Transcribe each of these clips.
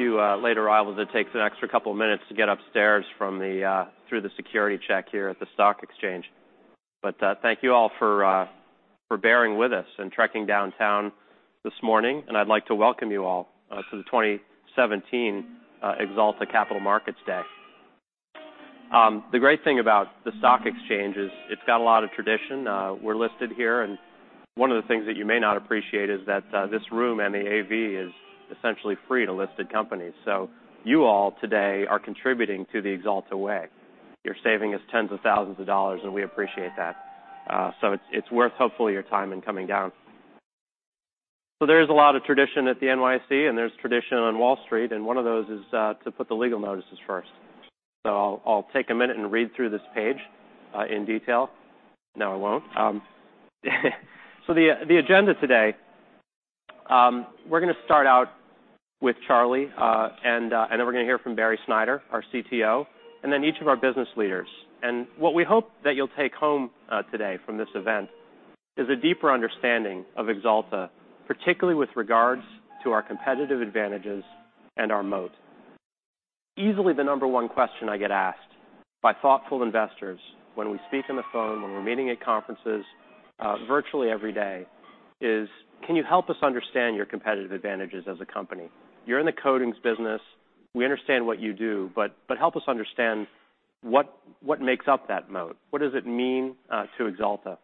Few late arrivals. It takes an extra couple of minutes to get upstairs through the security check here at the Stock Exchange. Thank you all for bearing with us and trekking downtown this morning, and I'd like to welcome you all to the 2017 Axalta Capital Markets Day. The great thing about the Stock Exchange is it's got a lot of tradition. We're listed here, and one of the things that you may not appreciate is that this room and the AV is essentially free to listed companies. You all today are contributing to The Axalta Way. You're saving us tens of thousands of dollars, and we appreciate that. It's worth, hopefully, your time in coming down. There is a lot of tradition at the NYSE, and there's tradition on Wall Street, and one of those is to put the legal notices first. I'll take a minute and read through this page in detail. No, I won't. The agenda today, we're going to start out with Charlie, and then we're going to hear from Barry Snyder, our CTO, and then each of our business leaders. What we hope that you'll take home today from this event is a deeper understanding of Axalta, particularly with regards to our competitive advantages and our moat. Easily the number one question I get asked by thoughtful investors when we speak on the phone, when we're meeting at conferences, virtually every day, is, "Can you help us understand your competitive advantages as a company? You're in the coatings business. We understand what you do, but help us understand what makes up that moat. What does it mean to Axalta?"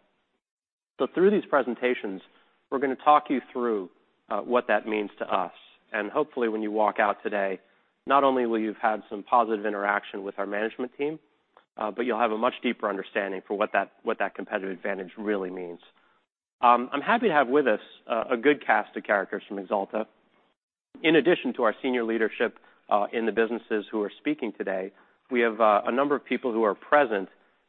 Through these presentations, we're going to talk you through what that means to us. Hopefully, when you walk out today, not only will you have had some positive interaction with our management team, but you'll have a much deeper understanding for what that competitive advantage really means. I'm happy to have with us a good cast of characters from Axalta. In addition to our senior leadership in the businesses who are speaking today, we have a number of people who are present,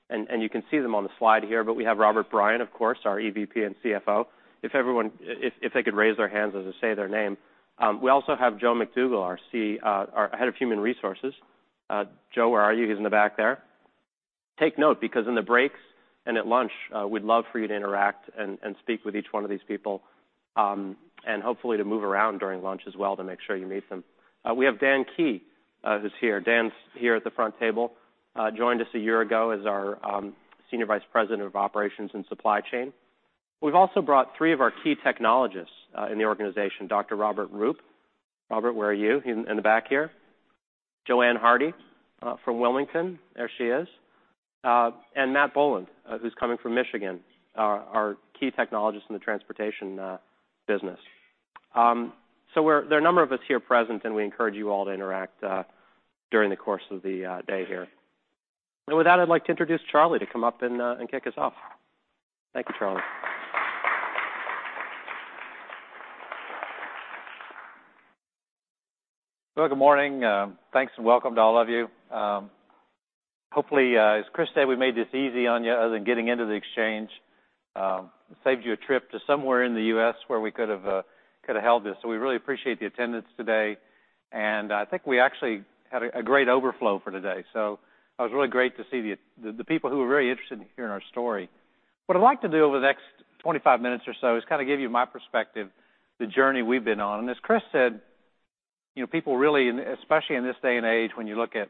and you can see them on the slide here, but we have Robert Bryant, of course, our EVP and CFO. If they could raise their hands as I say their name. We also have Joe McDougall, our head of human resources. Joe, where are you? He's in the back there. Take note because in the breaks and at lunch, we'd love for you to interact and speak with each one of these people, and hopefully to move around during lunch as well to make sure you meet them. We have Dan Key, who's here. Dan's here at the front table, joined us a year ago as our Senior Vice President of Operations and Supply Chain. We've also brought three of our key technologists in the organization, Dr. Robert Roop. Robert, where are you? In the back here. Joanne Hardy from Wilmington. There she is. Matt Boland who's coming from Michigan, our key technologist in the Transportation business. There are a number of us here present, and we encourage you all to interact during the course of the day here. With that, I'd like to introduce Charlie to come up and kick us off. Thank you, Charlie. Well, good morning. Thanks and welcome to all of you. Hopefully, as Chris said, we made this easy on you other than getting into the Exchange. It saved you a trip to somewhere in the U.S. where we could've held this. We really appreciate the attendance today, and I think we actually had a great overflow for today. It was really great to see the people who were very interested in hearing our story. What I'd like to do over the next 25 minutes or so is kind of give you my perspective, the journey we've been on. As Chris said, people really, especially in this day and age, when you look at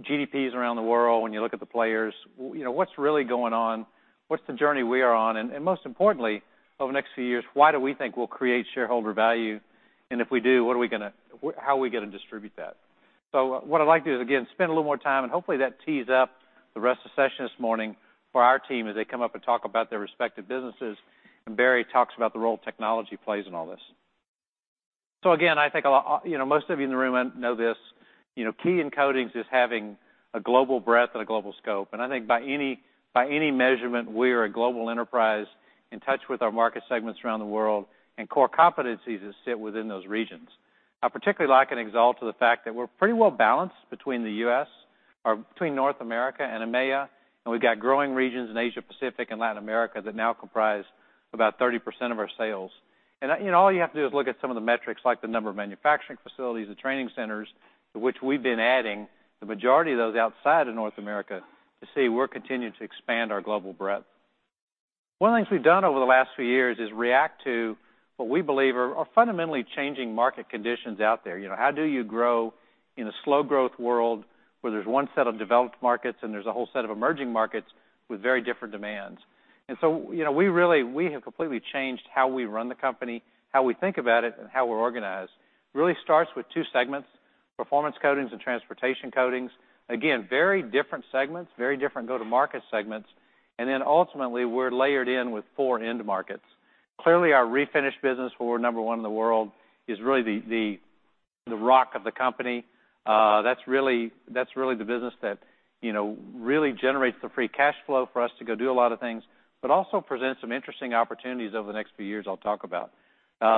GDPs around the world, when you look at the players, what's really going on? What's the journey we are on? Most importantly, over the next few years, why do we think we'll create shareholder value? If we do, how are we going to distribute that? What I'd like to do is, again, spend a little more time, and hopefully that tees up the rest of the session this morning for our team as they come up and talk about their respective businesses, and Barry talks about the role technology plays in all this. Again, I think most of you in the room know this, key in coatings is having a global breadth and a global scope. I think by any measurement, we are a global enterprise in touch with our market segments around the world, and core competencies that sit within those regions. I particularly like in Axalta the fact that we're pretty well-balanced between North America and EMEA, and we've got growing regions in Asia-Pacific and Latin America that now comprise about 30% of our sales. All you have to do is look at some of the metrics, like the number of manufacturing facilities, the training centers, to which we've been adding the majority of those outside of North America, to see we're continuing to expand our global breadth. One of the things we've done over the last few years is react to what we believe are fundamentally changing market conditions out there. How do you grow in a slow growth world where there's one set of developed markets and there's a whole set of emerging markets with very different demands? We have completely changed how we run the company, how we think about it, and how we're organized. Really starts with two segments, Performance Coatings and Transportation Coatings. Again, very different segments, very different go-to-market segments. Ultimately, we're layered in with four end markets. Clearly, our refinish business, where we're number one in the world, is really the rock of the company. That's really the business that really generates the free cash flow for us to go do a lot of things, but also presents some interesting opportunities over the next few years I'll talk about.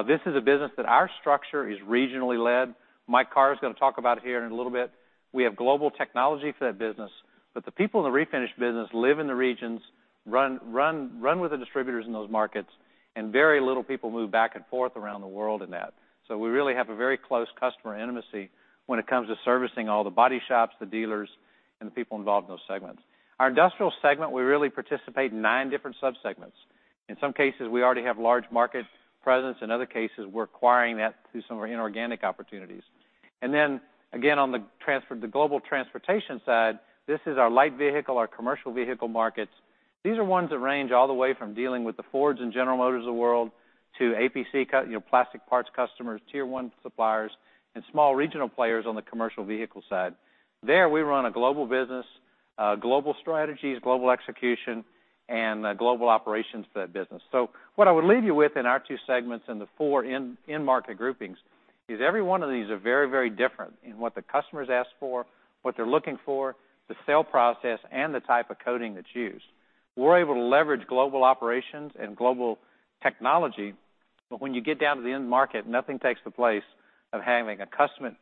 This is a business that our structure is regionally led. Mike Carr is going to talk about it here in a little bit. We have global technology for that business, but the people in the refinish business live in the regions, run with the distributors in those markets, and very little people move back and forth around the world in that. We really have a very close customer intimacy when it comes to servicing all the body shops, the dealers. The people involved in those segments. Our industrial segment, we really participate in nine different sub-segments. In some cases, we already have large market presence. In other cases, we're acquiring that through some inorganic opportunities. Again, on the global transportation side, this is our light vehicle, our commercial vehicle markets. These are ones that range all the way from dealing with the Ford and General Motors of the world to APC, plastic parts customers, tier 1 suppliers, and small regional players on the commercial vehicle side. There, we run a global business, global strategies, global execution, and a global operations for that business. What I would leave you with in our two segments and the four end market groupings is every one of these are very different in what the customers ask for, what they're looking for, the sale process, and the type of coating that's used. We're able to leverage global operations and global technology, when you get down to the end market, nothing takes the place of having a customer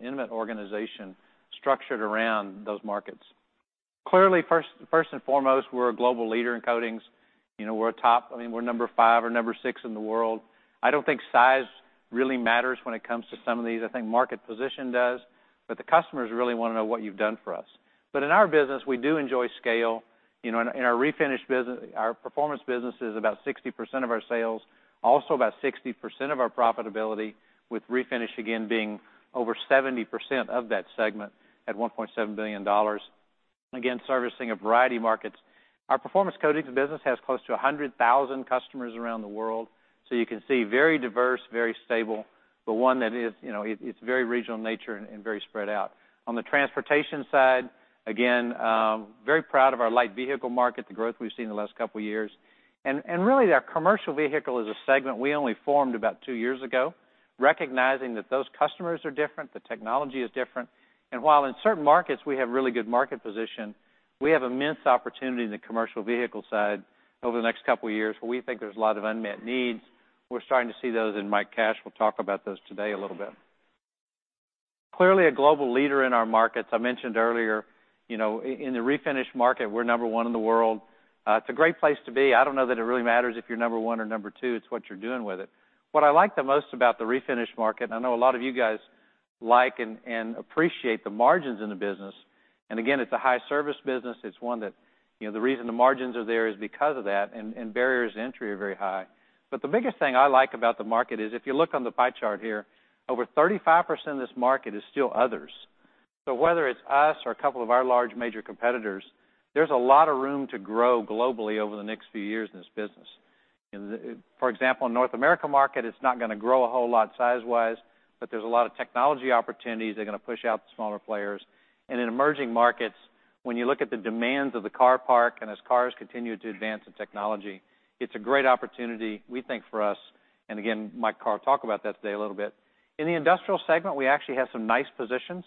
intimate organization structured around those markets. Clearly, first and foremost, we're a global leader in coatings. We're top. We're number five or number six in the world. I don't think size really matters when it comes to some of these. I think market position does, the customers really want to know what you've done for us. In our business, we do enjoy scale. In our performance business is about 60% of our sales. Also about 60% of our profitability, with refinish again being over 70% of that segment at $1.7 billion. Again, servicing a variety of markets. Our Performance Coatings business has close to 100,000 customers around the world. You can see, very diverse, very stable, one that is very regional in nature and very spread out. On the transportation side, again, very proud of our light vehicle market, the growth we've seen in the last couple of years. Really, that commercial vehicle is a segment we only formed about two years ago, recognizing that those customers are different, the technology is different. While in certain markets we have really good market position, we have immense opportunity in the commercial vehicle side over the next couple of years, where we think there's a lot of unmet needs. We're starting to see those, Mike Cash will talk about those today a little bit. Clearly a global leader in our markets. I mentioned earlier, in the refinish market, we're number one in the world. It's a great place to be. I don't know that it really matters if you're number one or number two. It's what you're doing with it. What I like the most about the refinish market, I know a lot of you guys like and appreciate the margins in the business. Again, it's a high service business. The reason the margins are there is because of that, barriers to entry are very high. The biggest thing I like about the market is if you look on the pie chart here, over 35% of this market is still others. Whether it's us or a couple of our large major competitors, there's a lot of room to grow globally over the next few years in this business. For example, in North America market, it's not going to grow a whole lot size-wise, but there's a lot of technology opportunities. They're going to push out the smaller players. In emerging markets, when you look at the demands of the car park and as cars continue to advance in technology, it's a great opportunity, we think, for us. Again, Mike Carr will talk about that today a little bit. In the industrial segment, we actually have some nice positions.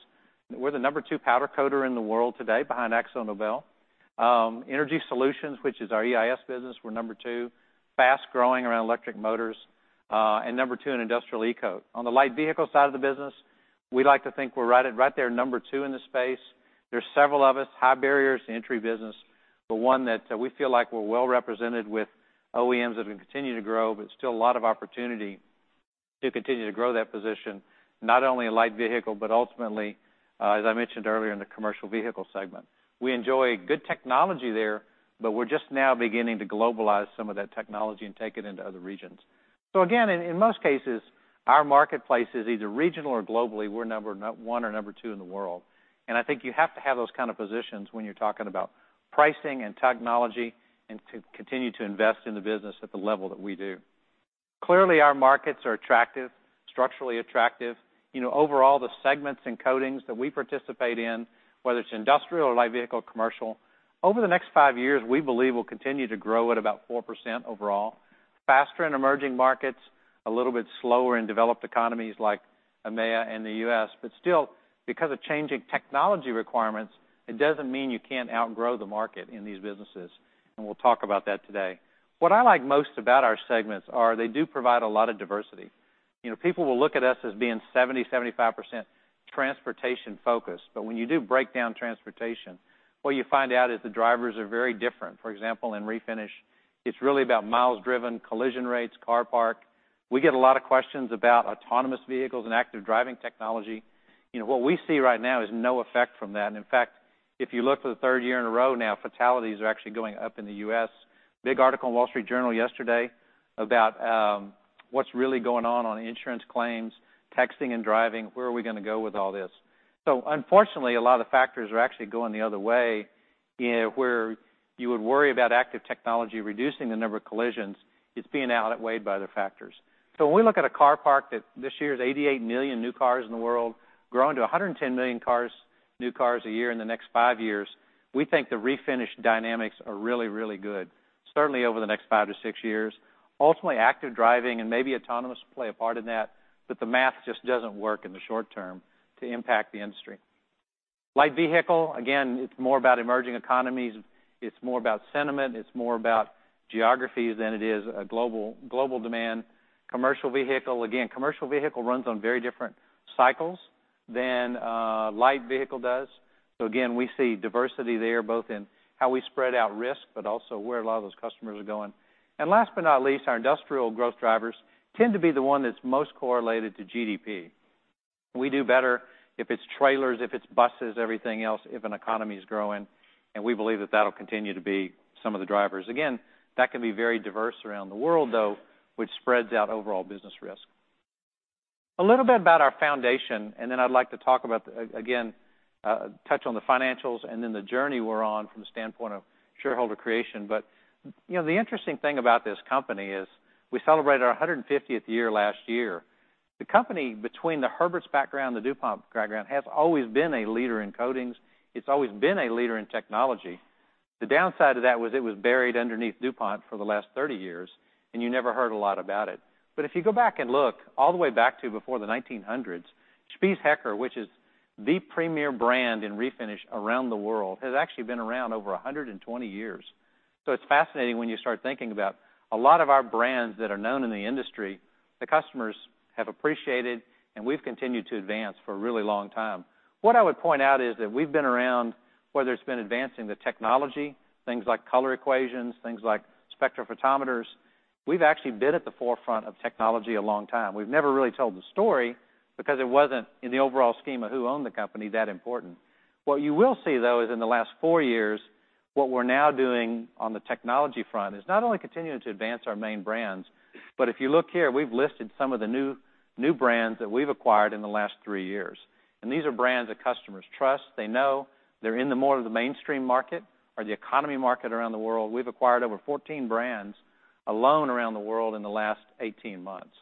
We're the number 2 powder coater in the world today behind AkzoNobel. Energy solutions, which is our EIS business, we're number 2, fast-growing around electric motors, and number 2 in industrial e-coat. On the light vehicle side of the business, we like to think we're right there, number 2 in the space. There's several of us, high barriers to entry business, but one that we feel like we're well-represented with OEMs as we continue to grow, but still a lot of opportunity to continue to grow that position not only in light vehicle, but ultimately, as I mentioned earlier, in the commercial vehicle segment. We enjoy good technology there, but we're just now beginning to globalize some of that technology and take it into other regions. Again, in most cases, our marketplace is either regional or globally, we're number 1 or number 2 in the world. I think you have to have those kind of positions when you're talking about pricing and technology and to continue to invest in the business at the level that we do. Clearly, our markets are attractive, structurally attractive. Overall, the segments and coatings that we participate in, whether it's industrial or light vehicle or commercial, over the next 5 years, we believe we'll continue to grow at about 4% overall. Faster in emerging markets, a little bit slower in developed economies like EMEA and the U.S. Still, because of changing technology requirements, it doesn't mean you can't outgrow the market in these businesses, and we'll talk about that today. What I like most about our segments are they do provide a lot of diversity. People will look at us as being 70%, 75% transportation-focused. When you do break down transportation, what you find out is the drivers are very different. For example, in refinish, it's really about miles driven, collision rates, car park. We get a lot of questions about autonomous vehicles and active driving technology. What we see right now is no effect from that. In fact, if you look for the third year in a row now, fatalities are actually going up in the U.S. Big article in Wall Street Journal yesterday about what's really going on on insurance claims, texting and driving, where are we going to go with all this. Unfortunately, a lot of factors are actually going the other way, where you would worry about active technology reducing the number of collisions. It's being outweighed by other factors. When we look at a car park that this year is 88 million new cars in the world, growing to 110 million new cars a year in the next 5 years, we think the refinish dynamics are really, really good, certainly over the next 5 to 6 years. Ultimately, active driving and maybe autonomous will play a part in that, but the math just doesn't work in the short term to impact the industry. Light vehicle, again, it's more about emerging economies, it's more about sentiment, it's more about geographies than it is a global demand. Commercial vehicle, again, commercial vehicle runs on very different cycles than a light vehicle does. Again, we see diversity there, both in how we spread out risk, but also where a lot of those customers are going. Last but not least, our industrial growth drivers tend to be the one that's most correlated to GDP. We do better if it's trailers, if it's buses, everything else, if an economy is growing, and we believe that that'll continue to be some of the drivers. Again, that can be very diverse around the world, though, which spreads out overall business risk. A little bit about our foundation, then I'd like to talk about, again, touch on the financials and then the journey we're on from the standpoint of shareholder creation. The interesting thing about this company is we celebrated our 150th year last year. The company, between the Herberts background, the DuPont background, has always been a leader in coatings. It's always been a leader in technology. The downside of that was it was buried underneath DuPont for the last 30 years, you never heard a lot about it. If you go back and look all the way back to before the 1900s, Spies Hecker, which is the premier brand in refinish around the world, has actually been around over 120 years. It's fascinating when you start thinking about a lot of our brands that are known in the industry, the customers have appreciated, and we've continued to advance for a really long time. What I would point out is that we've been around, whether it's been advancing the technology, things like color equations, things like spectrophotometers, we've actually been at the forefront of technology a long time. We've never really told the story because it wasn't in the overall scheme of who owned the company that important. What you will see, though, is in the last four years, what we're now doing on the technology front is not only continuing to advance our main brands, but if you look here, we've listed some of the new brands that we've acquired in the last three years. These are brands that customers trust. They know they're in the more of the mainstream market or the economy market around the world. We've acquired over 14 brands alone around the world in the last 18 months.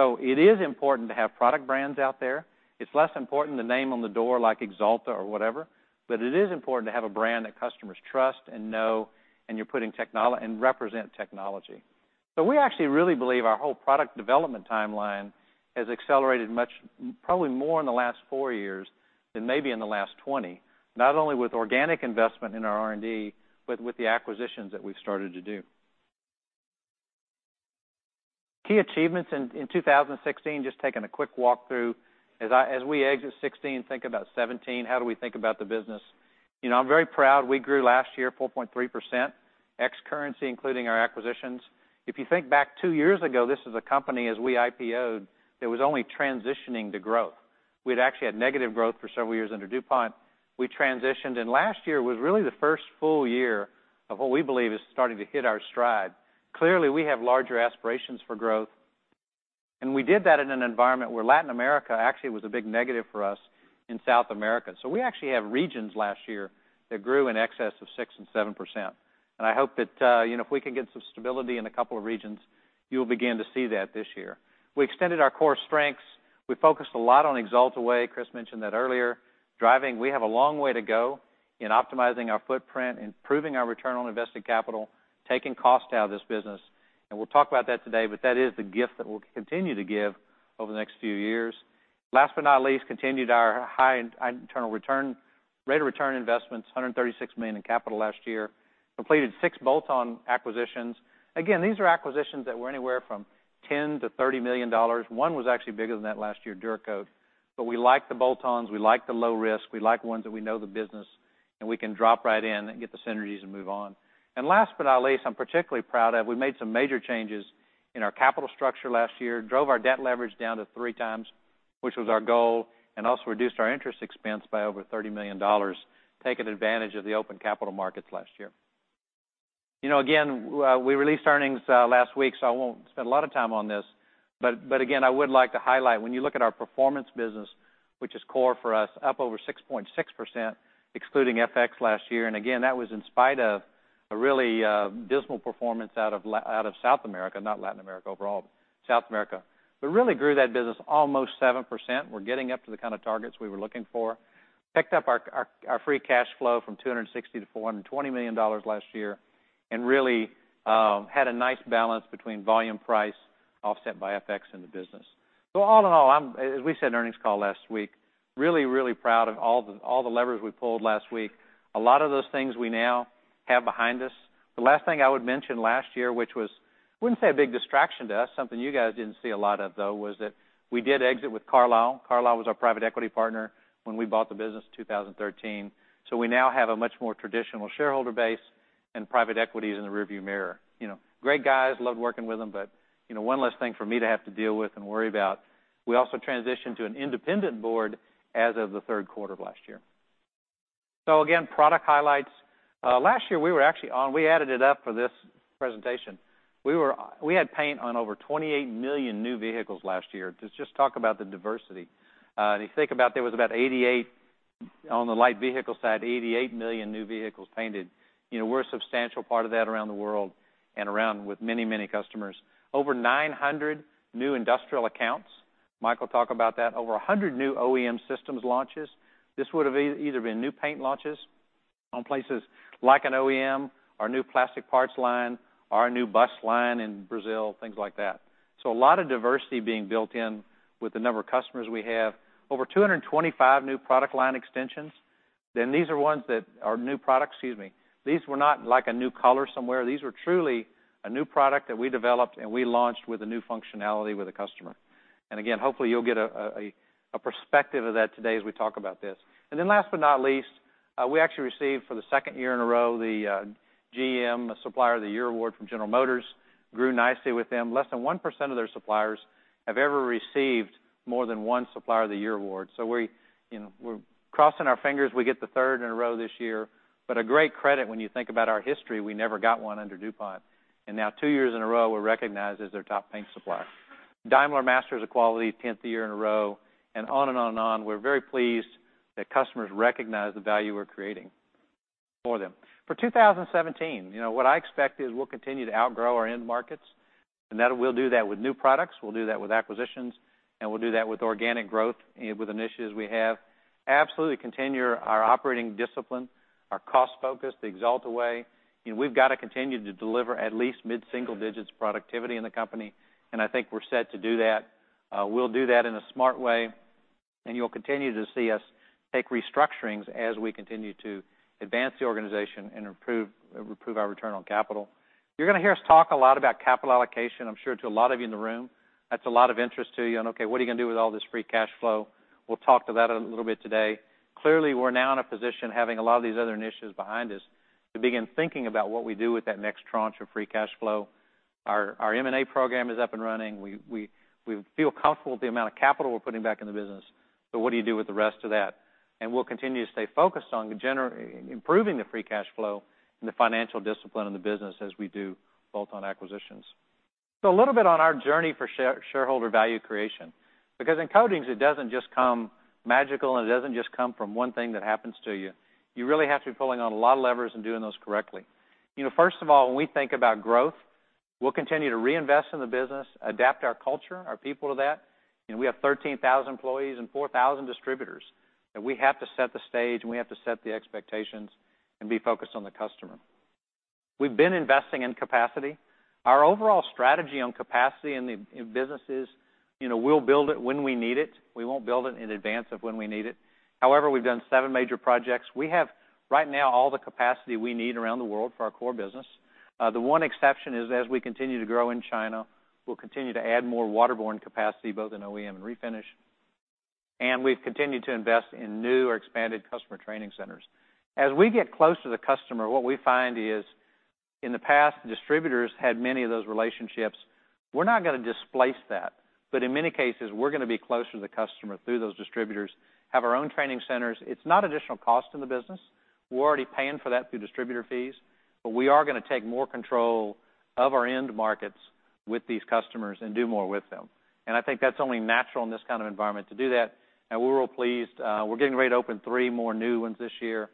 It is important to have product brands out there. It's less important the name on the door, like Axalta or whatever, but it is important to have a brand that customers trust and know and represent technology. We actually really believe our whole product development timeline has accelerated probably more in the last four years than maybe in the last 20, not only with organic investment in our R&D, but with the acquisitions that we've started to do. Key achievements in 2016. Just taking a quick walk through as we exit 2016, think about 2017. How do we think about the business? I'm very proud. We grew last year 4.3%, ex currency, including our acquisitions. If you think back two years ago, this is a company, as we IPO'd, that was only transitioning to growth. We'd actually had negative growth for several years under DuPont. We transitioned, last year was really the first full year of what we believe is starting to hit our stride. Clearly, we have larger aspirations for growth, we did that in an environment where Latin America actually was a big negative for us in South America. We actually have regions last year that grew in excess of 6% and 7%. I hope that if we can get some stability in a couple of regions, you'll begin to see that this year. We extended our core strengths. We focused a lot on Axalta Way. Chris mentioned that earlier. Driving. We have a long way to go in optimizing our footprint, improving our return on invested capital, taking cost out of this business, we'll talk about that today, that is the gift that we'll continue to give over the next few years. Last but not least, continued our high rate of return investments, $136 million in capital last year. Completed 6 bolt-on acquisitions. Again, these are acquisitions that were anywhere from $10 million to $30 million. One was actually bigger than that last year, DuraCoat products. We like the bolt-ons, we like the low risk, we like ones that we know the business, we can drop right in and get the synergies and move on. Last but not least, I'm particularly proud of, we made some major changes in our capital structure last year, drove our debt leverage down to 3 times, which was our goal, also reduced our interest expense by over $30 million, taking advantage of the open capital markets last year. We released earnings last week, I won't spend a lot of time on this. I would like to highlight, when you look at our performance business, which is core for us, up over 6.6%, excluding FX last year. That was in spite of a really dismal performance out of South America, not Latin America overall, but South America. Really grew that business almost 7%. We're getting up to the kind of targets we were looking for. Picked up our free cash flow from $260 million to $420 million last year and really had a nice balance between volume price offset by FX in the business. All in all, as we said in earnings call last week, really, really proud of all the levers we pulled last week. A lot of those things we now have behind us. The last thing I would mention last year, which was, I wouldn't say a big distraction to us, something you guys didn't see a lot of, though, was that we did exit with Carlyle. Carlyle was our private equity partner when we bought the business in 2013. We now have a much more traditional shareholder base and private equity is in the rear-view mirror. Great guys, loved working with them, but one less thing for me to have to deal with and worry about. We also transitioned to an independent board as of the third quarter of last year. Again, product highlights. Last year, we added it up for this presentation. We had paint on over 28 million new vehicles last year. Just talk about the diversity. If you think about there was about 88 on the light vehicle side, 88 million new vehicles painted. We're a substantial part of that around the world and around with many, many customers. Over 900 new industrial accounts. Mike will talk about that. Over 100 new OEM systems launches. This would have either been new paint launches on places like an OEM, our new plastic parts line, our new bus line in Brazil, things like that. A lot of diversity being built in with the number of customers we have. Over 225 new product line extensions. These are ones that are new products. Excuse me. These were not like a new color somewhere. These were truly a new product that we developed and we launched with a new functionality with a customer. Again, hopefully, you'll get a perspective of that today as we talk about this. Last but not least, we actually received for the second year in a row, the GM Supplier of the Year award from General Motors. grew nicely with them. Less than 1% of their suppliers have ever received more than one Supplier of the Year award. We're crossing our fingers we get the third in a row this year, but a great credit when you think about our history, we never got one under DuPont, and now two years in a row, we're recognized as their top paint supplier. Daimler Masters of Quality, 10th year in a row, on and on and on. We're very pleased that customers recognize the value we're creating for them. For 2017, what I expect is we'll continue to outgrow our end markets, we'll do that with new products, we'll do that with acquisitions, we'll do that with organic growth with initiatives we have. Absolutely continue our operating discipline, our cost focus, the Axalta Way. We've got to continue to deliver at least mid-single digits productivity in the company, I think we're set to do that. We'll do that in a smart way, you'll continue to see us take restructurings as we continue to advance the organization and improve our return on capital. You're going to hear us talk a lot about capital allocation. I'm sure to a lot of you in the room, that's a lot of interest to you on, okay, what are you going to do with all this free cash flow? We'll talk to that a little bit today. Clearly, we're now in a position, having a lot of these other initiatives behind us, to begin thinking about what we do with that next tranche of free cash flow. Our M&A program is up and running. We feel comfortable with the amount of capital we're putting back in the business. What do you do with the rest of that? We'll continue to stay focused on improving the free cash flow and the financial discipline in the business as we do bolt-on acquisitions. A little bit on our journey for shareholder value creation, because in coatings, it doesn't just come magical and it doesn't just come from one thing that happens to you. You really have to be pulling on a lot of levers and doing those correctly. When we think about growth, we'll continue to reinvest in the business, adapt our culture, our people to that. We have 13,000 employees and 4,000 distributors, and we have to set the stage and we have to set the expectations and be focused on the customer. We've been investing in capacity. Our overall strategy on capacity in businesses, we'll build it when we need it. We won't build it in advance of when we need it. We've done seven major projects. We have, right now, all the capacity we need around the world for our core business. The one exception is as we continue to grow in China, we'll continue to add more waterborne capacity, both in OEM and refinish. We've continued to invest in new or expanded customer training centers. As we get close to the customer, what we find is in the past, distributors had many of those relationships. We're not going to displace that, but in many cases, we're going to be closer to the customer through those distributors, have our own training centers. It's not additional cost in the business. We're already paying for that through distributor fees, but we are going to take more control of our end markets with these customers and do more with them. I think that's only natural in this kind of environment to do that, and we're real pleased. We're getting ready to open three more new ones this year,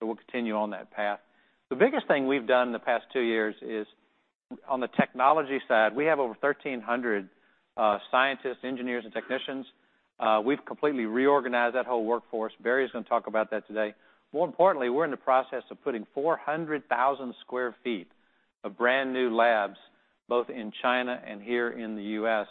we'll continue on that path. The biggest thing we've done in the past two years is on the technology side. We have over 1,300 scientists, engineers, and technicians. We've completely reorganized that whole workforce. Barry is going to talk about that today. We're in the process of putting 400,000 square feet of brand-new labs, both in China and here in the U.S.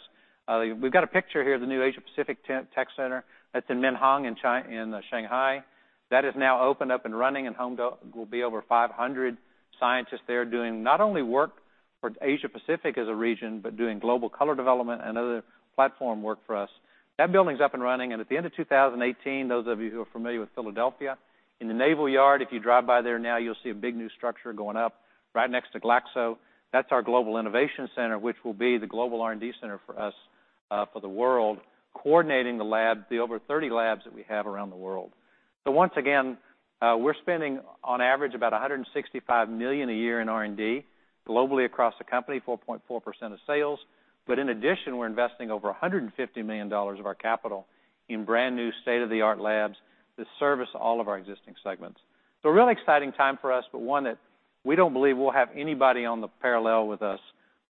We've got a picture here of the new Asia Pacific Tech Center. That's in Minhang in Shanghai. That has now opened up and running and home to will be over 500 scientists there doing not only work for Asia Pacific as a region, but doing global color development and other platform work for us. That building's up and running, at the end of 2018, those of you who are familiar with Philadelphia, in the Navy Yard, if you drive by there now, you'll see a big new structure going up right next to Glaxo. That's our Global Innovation Center, which will be the global R&D center for us for the world, coordinating the over 30 labs that we have around the world. Once again, we're spending on average about $165 million a year in R&D globally across the company, 4.4% of sales. In addition, we're investing over $150 million of our capital in brand-new state-of-the-art labs to service all of our existing segments. A real exciting time for us, one that we don't believe we'll have anybody on the parallel with us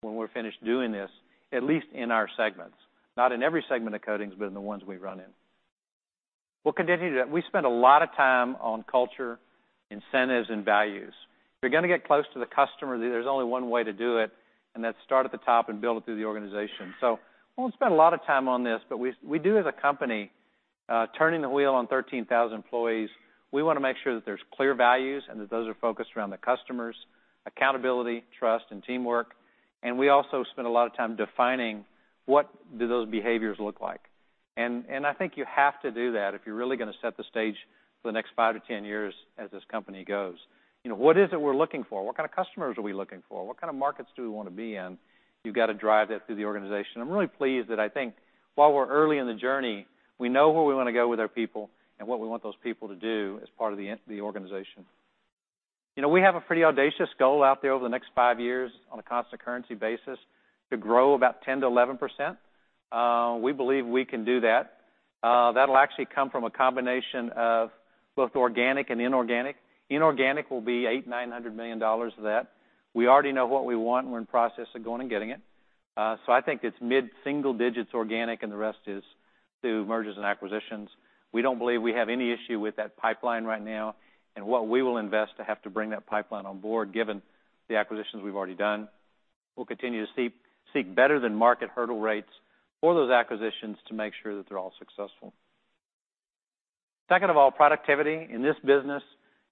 when we're finished doing this, at least in our segments. Not in every segment of coatings, but in the ones we run in. We'll continue to do that. We spend a lot of time on culture, incentives, and values. If you're going to get close to the customer, there's only one way to do it, and that's start at the top and build it through the organization. I won't spend a lot of time on this, but we do as a company, turning the wheel on 13,000 employees, we want to make sure that there's clear values and that those are focused around the customers, accountability, trust, and teamwork. We also spend a lot of time defining what do those behaviors look like. I think you have to do that if you're really going to set the stage for the next five to 10 years as this company goes. What is it we're looking for? What kind of customers are we looking for? What kind of markets do we want to be in? You've got to drive that through the organization. I'm really pleased that I think while we're early in the journey, we know where we want to go with our people and what we want those people to do as part of the organization. We have a pretty audacious goal out there over the next five years on a constant currency basis to grow about 10%-11%. We believe we can do that. That'll actually come from a combination of both organic and inorganic. Inorganic will be $800 million-$900 million of that. We already know what we want, and we're in the process of going and getting it. I think it's mid-single digits organic, and the rest is through mergers and acquisitions. We don't believe we have any issue with that pipeline right now and what we will invest to have to bring that pipeline on board, given the acquisitions we've already done. We'll continue to seek better than market hurdle rates for those acquisitions to make sure that they're all successful. Second of all, productivity. In this business,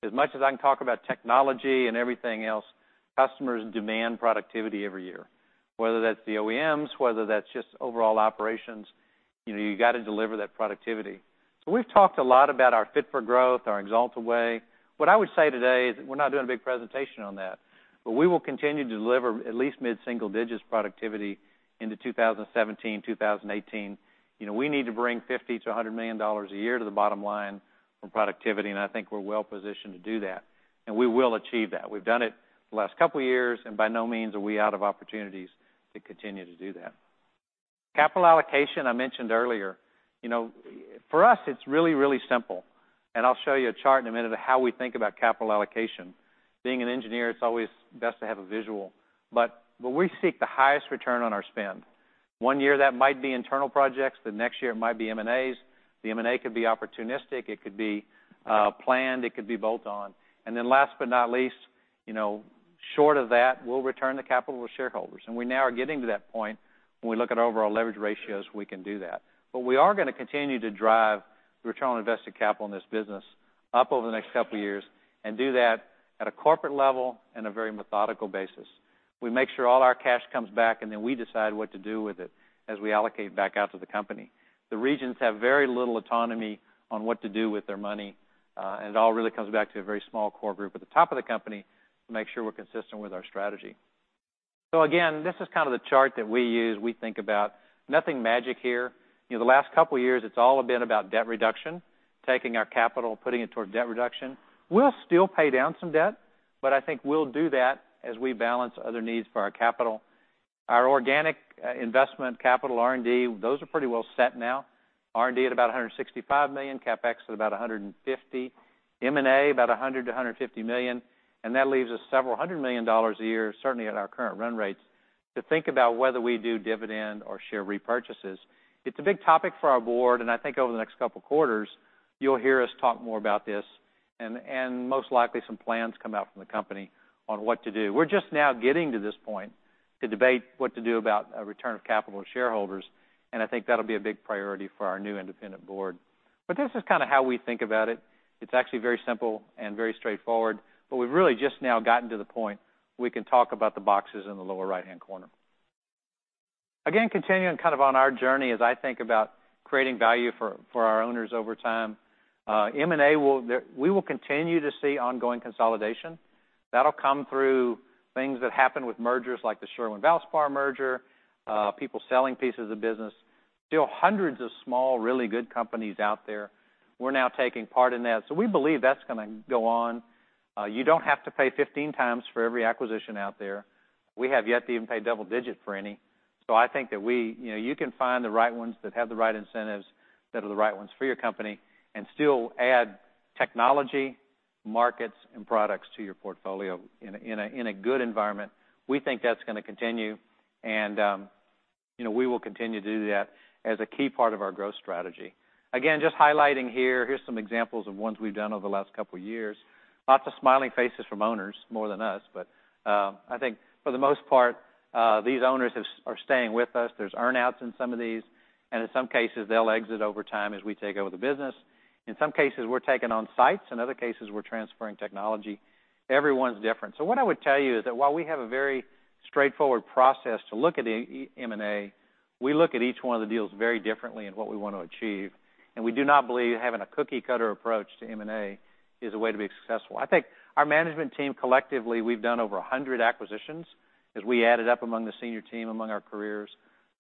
as much as I can talk about technology and everything else, customers demand productivity every year, whether that's the OEMs, whether that's just overall operations. You got to deliver that productivity. We've talked a lot about our Fit for Growth, our Axalta Way. What I would say today is we're not doing a big presentation on that, but we will continue to deliver at least mid-single digits productivity into 2017, 2018. We need to bring $50 million-$100 million a year to the bottom line from productivity, I think we're well-positioned to do that, and we will achieve that. We've done it the last couple of years, by no means are we out of opportunities to continue to do that. Capital allocation, I mentioned earlier. For us, it's really, really simple, and I'll show you a chart in a minute of how we think about capital allocation. Being an engineer, it's always best to have a visual. We seek the highest return on our spend. One year, that might be internal projects, the next year it might be M&As. The M&A could be opportunistic, it could be planned, it could be both on. Then last but not least, short of that, we'll return the capital to shareholders. We now are getting to that point when we look at overall leverage ratios, we can do that. We are going to continue to drive the return on invested capital in this business up over the next couple of years and do that at a corporate level and a very methodical basis. We make sure all our cash comes back, and then we decide what to do with it as we allocate back out to the company. The regions have very little autonomy on what to do with their money, and it all really comes back to a very small core group at the top of the company to make sure we're consistent with our strategy. Again, this is kind of the chart that we use, we think about. Nothing magic here. The last couple of years, it's all been about debt reduction, taking our capital, putting it towards debt reduction. We'll still pay down some debt, I think we'll do that as we balance other needs for our capital. Our organic investment capital, R&D, those are pretty well set now. R&D at about $165 million, CapEx at about $150 million, M&A about $100 million-$150 million, that leaves us several hundred million dollars a year, certainly at our current run rates, to think about whether we do dividend or share repurchases. It's a big topic for our board, I think over the next couple of quarters, you'll hear us talk more about this and most likely some plans come out from the company on what to do. We're just now getting to this point to debate what to do about a return of capital to shareholders, I think that'll be a big priority for our new independent board. This is kind of how we think about it. It's actually very simple and very straightforward, we've really just now gotten to the point we can talk about the boxes in the lower right-hand corner. Again, continuing kind of on our journey as I think about creating value for our owners over time. M&A, we will continue to see ongoing consolidation. That'll come through things that happen with mergers like the Sherwin-Williams merger, people selling pieces of business. Still hundreds of small, really good companies out there. We're now taking part in that. We believe that's going to go on. You don't have to pay 15 times for every acquisition out there. We have yet to even pay double-digit for any. I think that you can find the right ones that have the right incentives, that are the right ones for your company, and still add technology, markets, and products to your portfolio in a good environment. We think that's going to continue, we will continue to do that as a key part of our growth strategy. Again, just highlighting here's some examples of ones we've done over the last couple of years. Lots of smiling faces from owners, more than us. I think for the most part, these owners are staying with us. There's earn-outs in some of these, in some cases, they'll exit over time as we take over the business. In some cases, we're taking on sites. In other cases, we're transferring technology. Everyone's different. What I would tell you is that while we have a very straightforward process to look at M&A, we look at each one of the deals very differently in what we want to achieve, and we do not believe having a cookie-cutter approach to M&A is a way to be successful. I think our management team, collectively, we've done over 100 acquisitions as we added up among the senior team, among our careers.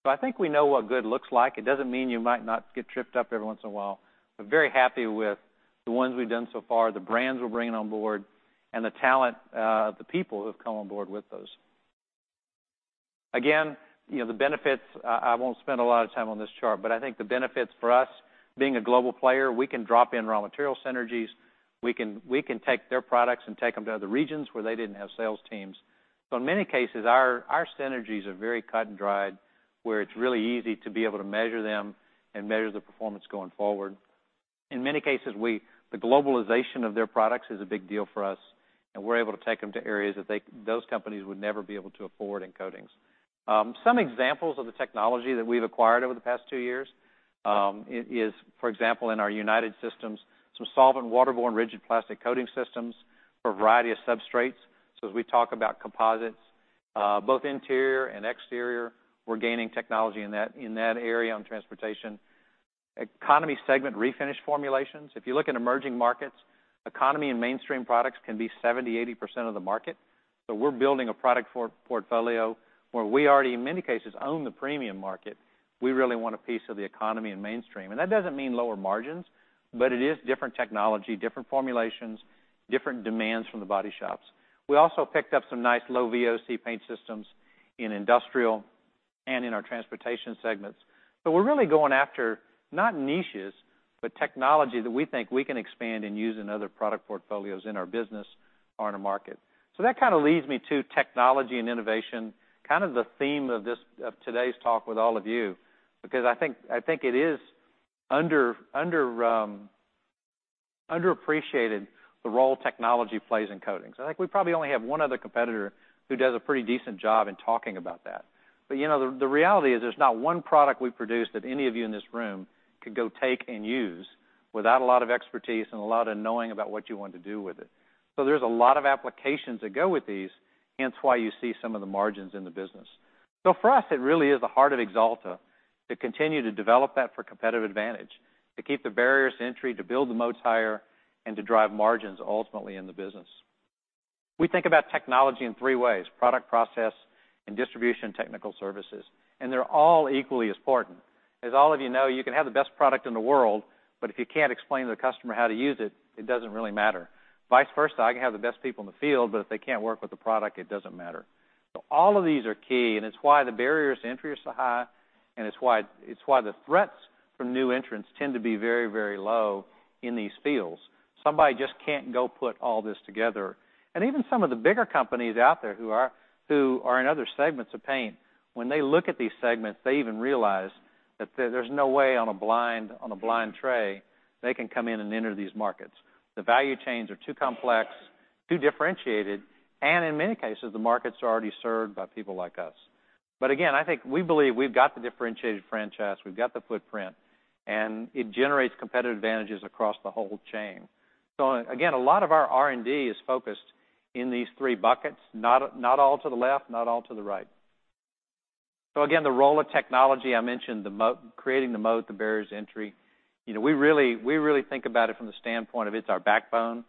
I think we know what good looks like. It doesn't mean you might not get tripped up every once in a while. We're very happy with the ones we've done so far, the brands we're bringing on board, and the talent of the people who've come on board with those. Again, the benefits, I won't spend a lot of time on this chart, I think the benefits for us being a global player, we can drop in raw material synergies. We can take their products and take them to other regions where they didn't have sales teams. In many cases, our synergies are very cut and dried, where it's really easy to be able to measure them and measure the performance going forward. In many cases, the globalization of their products is a big deal for us, and we're able to take them to areas that those companies would never be able to afford in coatings. Some examples of the technology that we've acquired over the past two years is, for example, in our United Systems, some solvent/waterborne rigid plastic coating systems for a variety of substrates. As we talk about composites, both interior and exterior, we're gaining technology in that area on transportation. Economy segment refinish formulations. If you look at emerging markets, economy and mainstream products can be 70%, 80% of the market. We're building a product portfolio where we already, in many cases, own the premium market. We really want a piece of the economy and mainstream. That doesn't mean lower margins, it is different technology, different formulations, different demands from the body shops. We also picked up some nice low VOC paint systems in industrial and in our transportation segments. We're really going after not niches, but technology that we think we can expand and use in other product portfolios in our business or in a market. That kind of leads me to technology and innovation, kind of the theme of today's talk with all of you, I think it is underappreciated the role technology plays in coatings. I think we probably only have one other competitor who does a pretty decent job in talking about that. The reality is there's not one product we produce that any of you in this room could go take and use without a lot of expertise and a lot of knowing about what you want to do with it. There's a lot of applications that go with these, hence why you see some of the margins in the business. For us, it really is the heart of Axalta to continue to develop that for competitive advantage, to keep the barriers to entry, to build the moats higher, and to drive margins ultimately in the business. We think about technology in three ways: product process and distribution technical services, and they're all equally as important. As all of you know, you can have the best product in the world, but if you can't explain to the customer how to use it doesn't really matter. Vice versa, I can have the best people in the field, but if they can't work with the product, it doesn't matter. All of these are key, and it's why the barriers to entry are so high, and it's why the threats from new entrants tend to be very low in these fields. Somebody just can't go put all this together. Even some of the bigger companies out there who are in other segments of paint, when they look at these segments, they even realize that there's no way, on a blank slate, they can come in and enter these markets. The value chains are too complex, too differentiated, and in many cases, the markets are already served by people like us. Again, I think we believe we've got the differentiated franchise, we've got the footprint, and it generates competitive advantages across the whole chain. Again, a lot of our R&D is focused in these three buckets. Not all to the left, not all to the right. Again, the role of technology, I mentioned creating the moat, the barriers to entry. We really think about it from the standpoint of it's our backbone.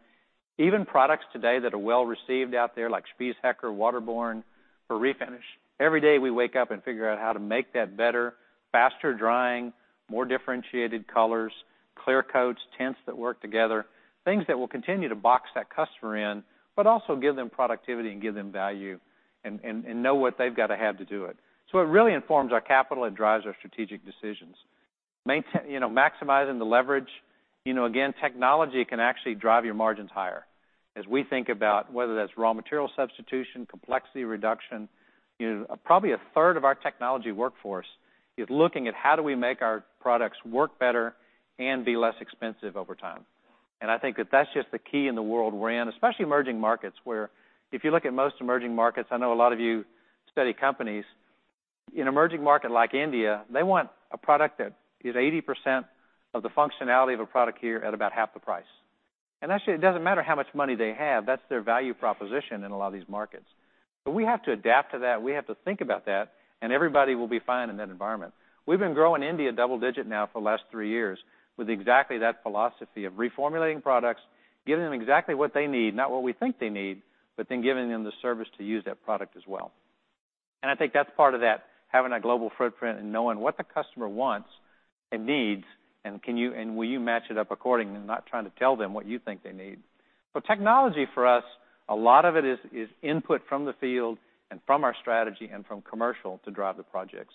Even products today that are well-received out there, like Spies Hecker Waterborne for Refinish. Every day we wake up and figure out how to make that better, faster-drying, more differentiated colors, clear coats, tints that work together, things that will continue to box that customer in, but also give them productivity and give them value, and know what they've got to have to do it. It really informs our capital and drives our strategic decisions. Maximizing the leverage. Again, technology can actually drive your margins higher. As we think about whether that's raw material substitution, complexity reduction, probably a third of our technology workforce is looking at how do we make our products work better and be less expensive over time. I think that's just the key in the world we're in, especially emerging markets. Where if you look at most emerging markets, I know a lot of you study companies. In emerging market like India, they want a product that is 80% of the functionality of a product here at about half the price. Actually, it doesn't matter how much money they have, that's their value proposition in a lot of these markets. We have to adapt to that, we have to think about that, and everybody will be fine in that environment. We've been growing India double digit now for the last three years with exactly that philosophy of reformulating products, giving them exactly what they need, not what we think they need, but then giving them the service to use that product as well. I think that's part of that, having a global footprint and knowing what the customer wants and needs, and will you match it up accordingly and not trying to tell them what you think they need. Technology for us, a lot of it is input from the field and from our strategy and from commercial to drive the projects.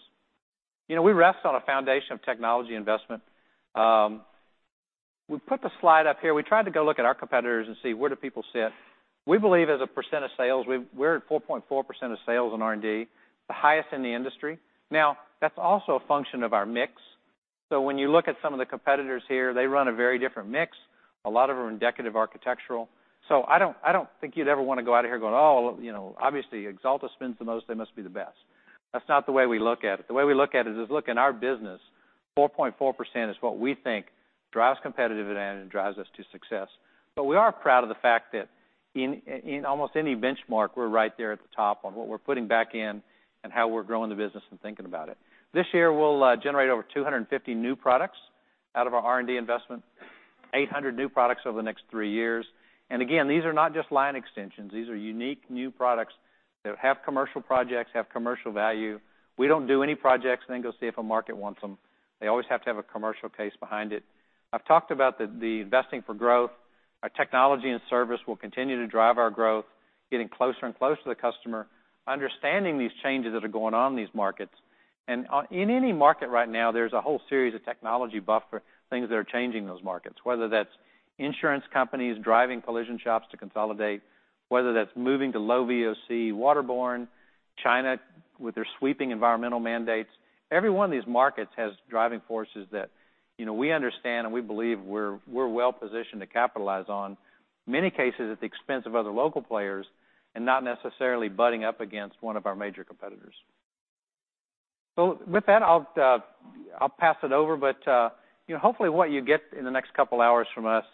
We rest on a foundation of technology investment. We put the slide up here. We tried to go look at our competitors and see where do people sit. We believe as a percent of sales, we're at 4.4% of sales in R&D, the highest in the industry. Now, that's also a function of our mix. When you look at some of the competitors here, they run a very different mix. A lot of them are in decorative architectural. I don't think you'd ever want to go out of here going, "Oh, obviously Axalta spends the most, they must be the best." That's not the way we look at it. The way we look at it is, look, in our business, 4.4% is what we think drives competitive advantage and drives us to success. We are proud of the fact that in almost any benchmark, we're right there at the top on what we're putting back in and how we're growing the business and thinking about it. This year, we'll generate over 250 new products out of our R&D investment, 800 new products over the next three years. Again, these are not just line extensions. These are unique new products that have commercial projects, have commercial value. We don't do any projects, go see if a market wants them. They always have to have a commercial case behind it. I've talked about the investing for growth. Our technology and service will continue to drive our growth, getting closer and closer to the customer, understanding these changes that are going on in these markets. In any market right now, there's a whole series of technology buffer things that are changing those markets, whether that's insurance companies driving collision shops to consolidate, whether that's moving to low VOC waterborne, China with their sweeping environmental mandates. Every one of these markets has driving forces that we understand and we believe we're well-positioned to capitalize on, many cases at the expense of other local players, and not necessarily butting up against one of our major competitors. With that, I'll pass it over. Hopefully what you get in the next couple hours from us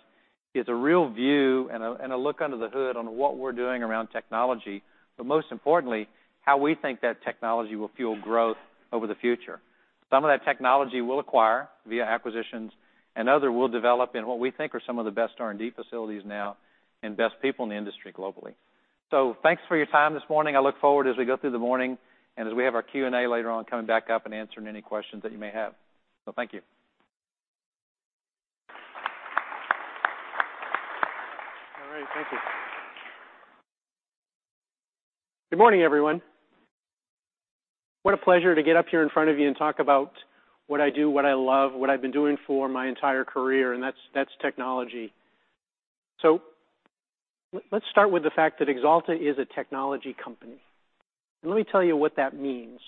is a real view and a look under the hood on what we're doing around technology, most importantly, how we think that technology will fuel growth over the future. Some of that technology we'll acquire via acquisitions, other we'll develop in what we think are some of the best R&D facilities now and best people in the industry globally. Thanks for your time this morning. I look forward as we go through the morning and as we have our Q&A later on, coming back up and answering any questions that you may have. Thank you. All right. Thank you. Good morning, everyone. What a pleasure to get up here in front of you and talk about what I do, what I love, what I've been doing for my entire career, and that's technology. Let's start with the fact that Axalta is a technology company. Let me tell you what that means,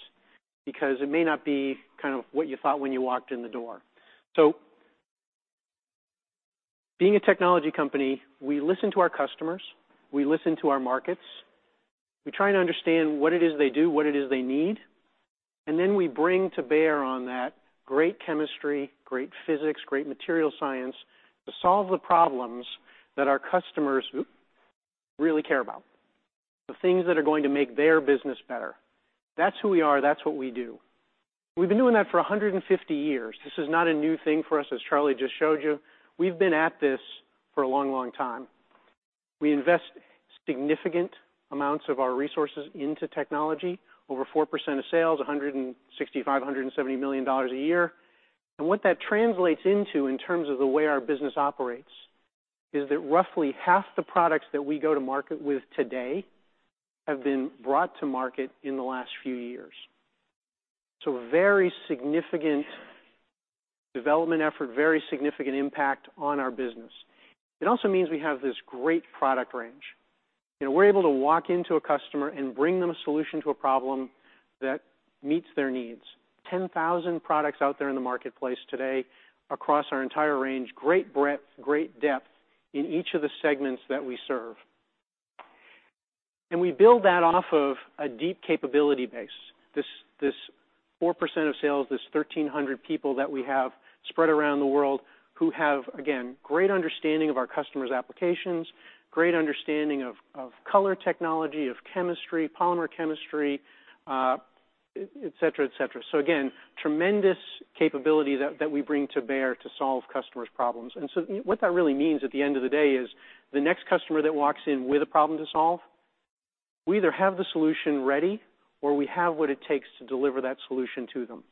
because it may not be what you thought when you walked in the door. Being a technology company, we listen to our customers, we listen to our markets. We try to understand what it is they do, what it is they need, and then we bring to bear on that great chemistry, great physics, great material science to solve the problems that our customers really care about, the things that are going to make their business better. That's who we are. That's what we do. We've been doing that for 150 years. This is not a new thing for us, as Charlie just showed you. We've been at this for a long time. We invest significant amounts of our resources into technology, over 4% of sales, $165 million, $170 million a year. What that translates into in terms of the way our business operates is that roughly half the products that we go to market with today have been brought to market in the last few years. A very significant development effort, very significant impact on our business. It also means we have this great product range, and we're able to walk into a customer and bring them a solution to a problem that meets their needs. 10,000 products out there in the marketplace today across our entire range. Great breadth, great depth in each of the segments that we serve. We build that off of a deep capability base. This 4% of sales, this 1,300 people that we have spread around the world who have, again, great understanding of our customers' applications, great understanding of color technology, of chemistry, polymer chemistry, et cetera. Again, tremendous capability that we bring to bear to solve customers' problems. What that really means at the end of the day is the next customer that walks in with a problem to solve, we either have the solution ready or we have what it takes to deliver that solution to them.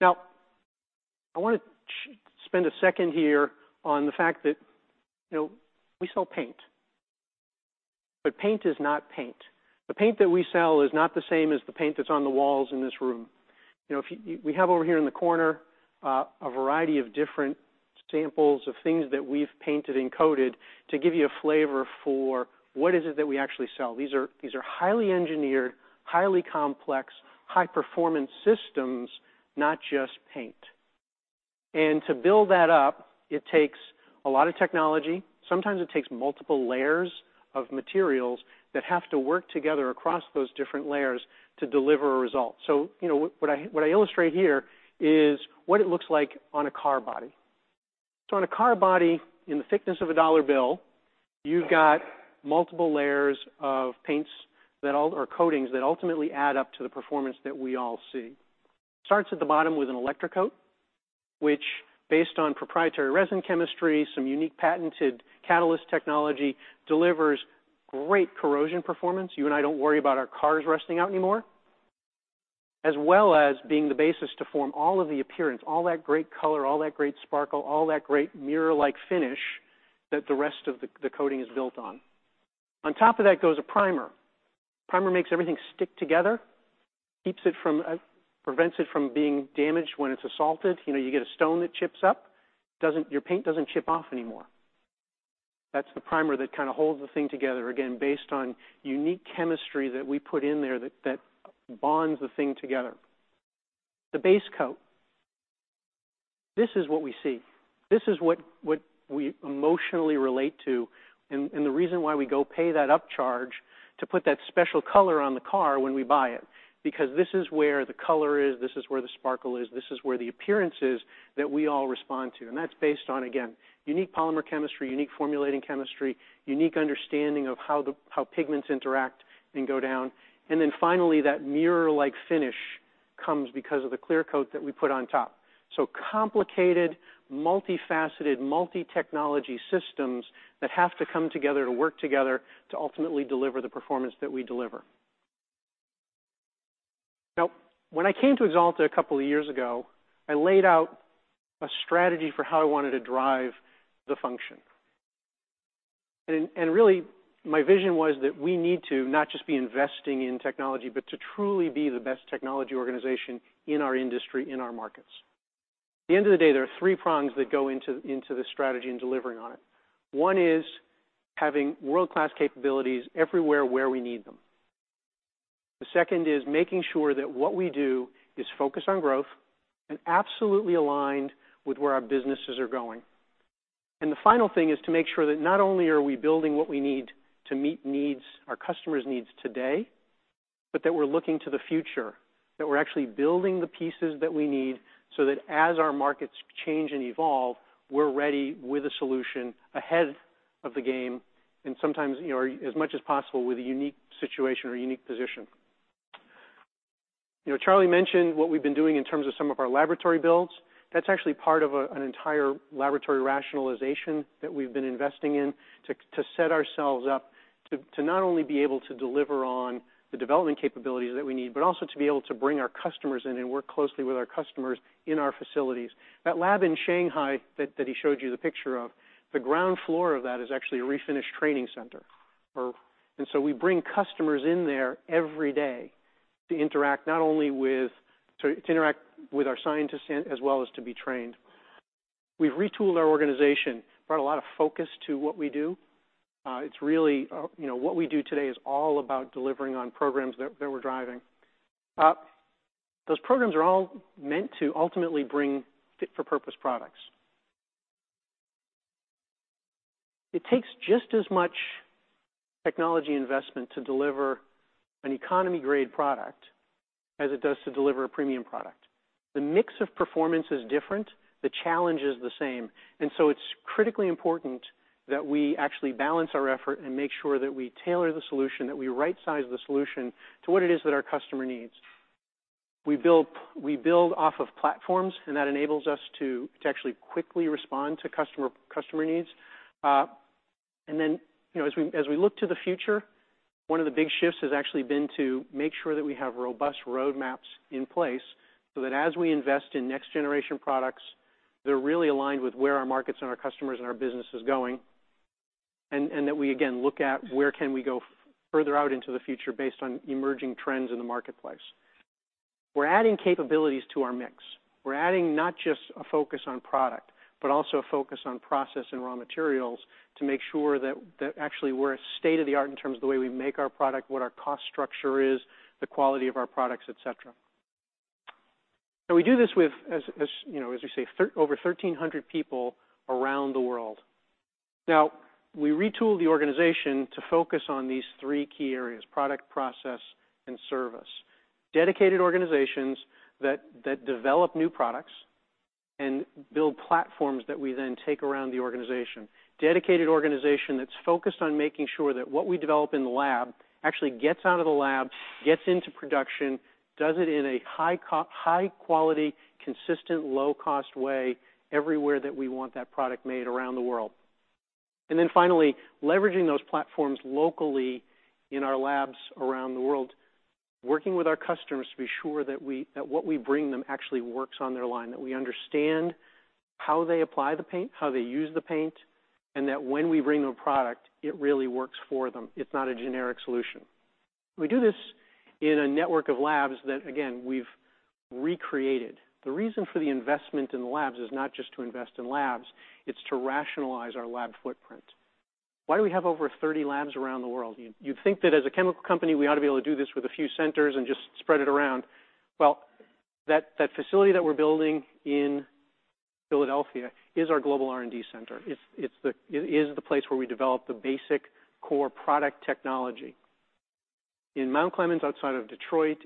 Now, I want to spend a second here on the fact that we sell paint, but paint is not paint. The paint that we sell is not the same as the paint that's on the walls in this room. We have over here in the corner, a variety of different samples of things that we've painted and coated to give you a flavor for what is it that we actually sell. These are highly engineered, highly complex, high-performance systems, not just paint. To build that up, it takes a lot of technology. Sometimes it takes multiple layers of materials that have to work together across those different layers to deliver a result. What I illustrate here is what it looks like on a car body. On a car body, in the thickness of a dollar bill, you've got multiple layers of paints or coatings that ultimately add up to the performance that we all see. It starts at the bottom with an electrocoat, which, based on proprietary resin chemistry, some unique patented catalyst technology delivers great corrosion performance. You and I don't worry about our cars rusting out anymore, as well as being the basis to form all of the appearance, all that great color, all that great sparkle, all that great mirror-like finish that the rest of the coating is built on. On top of that goes a primer. Primer makes everything stick together, prevents it from being damaged when it's assaulted. You get a stone that chips up, your paint doesn't chip off anymore. That's the primer that kind of holds the thing together, again, based on unique chemistry that we put in there that bonds the thing together. The base coat, this is what we see. This is what we emotionally relate to, the reason why we go pay that upcharge to put that special color on the car when we buy it, because this is where the color is, this is where the sparkle is, this is where the appearance is that we all respond to. That's based on, again, unique polymer chemistry, unique formulating chemistry, unique understanding of how pigments interact and go down. Finally, that mirror-like finish comes because of the clear coat that we put on top. Complicated, multifaceted, multi-technology systems that have to come together to work together to ultimately deliver the performance that we deliver. When I came to Axalta a couple of years ago, I laid out a strategy for how I wanted to drive the function. Really my vision was that we need to not just be investing in technology, but to truly be the best technology organization in our industry, in our markets. At the end of the day, there are three prongs that go into the strategy and delivering on it. One is having world-class capabilities everywhere where we need them. The second is making sure that what we do is focused on growth and absolutely aligned with where our businesses are going. The final thing is to make sure that not only are we building what we need to meet our customers' needs today, but that we're looking to the future, that we're actually building the pieces that we need so that as our markets change and evolve, we're ready with a solution ahead of the game and sometimes as much as possible with a unique situation or a unique position. Charlie mentioned what we've been doing in terms of some of our laboratory builds. That's actually part of an entire laboratory rationalization that we've been investing in to set ourselves up to not only be able to deliver on the development capabilities that we need, but also to be able to bring our customers in and work closely with our customers in our facilities. That lab in Shanghai that he showed you the picture of, the ground floor of that is actually a refinish training center. We bring customers in there every day to interact with our scientists in, as well as to be trained. We've retooled our organization, brought a lot of focus to what we do. What we do today is all about delivering on programs that we're driving. Those programs are all meant to ultimately bring fit-for-purpose products. It takes just as much technology investment to deliver an economy-grade product as it does to deliver a premium product. The mix of performance is different, the challenge is the same. It's critically important that we actually balance our effort and make sure that we tailor the solution, that we right-size the solution to what it is that our customer needs. We build off of platforms. That enables us to actually quickly respond to customer needs. As we look to the future, one of the big shifts has actually been to make sure that we have robust roadmaps in place, so that as we invest in next-generation products, they're really aligned with where our markets and our customers and our business is going, and that we, again, look at where can we go further out into the future based on emerging trends in the marketplace. We're adding capabilities to our mix. We're adding not just a focus on product, but also a focus on process and raw materials to make sure that actually we're state-of-the-art in terms of the way we make our product, what our cost structure is, the quality of our products, et cetera. We do this with, as you say, over 1,300 people around the world. We retool the organization to focus on these three key areas, product, process, and service. Dedicated organizations that develop new products and build platforms that we then take around the organization. Dedicated organization that's focused on making sure that what we develop in the lab actually gets out of the lab, gets into production, does it in a high-quality, consistent, low-cost way everywhere that we want that product made around the world. Finally, leveraging those platforms locally in our labs around the world, working with our customers to be sure that what we bring them actually works on their line, that we understand how they apply the paint, how they use the paint, and that when we bring them a product, it really works for them. It's not a generic solution. We do this in a network of labs that, again, we've recreated. The reason for the investment in the labs is not just to invest in labs, it's to rationalize our lab footprint. Why do we have over 30 labs around the world? You'd think that as a chemical company, we ought to be able to do this with a few centers and just spread it around. Well, that facility that we're building in Philadelphia is our global R&D center. It is the place where we develop the basic core product technology. In Mount Clemens, outside of Detroit,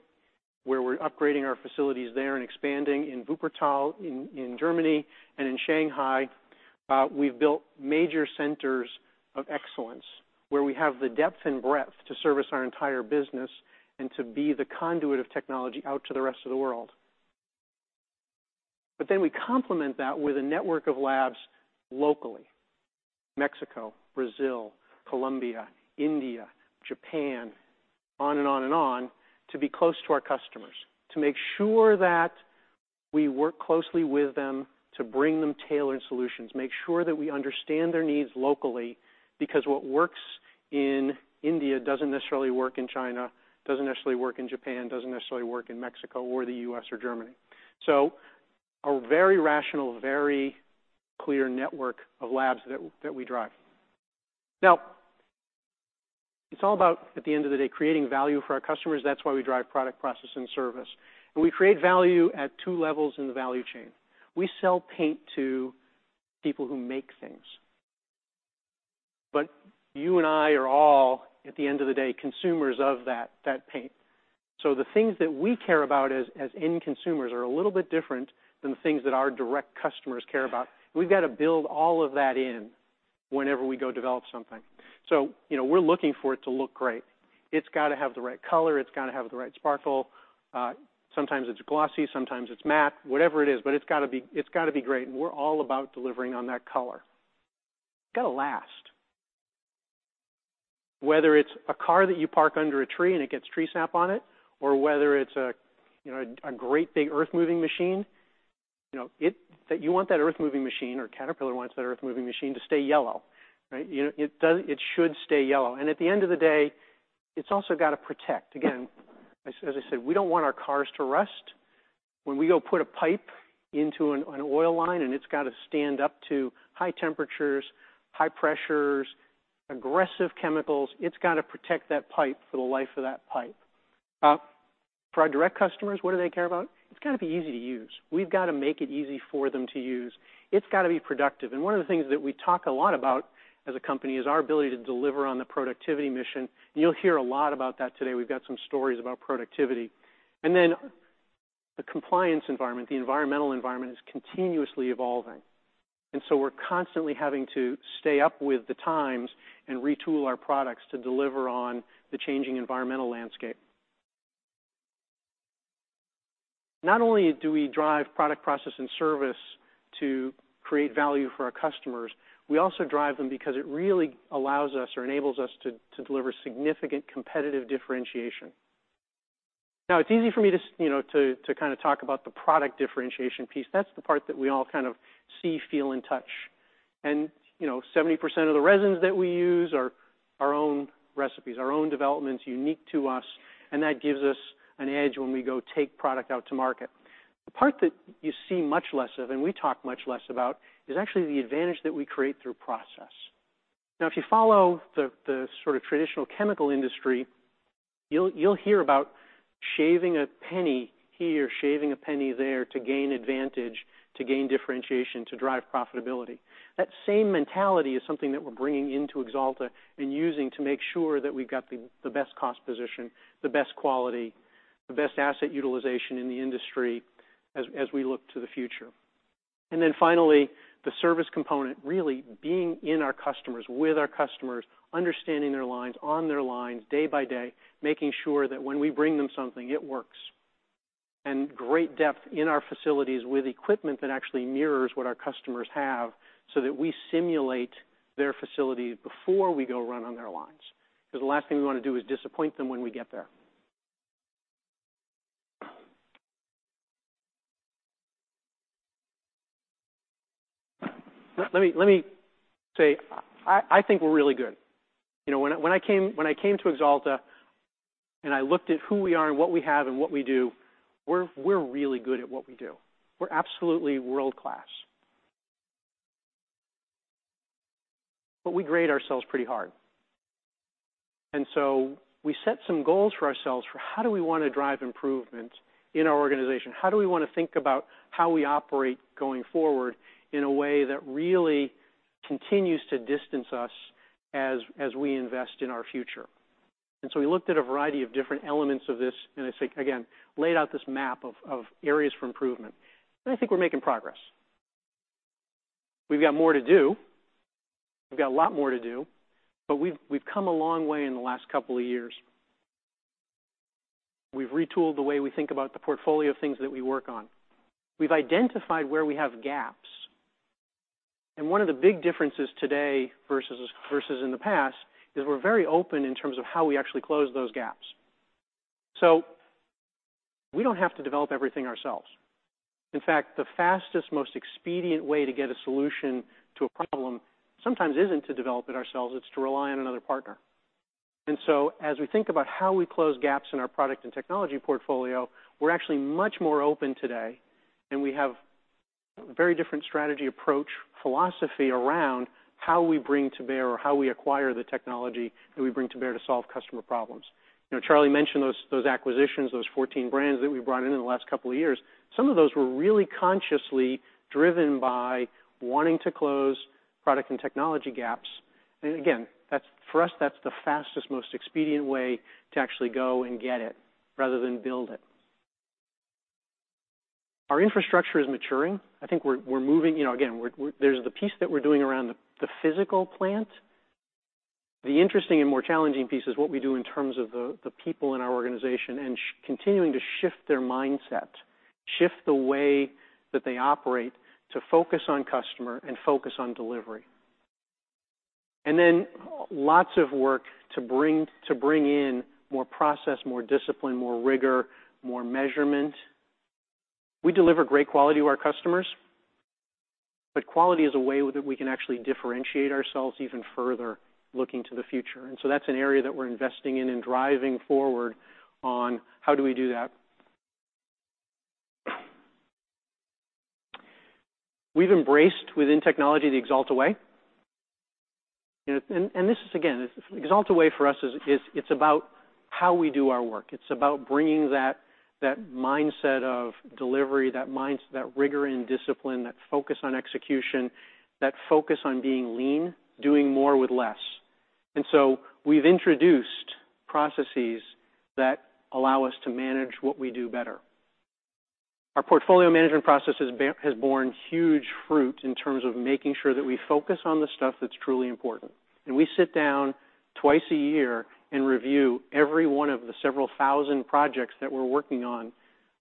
where we're upgrading our facilities there and expanding in Wuppertal, in Germany and in Shanghai, we've built major centers of excellence where we have the depth and breadth to service our entire business and to be the conduit of technology out to the rest of the world. We complement that with a network of labs locally, Mexico, Brazil, Colombia, India, Japan, on and on and on, to be close to our customers, to make sure that we work closely with them to bring them tailored solutions, make sure that we understand their needs locally, because what works in India doesn't necessarily work in China, doesn't necessarily work in Japan, doesn't necessarily work in Mexico or the U.S. or Germany. A very rational, very clear network of labs that we drive. It's all about, at the end of the day, creating value for our customers. That's why we drive product, process, and service. We create value at two levels in the value chain. We sell paint to people who make things. You and I are all, at the end of the day, consumers of that paint. The things that we care about as end consumers are a little bit different than the things that our direct customers care about. We've got to build all of that in whenever we go develop something. We're looking for it to look great. It's got to have the right color, it's got to have the right sparkle. Sometimes it's glossy, sometimes it's matte, whatever it is, but it's got to be great, and we're all about delivering on that color. Got to last. Whether it's a car that you park under a tree and it gets tree sap on it, or whether it's a great big earth-moving machine, you want that earth-moving machine or Caterpillar wants that earth-moving machine to stay yellow. It should stay yellow. At the end of the day, it's also got to protect. Again, as I said, we don't want our cars to rust. When we go put a pipe into an oil line and it's got to stand up to high temperatures, high pressures, aggressive chemicals, it's got to protect that pipe for the life of that pipe. For our direct customers, what do they care about? It's got to be easy to use. We've got to make it easy for them to use. It's got to be productive, and one of the things that we talk a lot about as a company is our ability to deliver on the productivity mission, and you'll hear a lot about that today. We've got some stories about productivity. The compliance environment, the environmental environment is continuously evolving, and so we're constantly having to stay up with the times and retool our products to deliver on the changing environmental landscape. Not only do we drive product, process, and service to create value for our customers, we also drive them because it really allows us or enables us to deliver significant competitive differentiation. It's easy for me to talk about the product differentiation piece. That's the part that we all kind of see, feel, and touch. 70% of the resins that we use are our own recipes, our own developments unique to us, and that gives us an edge when we go take product out to market. The part that you see much less of and we talk much less about is actually the advantage that we create through process. If you follow the sort of traditional chemical industry You'll hear about shaving a penny here, shaving a penny there to gain advantage, to gain differentiation, to drive profitability. That same mentality is something that we're bringing into Axalta and using to make sure that we've got the best cost position, the best quality, the best asset utilization in the industry as we look to the future. Finally, the service component, really being in our customers, with our customers, understanding their lines, on their lines, day by day, making sure that when we bring them something, it works. Great depth in our facilities with equipment that actually mirrors what our customers have, so that we simulate their facility before we go run on their lines. The last thing we want to do is disappoint them when we get there. Let me say, I think we're really good. When I came to Axalta, I looked at who we are and what we have and what we do, we're really good at what we do. We're absolutely world-class. We grade ourselves pretty hard. We set some goals for ourselves for how do we want to drive improvement in our organization? How do we want to think about how we operate going forward in a way that really continues to distance us as we invest in our future? We looked at a variety of different elements of this, and again, laid out this map of areas for improvement. I think we're making progress. We've got more to do. We've got a lot more to do, but we've come a long way in the last couple of years. We've retooled the way we think about the portfolio of things that we work on. We've identified where we have gaps. One of the big differences today versus in the past is we're very open in terms of how we actually close those gaps. We don't have to develop everything ourselves. In fact, the fastest, most expedient way to get a solution to a problem sometimes isn't to develop it ourselves, it's to rely on another partner. As we think about how we close gaps in our product and technology portfolio, we're actually much more open today, and we have a very different strategy approach, philosophy around how we bring to bear or how we acquire the technology that we bring to bear to solve customer problems. Charlie mentioned those acquisitions, those 14 brands that we brought in in the last couple of years. Some of those were really consciously driven by wanting to close product and technology gaps. Again, for us, that's the fastest, most expedient way to actually go and get it rather than build it. Our infrastructure is maturing. Again, there's the piece that we're doing around the physical plant. The interesting and more challenging piece is what we do in terms of the people in our organization and continuing to shift their mindset, shift the way that they operate to focus on customer and focus on delivery. Then lots of work to bring in more process, more discipline, more rigor, more measurement. We deliver great quality to our customers, but quality is a way that we can actually differentiate ourselves even further looking to the future. That's an area that we're investing in and driving forward on how do we do that. We've embraced within technology, the Axalta Way. This is, again, the Axalta Way for us it's about how we do our work. It's about bringing that mindset of delivery, that rigor and discipline, that focus on execution, that focus on being lean, doing more with less. We've introduced processes that allow us to manage what we do better. Our portfolio management process has borne huge fruit in terms of making sure that we focus on the stuff that's truly important. We sit down twice a year and review every one of the several thousand projects that we're working on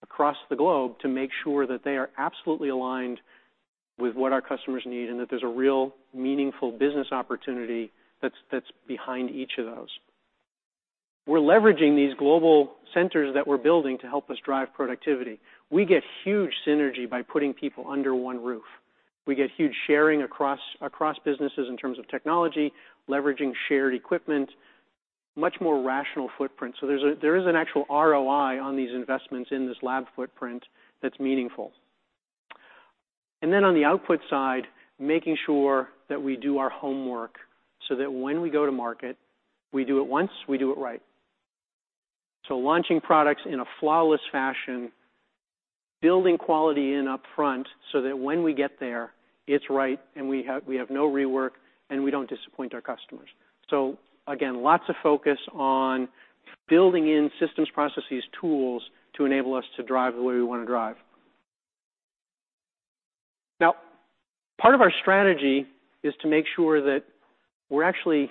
across the globe to make sure that they are absolutely aligned with what our customers need and that there's a real meaningful business opportunity that's behind each of those. We're leveraging these global centers that we're building to help us drive productivity. We get huge synergy by putting people under one roof. We get huge sharing across businesses in terms of technology, leveraging shared equipment, much more rational footprint. There is an actual ROI on these investments in this lab footprint that's meaningful. On the output side, making sure that we do our homework so that when we go to market, we do it once, we do it right. Launching products in a flawless fashion, building quality in upfront so that when we get there, it's right and we have no rework, and we don't disappoint our customers. Again, lots of focus on building in systems, processes, tools to enable us to drive the way we want to drive. Now, part of our strategy is to make sure that we're actually,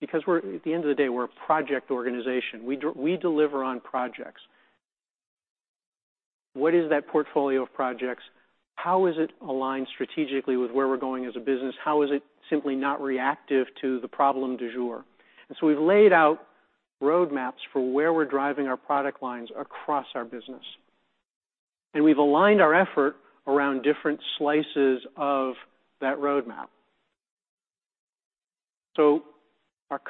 because at the end of the day, we're a project organization. We deliver on projects. What is that portfolio of projects? How is it aligned strategically with where we're going as a business? How is it simply not reactive to the problem du jour? We've laid out roadmaps for where we're driving our product lines across our business. We've aligned our effort around different slices of that roadmap. Our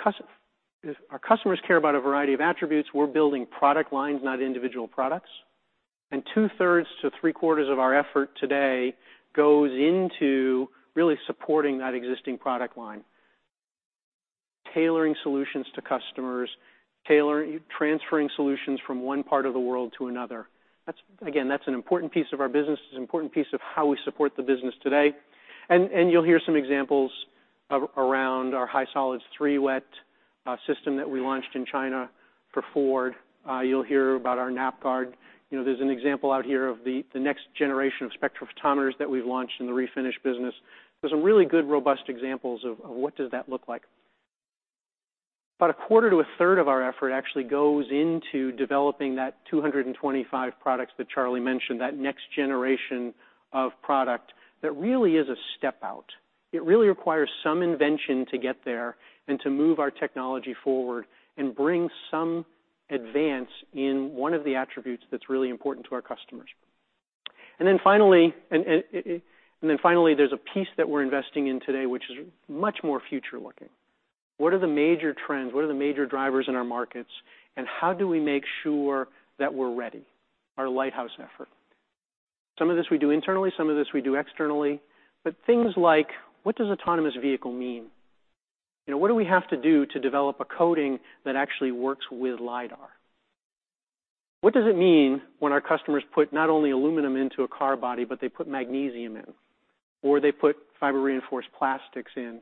customers care about a variety of attributes. We're building product lines, not individual products. Two-thirds to three-quarters of our effort today goes into really supporting that existing product line, tailoring solutions to customers, transferring solutions from one part of the world to another. Again, that's an important piece of our business. It's an important piece of how we support the business today. You'll hear some examples around our high solids three wet system that we launched in China for Ford. You'll hear about our Nap-Guard. There's an example out here of the next generation of spectrophotometers that we've launched in the refinish business. There's some really good, robust examples of what does that look like. About a quarter to a third of our effort actually goes into developing that 225 products that Charlie mentioned, that next generation of product that really is a step out. It really requires some invention to get there and to move our technology forward and bring some advance in one of the attributes that's really important to our customers. Finally, there's a piece that we're investing in today, which is much more future-looking. What are the major trends? What are the major drivers in our markets, and how do we make sure that we're ready? Our lighthouse effort. Some of this we do internally, some of this we do externally, but things like, what does autonomous vehicle mean? What do we have to do to develop a coating that actually works with LIDAR? What does it mean when our customers put not only aluminum into a car body, but they put magnesium in, or they put fiber reinforced plastics in?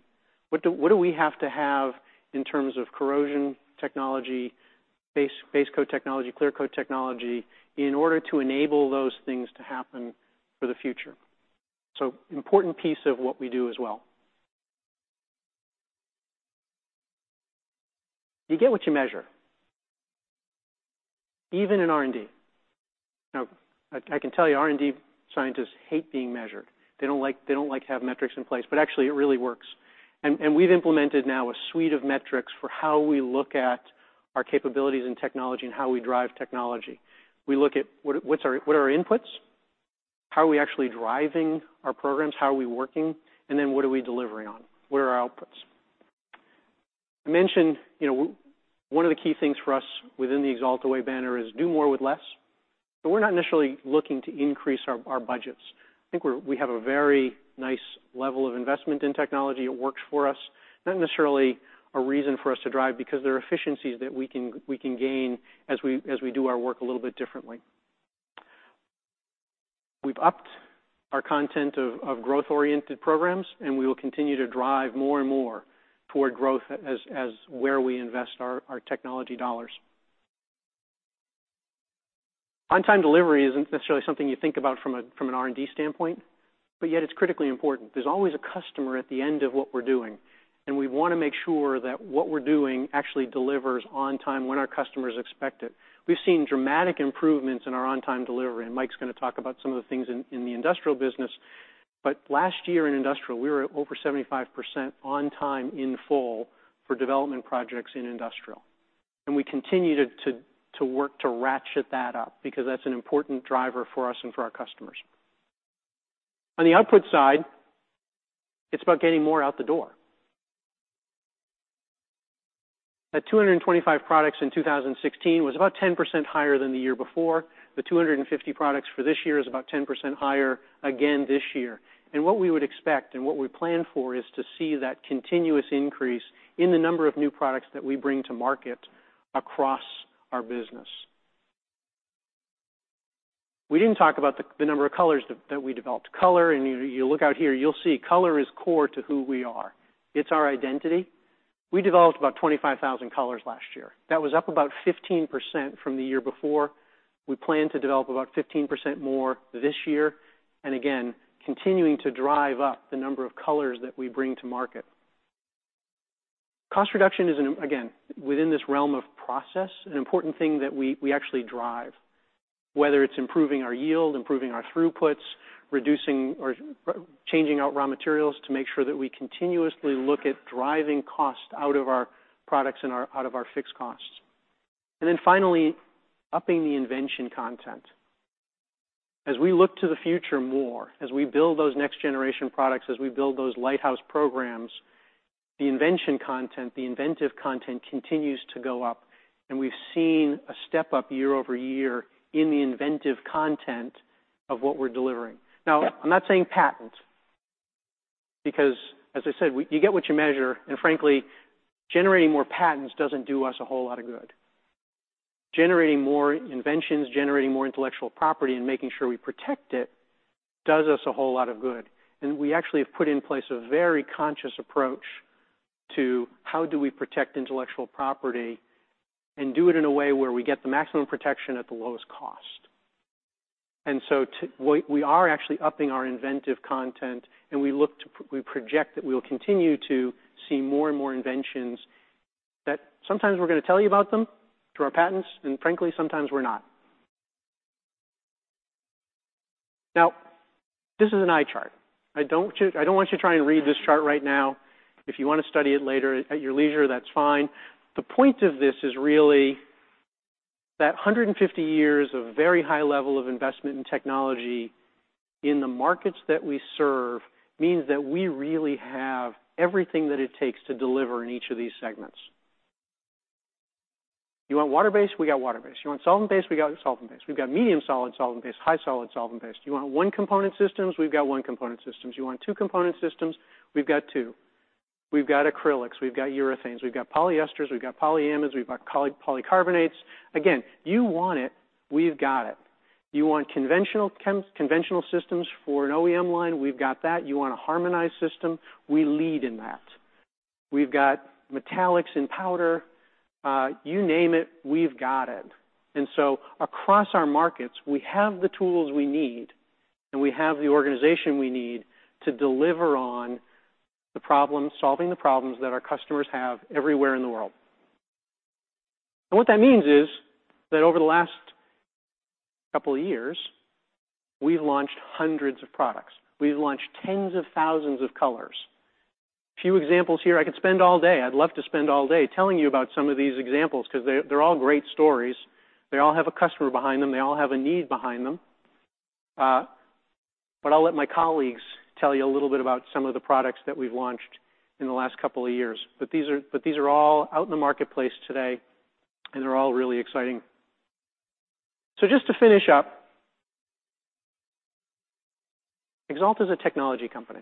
What do we have to have in terms of corrosion technology, base coat technology, clear coat technology, in order to enable those things to happen for the future? Important piece of what we do as well. You get what you measure, even in R&D. I can tell you, R&D scientists hate being measured. They don't like to have metrics in place, but actually, it really works. We've implemented now a suite of metrics for how we look at our capabilities and technology and how we drive technology. We look at what are our inputs, how are we actually driving our programs, how are we working, and then what are we delivering on? What are our outputs? I mentioned one of the key things for us within the Axalta Way banner is do more with less. We're not necessarily looking to increase our budgets. I think we have a very nice level of investment in technology. It works for us. Not necessarily a reason for us to drive because there are efficiencies that we can gain as we do our work a little bit differently. We've upped our content of growth-oriented programs, we will continue to drive more and more toward growth as where we invest our technology $. On-time delivery isn't necessarily something you think about from an R&D standpoint, yet it's critically important. There's always a customer at the end of what we're doing, we want to make sure that what we're doing actually delivers on time when our customers expect it. We've seen dramatic improvements in our on-time delivery, Mike's going to talk about some of the things in the industrial business. Last year in industrial, we were at over 75% on time in full for development projects in industrial. We continue to work to ratchet that up because that's an important driver for us and for our customers. On the output side, it's about getting more out the door. That 225 products in 2016 was about 10% higher than the year before. The 250 products for this year is about 10% higher again this year. What we would expect and what we plan for is to see that continuous increase in the number of new products that we bring to market across our business. We didn't talk about the number of colors that we developed. Color, you look out here, you'll see color is core to who we are. It's our identity. We developed about 25,000 colors last year. That was up about 15% from the year before. We plan to develop about 15% more this year, again, continuing to drive up the number of colors that we bring to market. Cost reduction is, again, within this realm of process, an important thing that we actually drive, whether it's improving our yield, improving our throughputs, reducing or changing out raw materials to make sure that we continuously look at driving cost out of our products and out of our fixed costs. Finally, upping the invention content. As we look to the future more, as we build those next generation products, as we build those lighthouse programs, the invention content, the inventive content continues to go up, and we've seen a step-up year-over-year in the inventive content of what we're delivering. I'm not saying patents, because as I said, you get what you measure, and frankly, generating more patents doesn't do us a whole lot of good. Generating more inventions, generating more intellectual property, and making sure we protect it does us a whole lot of good. We actually have put in place a very conscious approach to how do we protect intellectual property and do it in a way where we get the maximum protection at the lowest cost. We are actually upping our inventive content, and we project that we'll continue to see more and more inventions that sometimes we're going to tell you about them through our patents, and frankly, sometimes we're not. Now, this is an eye chart. I don't want you to try and read this chart right now. If you want to study it later at your leisure, that's fine. The point of this is really that 150 years of very high level of investment in technology in the markets that we serve means that we really have everything that it takes to deliver in each of these segments. You want water-based, we got water-based. You want solvent-based, we got solvent-based. We've got medium solid solvent-based, high solid solvent-based. You want one-component systems, we've got one-component systems. You want two-component systems, we've got two. We've got acrylics. We've got urethanes. We've got polyesters. We've got polyamides. We've got polycarbonates. Again, you want it, we've got it. You want conventional systems for an OEM line, we've got that. You want a harmonized system, we lead in that. We've got metallics in powder. You name it, we've got it. Across our markets, we have the tools we need, and we have the organization we need to deliver on solving the problems that our customers have everywhere in the world. What that means is that over the last couple of years, we've launched hundreds of products. We've launched tens of thousands of colors. A few examples here. I could spend all day. I'd love to spend all day telling you about some of these examples because they're all great stories. They all have a customer behind them. They all have a need behind them. I'll let my colleagues tell you a little bit about some of the products that we've launched in the last couple of years. These are all out in the marketplace today, and they're all really exciting. Just to finish up, Axalta's a technology company.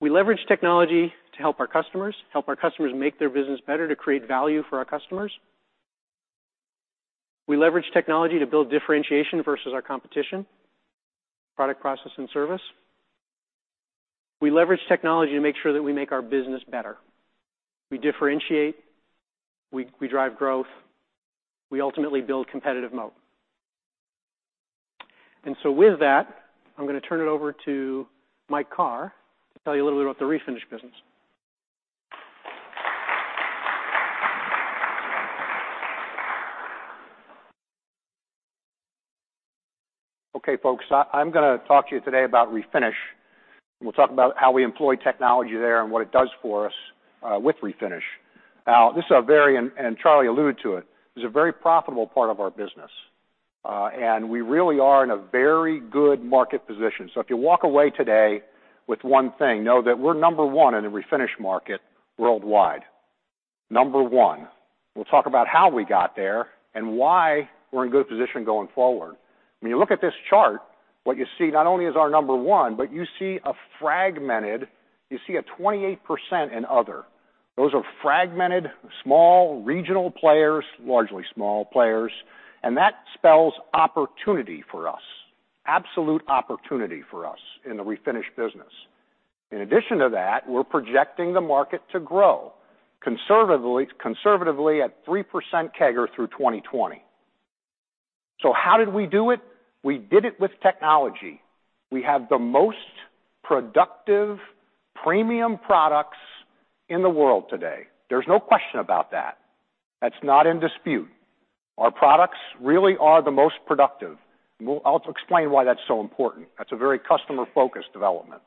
We leverage technology to help our customers, help our customers make their business better, to create value for our customers. We leverage technology to build differentiation versus our competition, product, process, and service. We leverage technology to make sure that we make our business better. We differentiate, we drive growth, we ultimately build competitive moat. With that, I'm going to turn it over to Mike Carr to tell you a little bit about the refinish business. Okay, folks, I'm gonna talk to you today about refinish, and we'll talk about how we employ technology there and what it does for us with refinish. Charlie alluded to it, this is a very profitable part of our business. We really are in a very good market position. If you walk away today with one thing, know that we're number one in the refinish market worldwide. Number one. We'll talk about how we got there and why we're in good position going forward. When you look at this chart, what you see not only is our number one, but you see a fragmented, you see a 28% in other. Those are fragmented, small regional players, largely small players, that spells opportunity for us, absolute opportunity for us in the refinish business. In addition to that, we're projecting the market to grow conservatively at 3% CAGR through 2020. How did we do it? We did it with technology. We have the most productive premium products in the world today. There's no question about that. That's not in dispute. Our products really are the most productive, and I'll explain why that's so important. That's a very customer-focused development.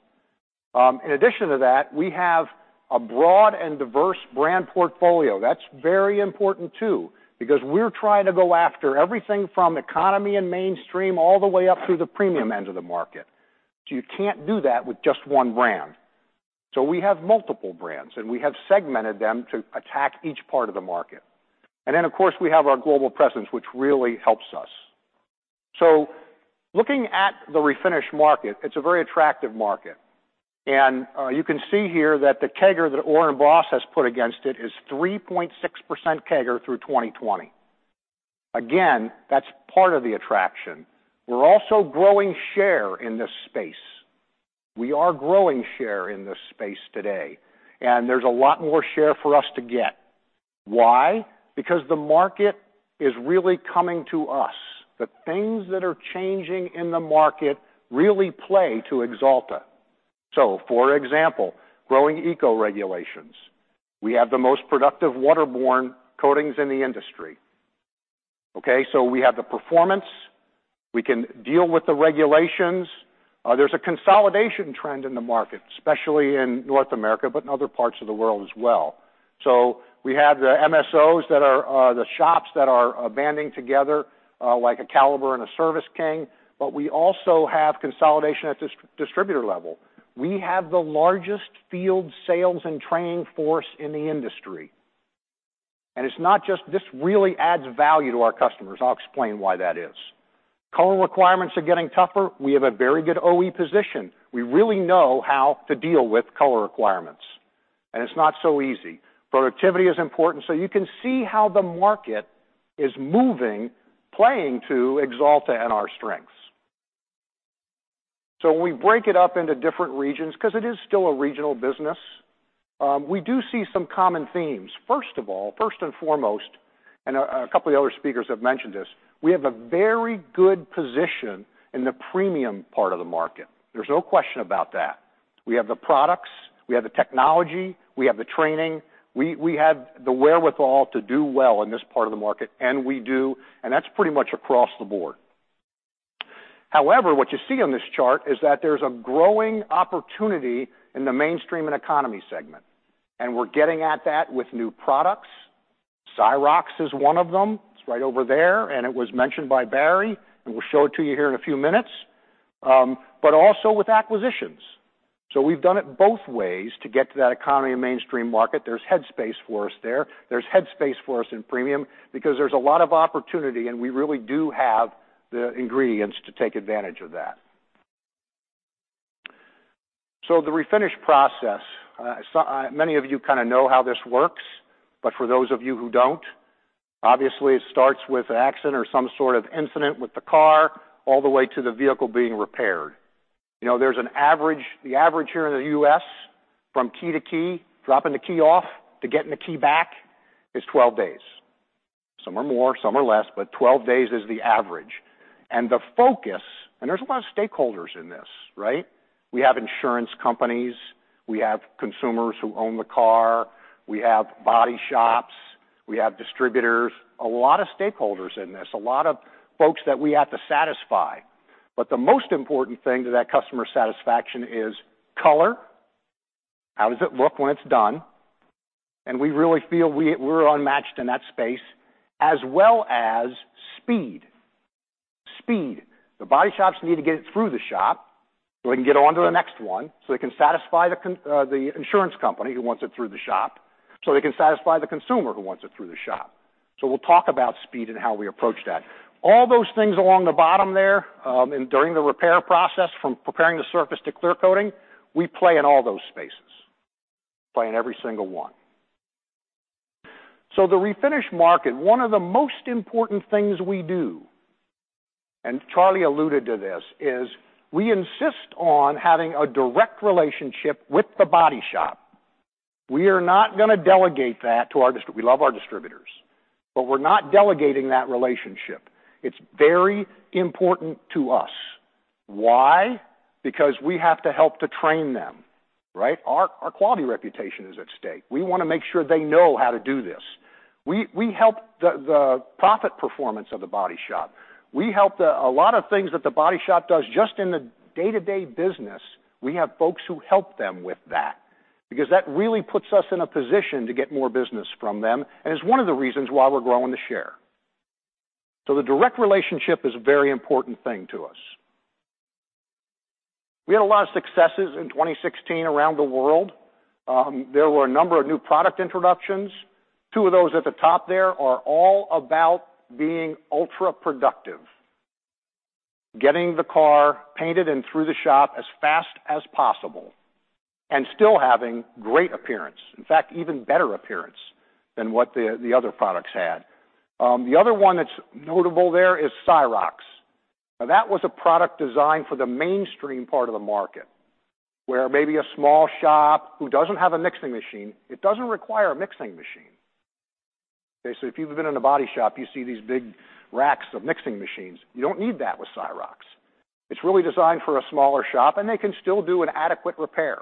In addition to that, we have a broad and diverse brand portfolio. That's very important, too, because we're trying to go after everything from economy and mainstream all the way up through the premium end of the market. You can't do that with just one brand. We have multiple brands, and we have segmented them to attack each part of the market. Then, of course, we have our global presence, which really helps us. Looking at the refinish market, it's a very attractive market. You can see here that the CAGR that Orr & Boss has put against it is 3.6% CAGR through 2020. Again, that's part of the attraction. We're also growing share in this space. We are growing share in this space today, and there's a lot more share for us to get. Why? Because the market is really coming to us. The things that are changing in the market really play to Axalta. For example, growing eco regulations. We have the most productive waterborne coatings in the industry. Okay, we have the performance. We can deal with the regulations. There's a consolidation trend in the market, especially in North America, but in other parts of the world as well. We have the MSOs that are the shops that are banding together, like a Caliber and a Service King, but we also have consolidation at the distributor level. We have the largest field sales and training force in the industry. This really adds value to our customers, and I'll explain why that is. Color requirements are getting tougher. We have a very good OE position. We really know how to deal with color requirements, and it's not so easy. Productivity is important. You can see how the market is moving, playing to Axalta and our strengths. When we break it up into different regions, because it is still a regional business, we do see some common themes. First of all, first and foremost, a couple of the other speakers have mentioned this, we have a very good position in the premium part of the market. There's no question about that. We have the products, we have the technology, we have the training. We have the wherewithal to do well in this part of the market, and we do, and that's pretty much across the board. What you see on this chart is that there's a growing opportunity in the mainstream and economy segment, and we're getting at that with new products Syrox is one of them. It's right over there, and it was mentioned by Barry, and we'll show it to you here in a few minutes. Also with acquisitions. We've done it both ways to get to that economy and mainstream market. There's head space for us there. There's head space for us in premium because there's a lot of opportunity, and we really do have the ingredients to take advantage of that. The refinish process, many of you kind of know how this works, for those of you who don't, obviously, it starts with an accident or some sort of incident with the car all the way to the vehicle being repaired. The average here in the U.S. from key to key, dropping the key off to getting the key back, is 12 days. Some are more, some are less, but 12 days is the average. The focus, and there's a lot of stakeholders in this, right? We have insurance companies, we have consumers who own the car, we have body shops, we have distributors, a lot of stakeholders in this, a lot of folks that we have to satisfy. The most important thing to that customer satisfaction is color. How does it look when it's done? We really feel we're unmatched in that space, as well as speed. Speed. The body shops need to get it through the shop so they can get on to the next one, so they can satisfy the insurance company who wants it through the shop, so they can satisfy the consumer who wants it through the shop. We'll talk about speed and how we approach that. All those things along the bottom there, and during the repair process, from preparing the surface to clear coating, we play in all those spaces. Play in every single one. The refinish market, one of the most important things we do, and Charlie alluded to this, is we insist on having a direct relationship with the body shop. We are not going to delegate that. We love our distributors, but we're not delegating that relationship. It's very important to us. Why? Because we have to help to train them, right? Our quality reputation is at stake. We want to make sure they know how to do this. We help the profit performance of the body shop. We help a lot of things that the body shop does just in the day-to-day business. We have folks who help them with that, because that really puts us in a position to get more business from them, and it's one of the reasons why we're growing the share. The direct relationship is a very important thing to us. We had a lot of successes in 2016 around the world. There were a number of new product introductions. Two of those at the top there are all about being ultra productive, getting the car painted and through the shop as fast as possible, and still having great appearance. In fact, even better appearance than what the other products had. The other one that's notable there is Syrox. That was a product designed for the mainstream part of the market, where maybe a small shop who doesn't have a mixing machine, it doesn't require a mixing machine. If you've been in a body shop, you see these big racks of mixing machines. You don't need that with Syrox. It's really designed for a smaller shop. They can still do an adequate repair.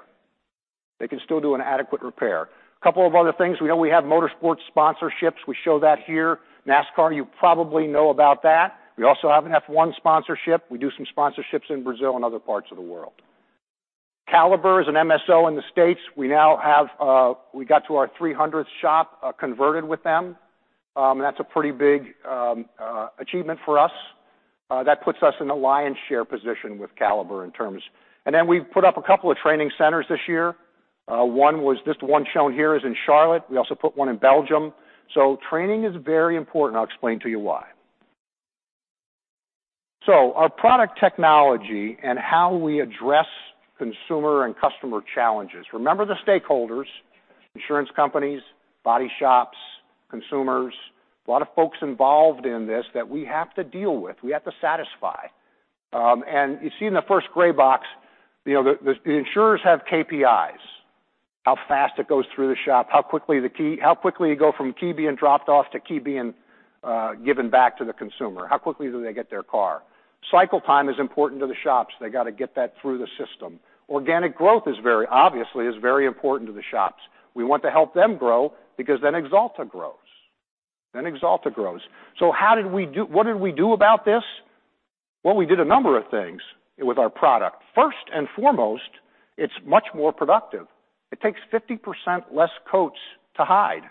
They can still do an adequate repair. A couple of other things. We know we have motorsport sponsorships. We show that here. NASCAR, you probably know about that. We also have an F1 sponsorship. We do some sponsorships in Brazil and other parts of the world. Caliber is an MSO in the U.S. We got to our 300th shop converted with them. That's a pretty big achievement for us. That puts us in the lion's share position with Caliber in terms. Then we've put up a couple of training centers this year. This one shown here is in Charlotte. We also put one in Belgium. Training is very important. I'll explain to you why. Our product technology and how we address consumer and customer challenges. Remember the stakeholders, insurance companies, body shops, consumers, a lot of folks involved in this that we have to deal with, we have to satisfy. You see in the first gray box, the insurers have KPIs. How fast it goes through the shop, how quickly you go from key being dropped off to key being given back to the consumer. How quickly do they get their car? Cycle time is important to the shops. They got to get that through the system. Organic growth, obviously, is very important to the shops. We want to help them grow because then Axalta grows. Then Axalta grows. What did we do about this? We did a number of things with our product. First and foremost, it's much more productive. It takes 50% less coats to hide.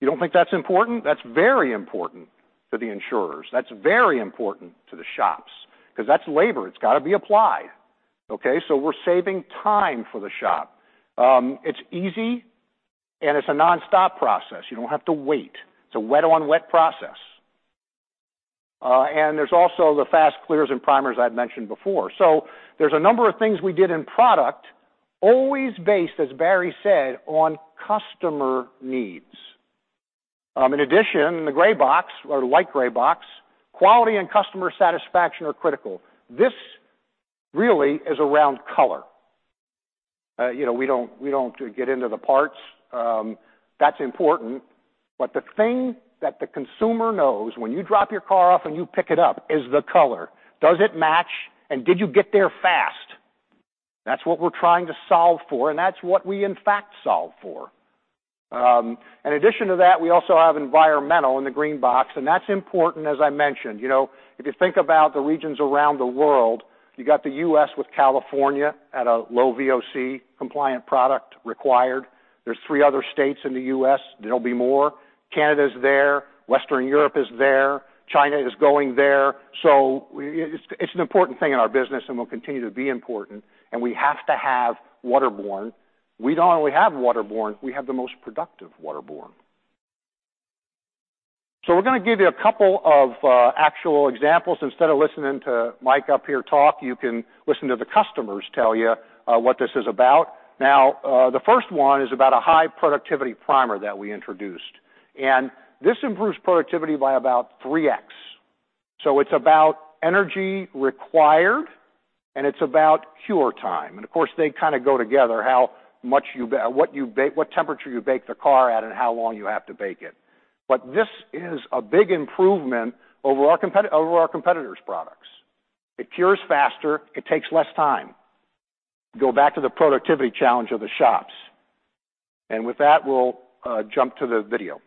You don't think that's important? That's very important to the insurers. That's very important to the shops because that's labor. It's got to be applied, okay? We're saving time for the shop. It's easy and it's a nonstop process. You don't have to wait. It's a wet-on-wet process. There's also the fast clears and primers I'd mentioned before. There's a number of things we did in product, always based, as Barry said, on customer needs. In addition, the gray box, or the light gray box, quality and customer satisfaction are critical. This really is around color. We don't get into the parts. That's important, but the thing that the consumer knows when you drop your car off and you pick it up is the color. Does it match? Did you get there fast? That's what we're trying to solve for, and that's what we in fact solve for. In addition to that, we also have environmental in the green box, and that's important, as I mentioned. If you think about the regions around the world, you got the U.S. with California at a low VOC compliant product required. There's three other states in the U.S. There'll be more. Canada is there, Western Europe is there, China is going there. It's an important thing in our business and will continue to be important. We have to have waterborne. We don't only have waterborne, we have the most productive waterborne. We're going to give you a couple of actual examples. Instead of listening to Mike up here talk, you can listen to the customers tell you what this is about. The first one is about a high productivity primer that we introduced, and this improves productivity by about 3x. It's about energy required and it's about cure time. Of course, they kind of go together, what temperature you bake the car at and how long you have to bake it. This is a big improvement over our competitors' products. It cures faster, it takes less time. Go back to the productivity challenge of the shops. With that, we'll jump to the video.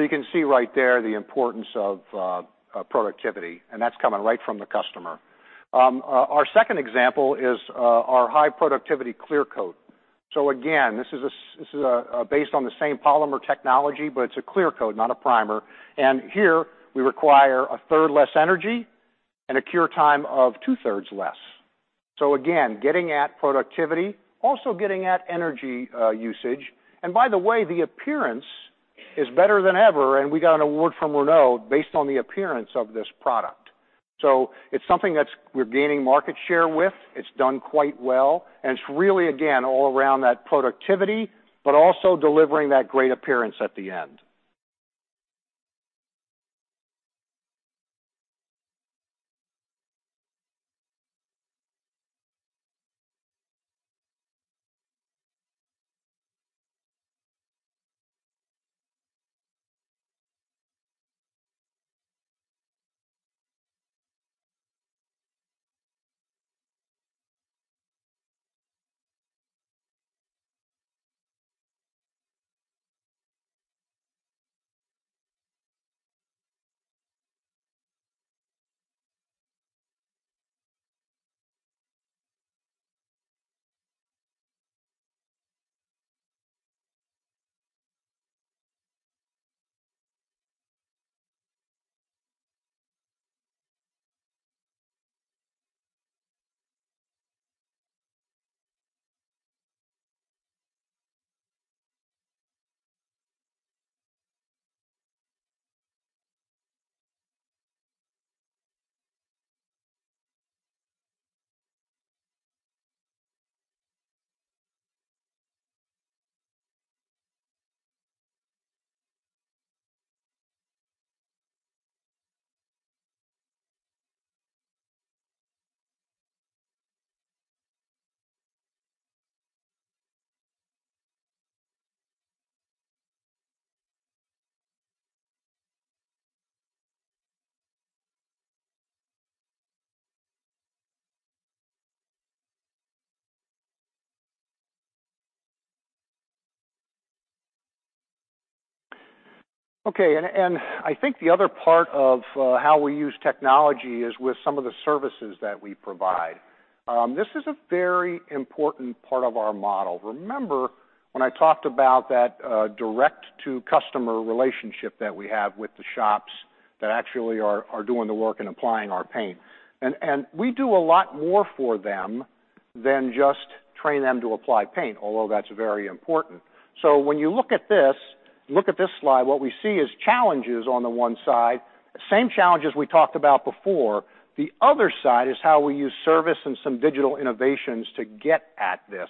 You can see right there the importance of productivity, and that's coming right from the customer. Our second example is our high productivity clear coat. Again, this is based on the same polymer technology, but it's a clear coat, not a primer. Here we require a third less energy and a cure time of two-thirds less. Again, getting at productivity, also getting at energy usage. By the way, the appearance is better than ever, and we got an award from Renault based on the appearance of this product. It's something that we're gaining market share with. It's done quite well, and it's really, again, all around that productivity, but also delivering that great appearance at the end. I think the other part of how we use technology is with some of the services that we provide. This is a very important part of our model. Remember when I talked about that direct to customer relationship that we have with the shops that actually are doing the work and applying our paint. We do a lot more for them than just train them to apply paint, although that's very important. When you look at this slide, what we see is challenges on the one side, same challenges we talked about before. The other side is how we use service and some digital innovations to get at this.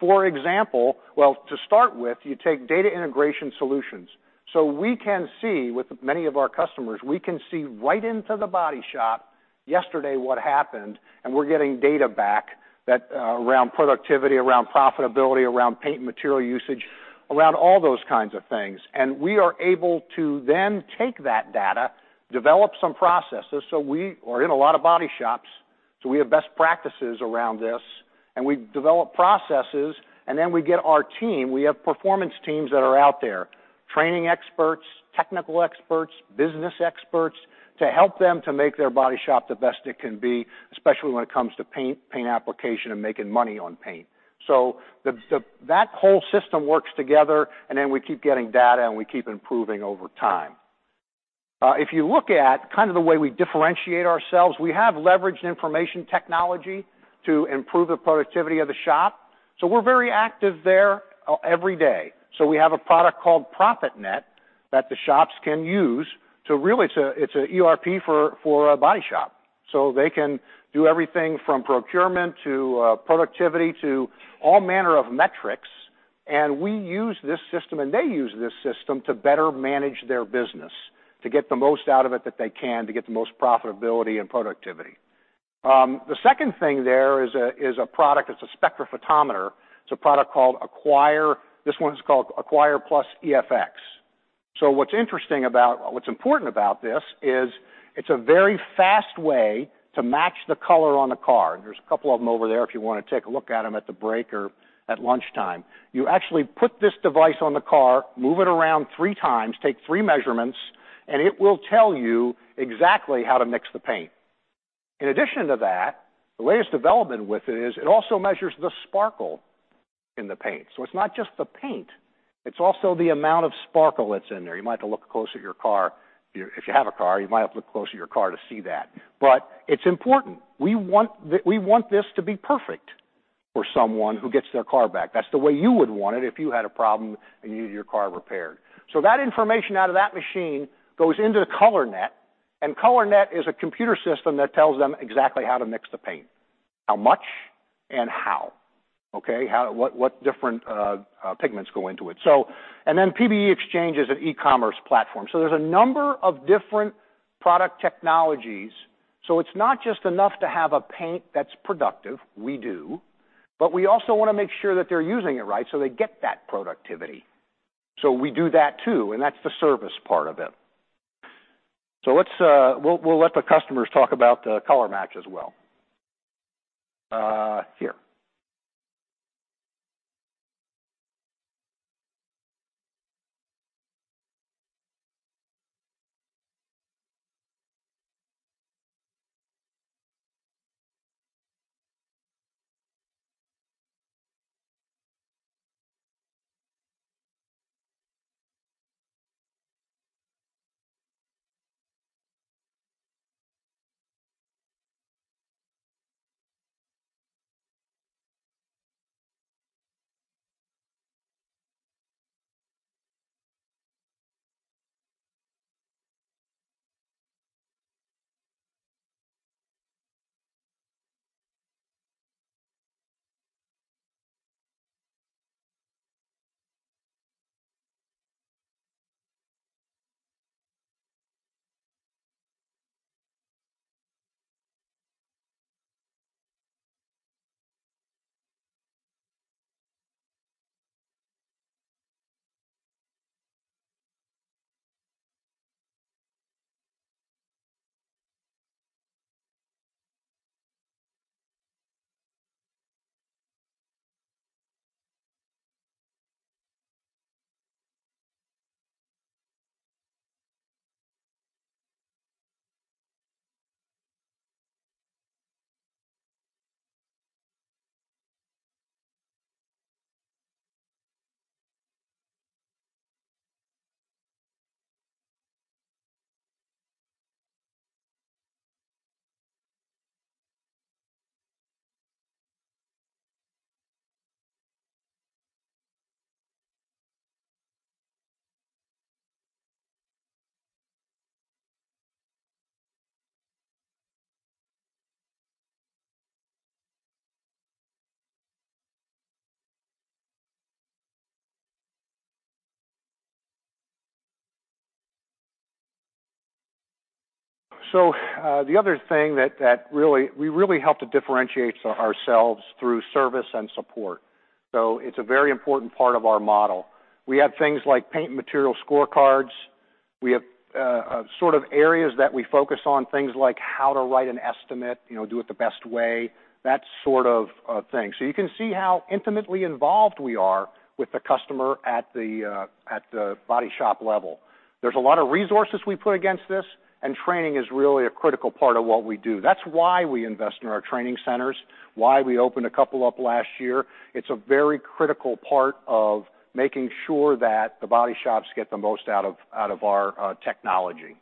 For example, well, to start with, you take data integration solutions. We can see with many of our customers, we can see right into the body shop Yesterday what happened, and we're getting data back around productivity, around profitability, around paint and material usage, around all those kinds of things. We are able to then take that data, develop some processes. We are in a lot of body shops, so we have best practices around this, and we develop processes, and then we get our team. We have performance teams that are out there, training experts, technical experts, business experts, to help them to make their body shop the best it can be, especially when it comes to paint application, and making money on paint. That whole system works together, and then we keep getting data, and we keep improving over time. If you look at the way we differentiate ourselves, we have leveraged information technology to improve the productivity of the shop. We're very active there every day. We have a product called ProfitNet that the shops can use to really. It's an ERP for a body shop. They can do everything from procurement to productivity to all manner of metrics. We use this system, and they use this system to better manage their business, to get the most out of it that they can, to get the most profitability and productivity. The second thing there is a product, it's a spectrophotometer. It's a product called Acquire. This one is called Acquire Plus EFX. What's important about this is it's a very fast way to match the color on a car. There's a couple of them over there if you want to take a look at them at the break or at lunchtime. You actually put this device on the car, move it around three times, take three measurements, and it will tell you exactly how to mix the paint. In addition to that, the latest development with it is it also measures the sparkle in the paint. It's not just the paint, it's also the amount of sparkle that's in there. You might have to look close at your car. If you have a car, you might have to look close at your car to see that. It's important. We want this to be perfect for someone who gets their car back. That's the way you would want it if you had a problem and you needed your car repaired. That information out of that machine goes into ColorNet, and ColorNet is a computer system that tells them exactly how to mix the paint, how much and how, okay? What different pigments go into it. Then PBE Exchange is an e-commerce platform. There's a number of different product technologies. It's not just enough to have a paint that's productive. We do, but we also want to make sure that they're using it right so they get that productivity. We do that too, and that's the service part of it. We'll let the customers talk about the color match as well. Here. The other thing that we really help to differentiate ourselves through service and support. It's a very important part of our model. We have things like paint material scorecards. We have sort of areas that we focus on, things like how to write an estimate, do it the best way, that sort of thing. You can see how intimately involved we are with the customer at the body shop level. There's a lot of resources we put against this, and training is really a critical part of what we do. That's why we invest in our training centers, why we opened a couple up last year. It's a very critical part of making sure that the body shops get the most out of our technology.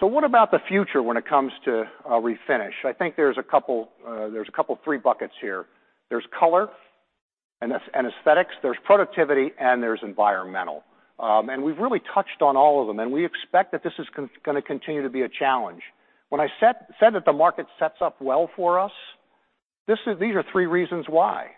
What about the future when it comes to refinish? I think there's a couple of three buckets here. There's color and aesthetics, there's productivity, and there's environmental. We've really touched on all of them, and we expect that this is going to continue to be a challenge. When I said that the market sets up well for us These are three reasons why.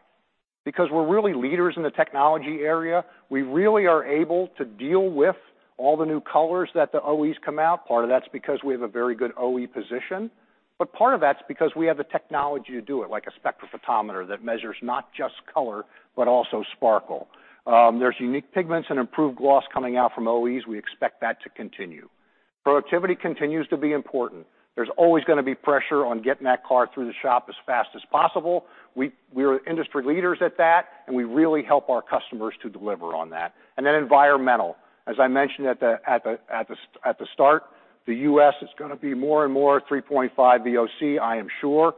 Because we're really leaders in the technology area, we really are able to deal with all the new colors that the OEs come out. Part of that's because we have a very good OE position, but part of that's because we have the technology to do it, like a spectrophotometer that measures not just color, but also sparkle. There's unique pigments and improved gloss coming out from OEs. We expect that to continue. Productivity continues to be important. There's always going to be pressure on getting that car through the shop as fast as possible. We're industry leaders at that, and we really help our customers to deliver on that. Environmental. As I mentioned at the start, the U.S. is going to be more and more 3.5 VOC, I am sure.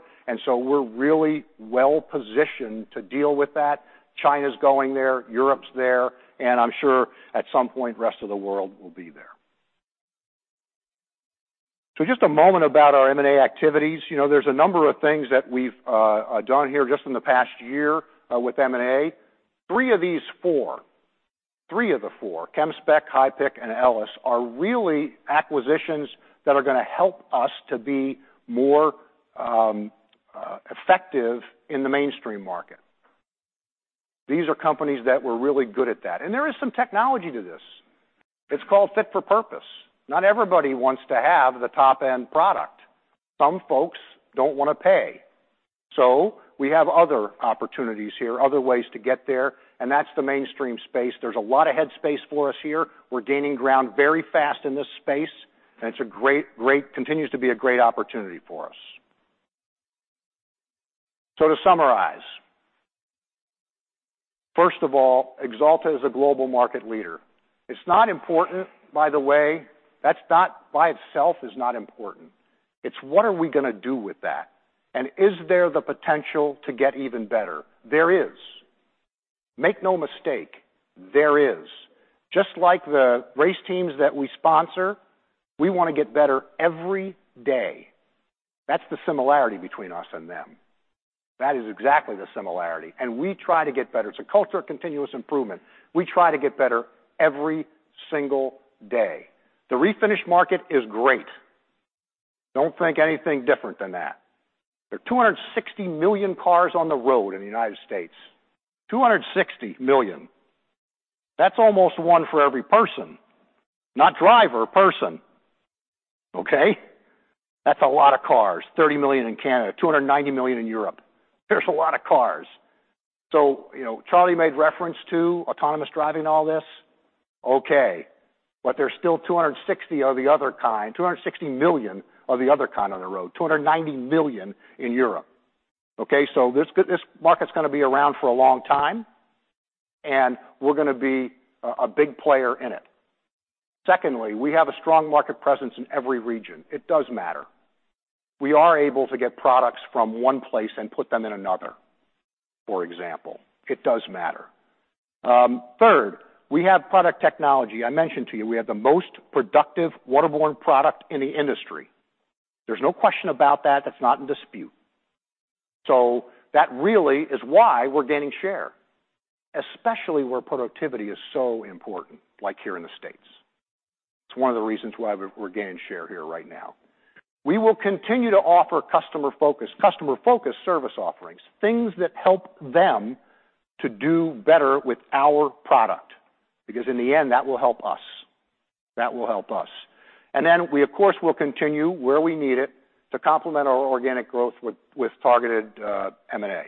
We're really well positioned to deal with that. China's going there, Europe's there, and I'm sure at some point, rest of the world will be there. Just a moment about our M&A activities. There's a number of things that we've done here just in the past year with M&A. Three of these four, three of the four, ChemSpec, High Performance Coating, and Ellis are really acquisitions that are going to help us to be more effective in the mainstream market. These are companies that were really good at that. There is some technology to this. It's called fit for purpose. Not everybody wants to have the top-end product. Some folks don't want to pay. We have other opportunities here, other ways to get there, and that's the mainstream space. There's a lot of head space for us here. We're gaining ground very fast in this space, and it continues to be a great opportunity for us. To summarize, first of all, Axalta is a global market leader. It's not important, by the way, that by itself is not important. It's what are we going to do with that? Is there the potential to get even better? There is. Make no mistake, there is. Just like the race teams that we sponsor, we want to get better every day. That's the similarity between us and them. That is exactly the similarity. We try to get better. It's a culture of continuous improvement. We try to get better every single day. The refinish market is great. Don't think anything different than that. There are 260 million cars on the road in the U.S., 260 million. That's almost one for every person. Not driver, person. Okay? That's a lot of cars. 30 million in Canada, 290 million in Europe. There's a lot of cars. Charlie made reference to autonomous driving all this. Okay. There's still 260 of the other kind, 260 million of the other kind on the road, 290 million in Europe. Okay? This market's going to be around for a long time, and we're going to be a big player in it. Secondly, we have a strong market presence in every region. It does matter. We are able to get products from one place and put them in another, for example. It does matter. Third, we have product technology. I mentioned to you, we have the most productive waterborne product in the industry. There's no question about that. That's not in dispute. That really is why we're gaining share, especially where productivity is so important, like here in the U.S. It's one of the reasons why we're gaining share here right now. We will continue to offer customer-focused service offerings, things that help them to do better with our product, because in the end, that will help us. That will help us. We, of course, will continue where we need it to complement our organic growth with targeted M&A.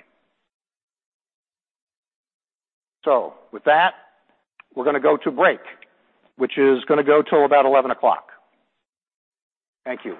With that, we're going to go to break, which is going to go till about 11:00 A.M. Thank you.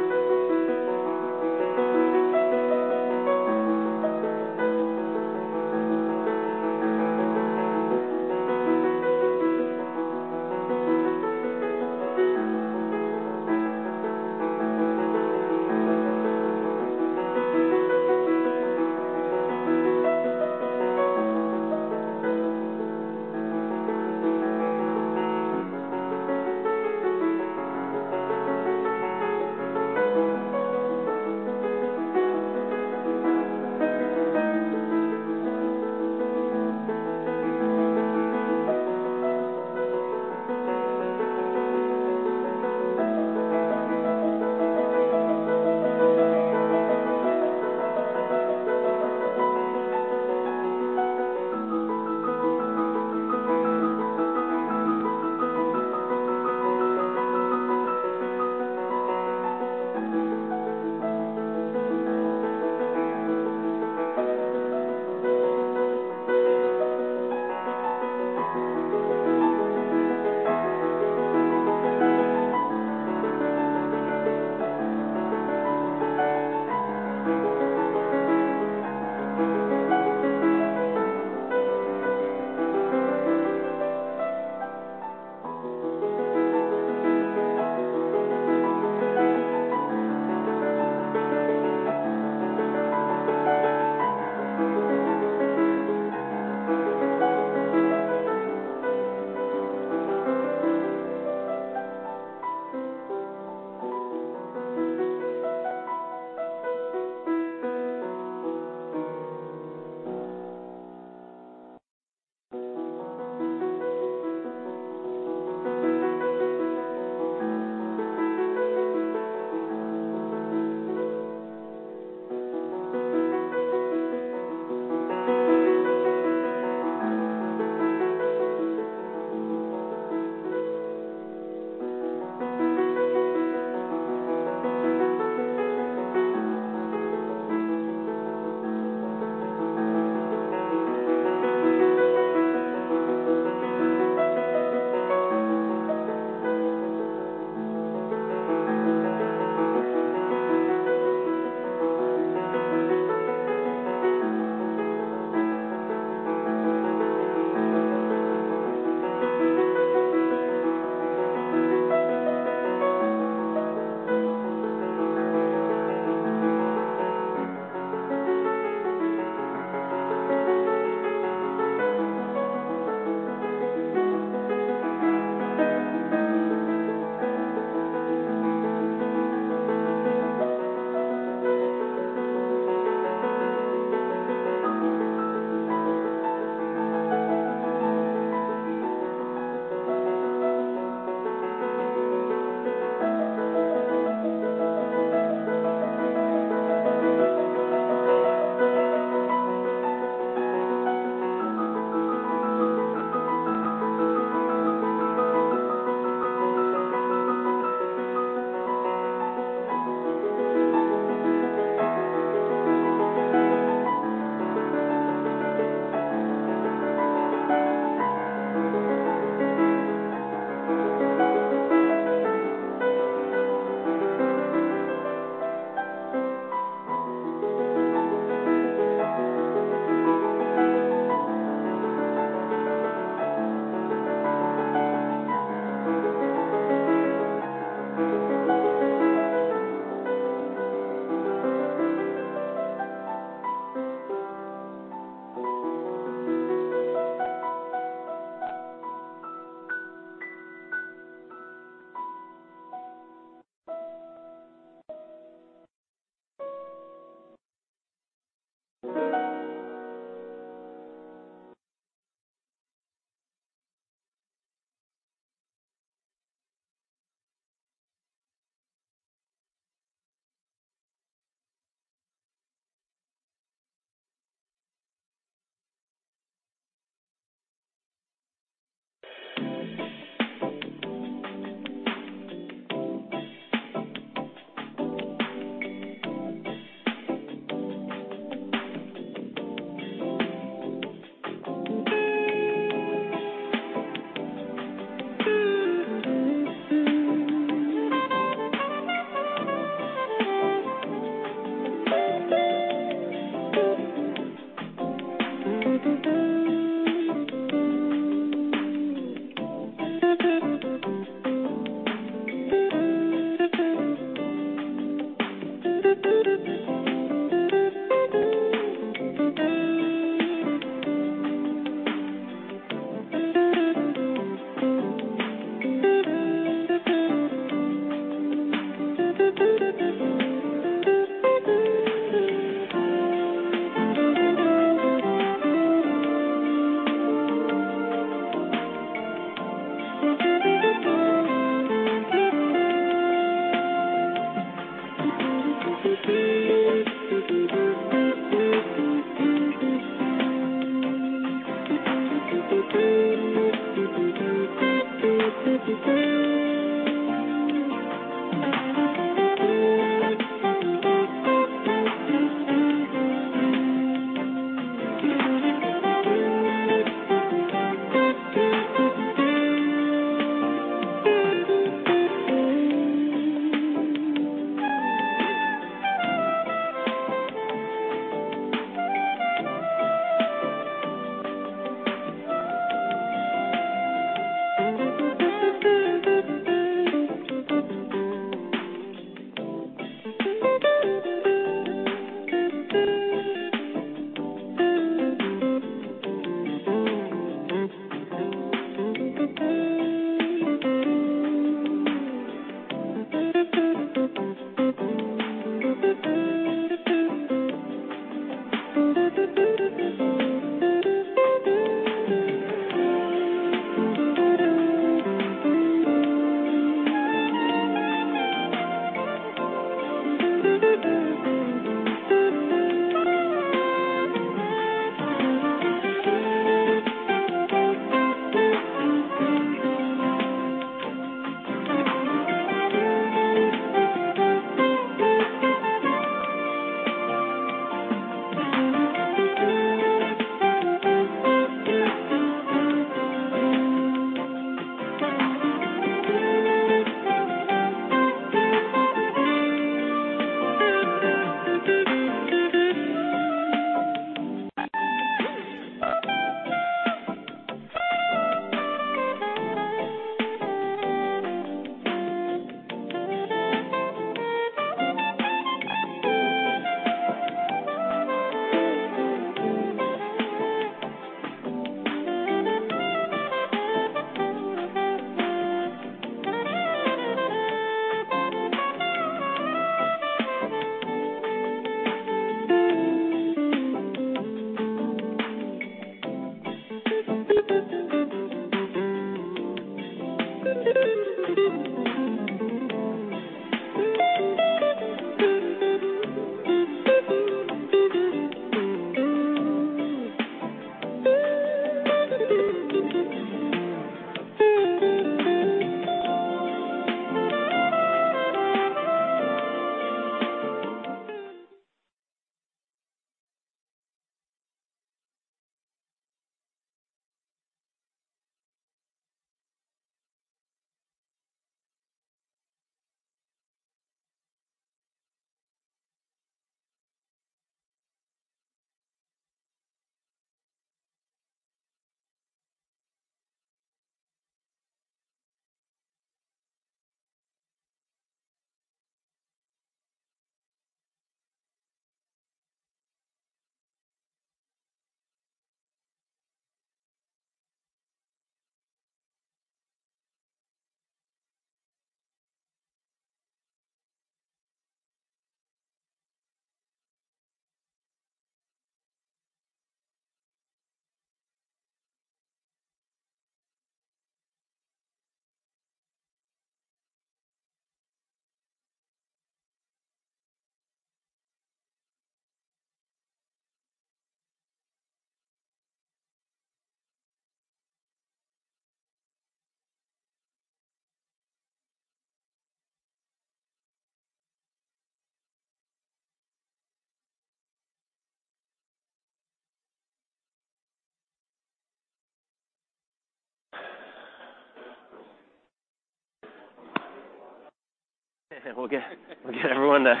Queremos paz. Queremos construir una vida mejor para nuestro pueblo. Independientes. Queremos paz. Queremos construir una vida mejor para nuestro pueblo. Independientes.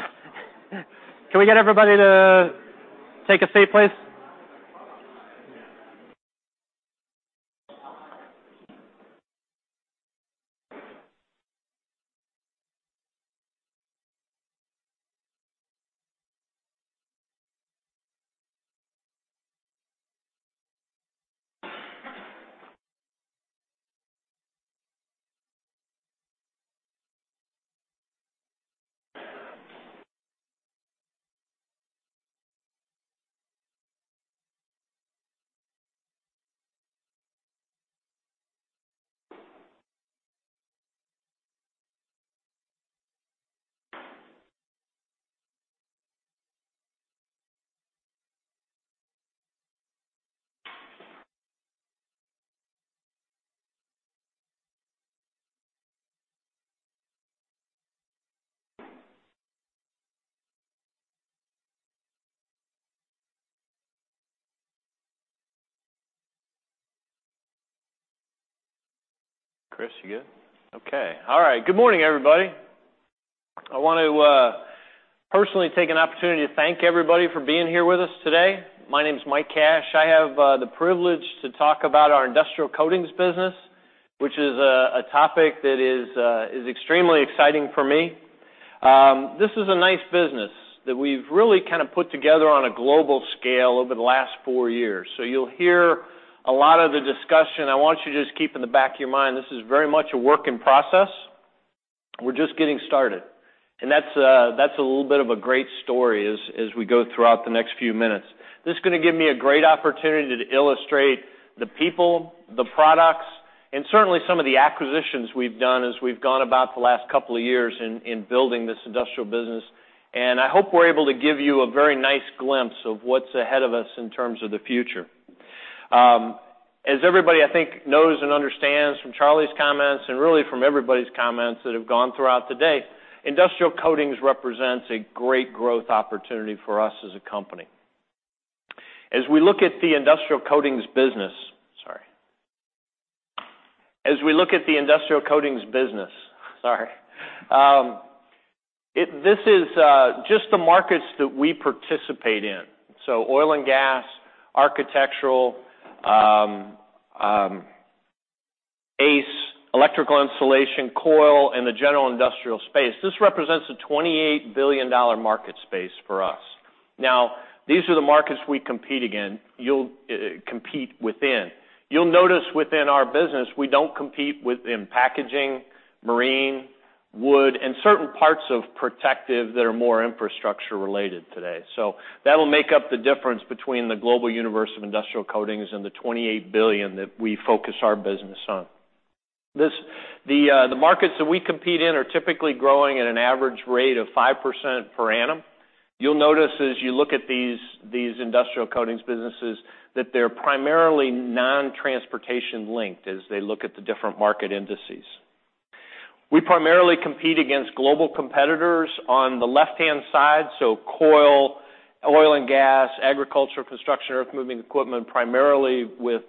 Can we get everybody to take a seat, please? Chris, you good? Okay. All right. Good morning, everybody. I want to personally take an opportunity to thank everybody for being here with us today. My name's Mike Cash. I have the privilege to talk about our Industrial Coatings business, which is a topic that is extremely exciting for me. This is a nice business that we've really kind of put together on a global scale over the last four years. You'll hear a lot of the discussion. I want you to just keep in the back of your mind, this is very much a work in process. We're just getting started. That's a little bit of a great story as we go throughout the next few minutes. This is going to give me a great opportunity to illustrate the people, the products, and certainly some of the acquisitions we've done as we've gone about the last couple of years in building this industrial business. I hope we're able to give you a very nice glimpse of what's ahead of us in terms of the future. As everybody, I think, knows and understands from Charlie's comments, really from everybody's comments that have gone throughout the day, industrial coatings represents a great growth opportunity for us as a company. We look at the industrial coatings business, sorry. This is just the markets that we participate in. Oil and gas, architectural, ACE, electrical insulation, coil, and the general industrial space. This represents a $28 billion market space for us. These are the markets we compete within. You'll notice within our business, we don't compete within packaging, marine, wood, and certain parts of protective that are more infrastructure-related today. That'll make up the difference between the global universe of industrial coatings and the $28 billion that we focus our business on. The markets that we compete in are typically growing at an average rate of 5% per annum. You'll notice as you look at these industrial coatings businesses, that they're primarily non-transportation linked as they look at the different market indices. Primarily compete against global competitors on the left-hand side, coil, oil and gas, agriculture, construction, earth-moving equipment, primarily with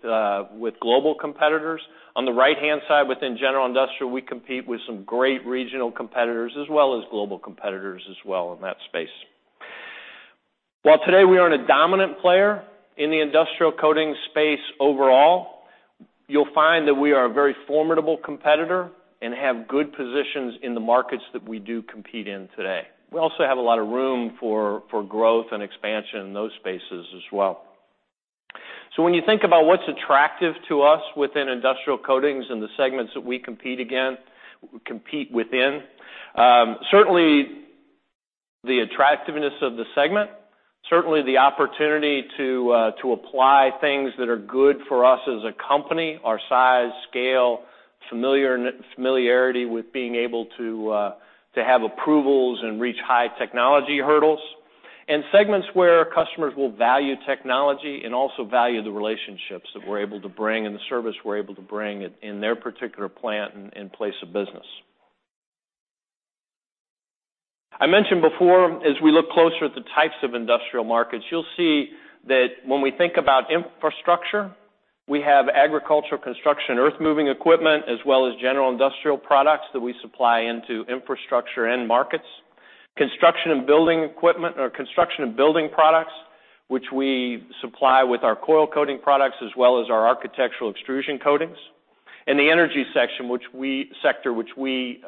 global competitors. The right-hand side, within general industrial, we compete with some great regional competitors, as well as global competitors as well in that space. While today we aren't a dominant player in the industrial coating space overall, you'll find that we are a very formidable competitor and have good positions in the markets that we do compete in today. We also have a lot of room for growth and expansion in those spaces as well. When you think about what's attractive to us within industrial coatings and the segments that we compete within, certainly the attractiveness of the segment, certainly the opportunity to apply things that are good for us as a company, our size, scale, familiarity with being able to have approvals and reach high technology hurdles, and segments where our customers will value technology and also value the relationships that we're able to bring and the service we're able to bring in their particular plant and place of business. I mentioned before, we look closer at the types of industrial markets, you'll see that when we think about infrastructure, we have agriculture, construction, earth-moving equipment, as well as general industrial products that we supply into infrastructure end markets. Construction and building products, which we supply with our coil coating products as well as our architectural extrusion coatings. The energy sector, which we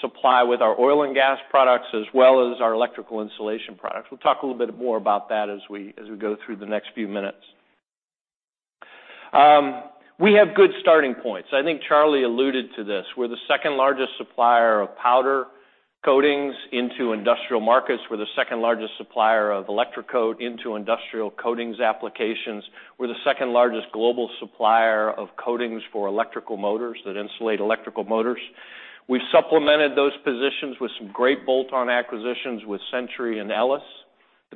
supply with our oil and gas products as well as our electrical insulation products. We'll talk a little bit more about that as we go through the next few minutes. We have good starting points. I think Charlie alluded to this. We're the second-largest supplier of powder coatings into industrial markets. We're the second-largest supplier of electrocoat into industrial coatings applications. We're the second-largest global supplier of coatings for electrical motors, that insulate electrical motors. We've supplemented those positions with some great bolt-on acquisitions with Century and Ellis.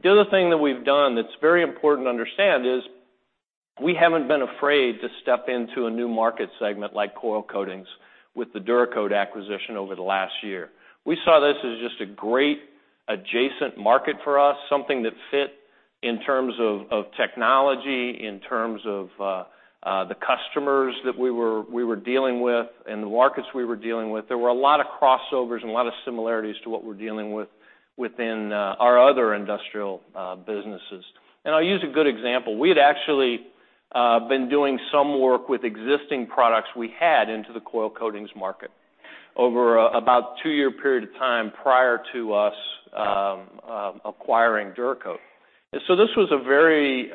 The other thing that we've done that's very important to understand is we haven't been afraid to step into a new market segment like coil coatings with the DuraCoat acquisition over the last year. We saw this as just a great adjacent market for us, something that fit in terms of technology, in terms of the customers that we were dealing with and the markets we were dealing with. There were a lot of crossovers and a lot of similarities to what we're dealing with within our other industrial businesses. I'll use a good example. We had actually been doing some work with existing products we had into the coil coatings market over about a two-year period of time prior to us acquiring DuraCoat. This was a very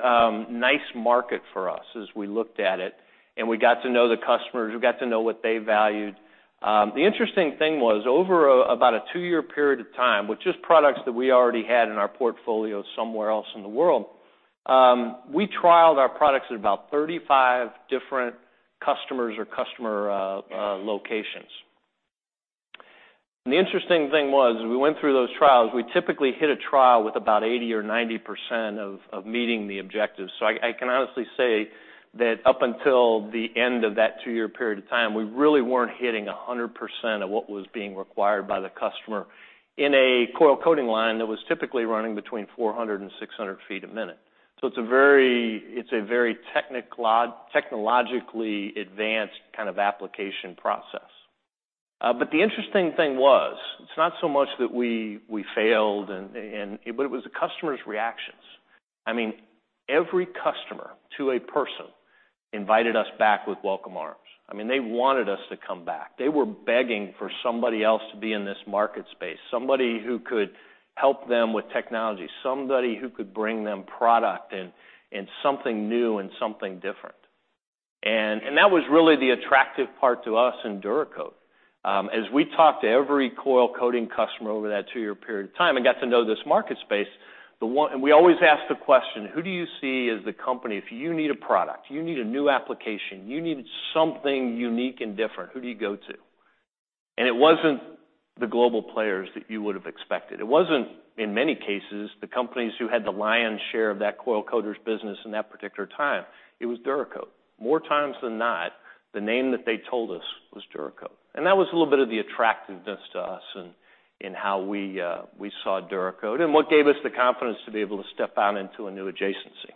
nice market for us as we looked at it and we got to know the customers. We got to know what they valued. The interesting thing was, over about a two-year period of time, with just products that we already had in our portfolio somewhere else in the world, we trialed our products at about 35 different customers or customer locations. The interesting thing was, as we went through those trials, we typically hit a trial with about 80% or 90% of meeting the objectives. I can honestly say that up until the end of that two-year period of time, we really weren't hitting 100% of what was being required by the customer in a coil coating line that was typically running between 400 and 600 feet a minute. It's a very technologically advanced kind of application process. The interesting thing was, it's not so much that we failed, but it was the customers' reactions. Every customer, to a person, invited us back with welcome arms. They wanted us to come back. They were begging for somebody else to be in this market space, somebody who could help them with technology, somebody who could bring them product and something new and something different. That was really the attractive part to us in DuraCoat. As we talked to every coil coating customer over that two-year period of time and got to know this market space, we always asked the question: Who do you see as the company, if you need a product, if you need a new application, you need something unique and different, who do you go to? It wasn't the global players that you would've expected. It wasn't, in many cases, the companies who had the lion's share of that coil coaters business in that particular time. It was DuraCoat. More times than not, the name that they told us was DuraCoat. That was a little bit of the attractiveness to us in how we saw DuraCoat and what gave us the confidence to be able to step out into a new adjacency.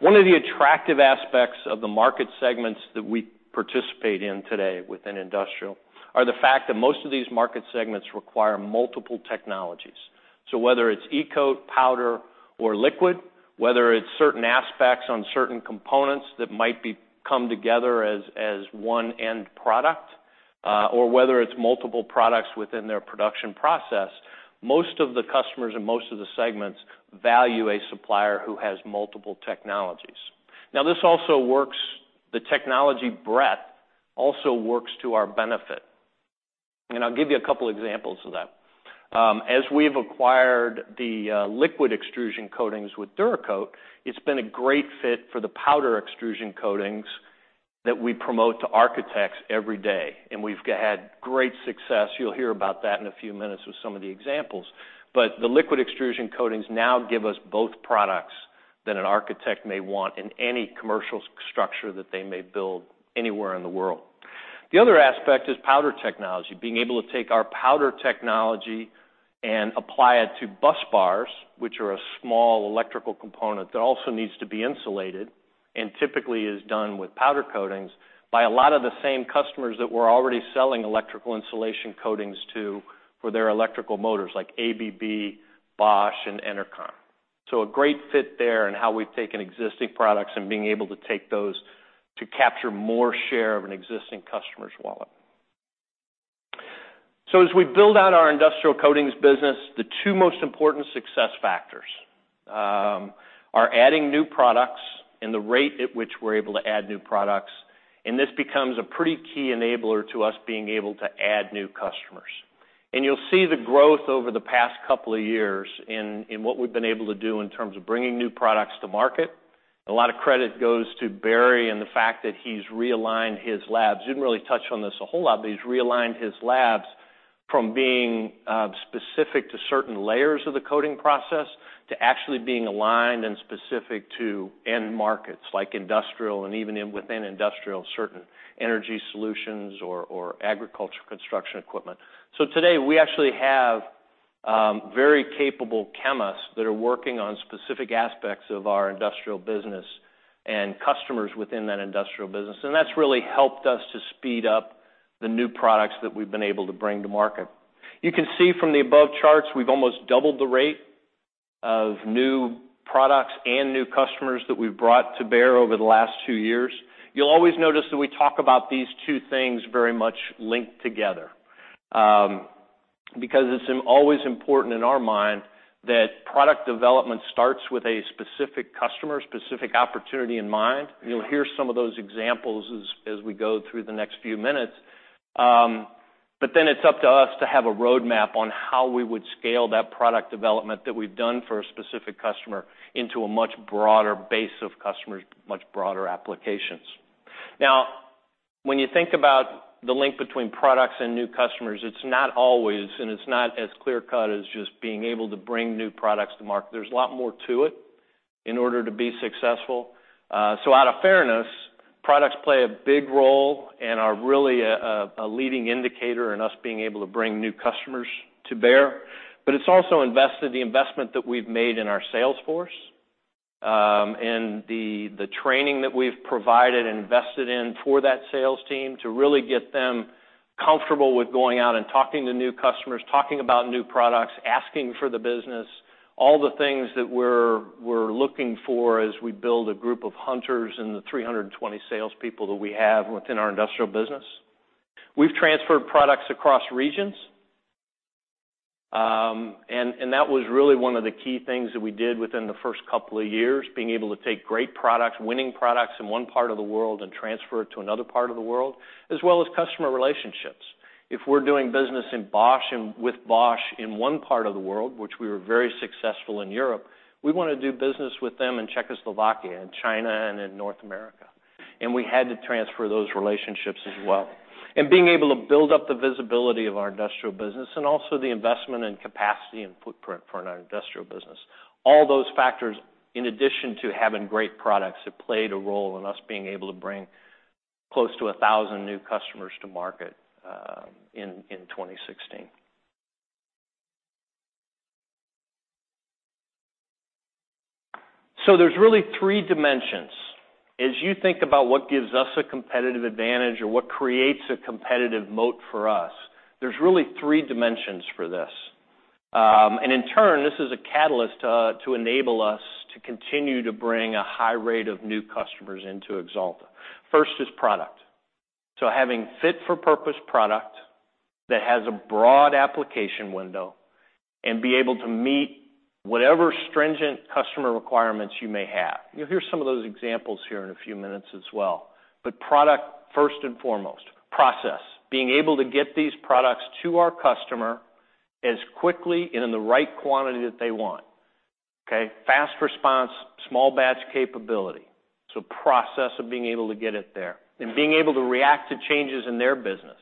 One of the attractive aspects of the market segments that we participate in today within industrial are the fact that most of these market segments require multiple technologies. Whether it's e-coat, powder, or liquid, whether it's certain aspects on certain components that might come together as one end product, or whether it's multiple products within their production process, most of the customers and most of the segments value a supplier who has multiple technologies. The technology breadth also works to our benefit. I'll give you a couple examples of that. As we've acquired the liquid extrusion coatings with DuraCoat, it's been a great fit for the powder extrusion coatings that we promote to architects every day, and we've had great success. You'll hear about that in a few minutes with some of the examples. The liquid extrusion coatings now give us both products that an architect may want in any commercial structure that they may build anywhere in the world. The other aspect is powder technology. Being able to take our powder technology and apply it to bus bars, which are a small electrical component that also needs to be insulated, and typically is done with powder coatings by a lot of the same customers that we're already selling electrical insulation coatings to for their electrical motors, like ABB, Bosch, and Enercon. A great fit there in how we've taken existing products and being able to take those to capture more share of an existing customer's wallet. As we build out our industrial coatings business, the two most important success factors are adding new products and the rate at which we're able to add new products, and this becomes a pretty key enabler to us being able to add new customers. You'll see the growth over the past couple of years in what we've been able to do in terms of bringing new products to market. A lot of credit goes to Barry and the fact that he's realigned his labs. He didn't really touch on this a whole lot, but he's realigned his labs from being specific to certain layers of the coating process to actually being aligned and specific to end markets, like industrial, and even within industrial, certain energy solutions or agriculture construction equipment. Today, we actually have very capable chemists that are working on specific aspects of our industrial business and customers within that industrial business, and that's really helped us to speed up the new products that we've been able to bring to market. You can see from the above charts, we've almost doubled the rate of new products and new customers that we've brought to bear over the last two years. You'll always notice that we talk about these two things very much linked together, because it's always important in our mind that product development starts with a specific customer, specific opportunity in mind. You'll hear some of those examples as we go through the next few minutes. It's up to us to have a roadmap on how we would scale that product development that we've done for a specific customer into a much broader base of customers, much broader applications. When you think about the link between products and new customers, it's not always, and it's not as clear-cut as just being able to bring new products to market. There's a lot more to it in order to be successful. Out of fairness, products play a big role and are really a leading indicator in us being able to bring new customers to bear. It's also the investment that we've made in our sales force, and the training that we've provided and invested in for that sales team to really get them comfortable with going out and talking to new customers, talking about new products, asking for the business, all the things that we're looking for as we build a group of hunters in the 320 salespeople that we have within our industrial business. We've transferred products across regions, that was really one of the key things that we did within the first couple of years, being able to take great products, winning products in one part of the world and transfer it to another part of the world, as well as customer relationships. If we're doing business with Bosch in one part of the world, which we were very successful in Europe, we want to do business with them in Czechoslovakia, and China, and in North America, we had to transfer those relationships as well. Being able to build up the visibility of our industrial business, and also the investment in capacity and footprint for our industrial business. All those factors, in addition to having great products, have played a role in us being able to bring close to 1,000 new customers to market in 2016. There's really three dimensions. As you think about what gives us a competitive advantage or what creates a competitive moat for us, there's really three dimensions for this. In turn, this is a catalyst to enable us to continue to bring a high rate of new customers into Axalta. First is product. Having fit-for-purpose product that has a broad application window and be able to meet whatever stringent customer requirements you may have. You'll hear some of those examples here in a few minutes as well. Product first and foremost. Process, being able to get these products to our customer as quickly and in the right quantity that they want, okay? Fast response, small batch capability. Process of being able to get it there, and being able to react to changes in their business.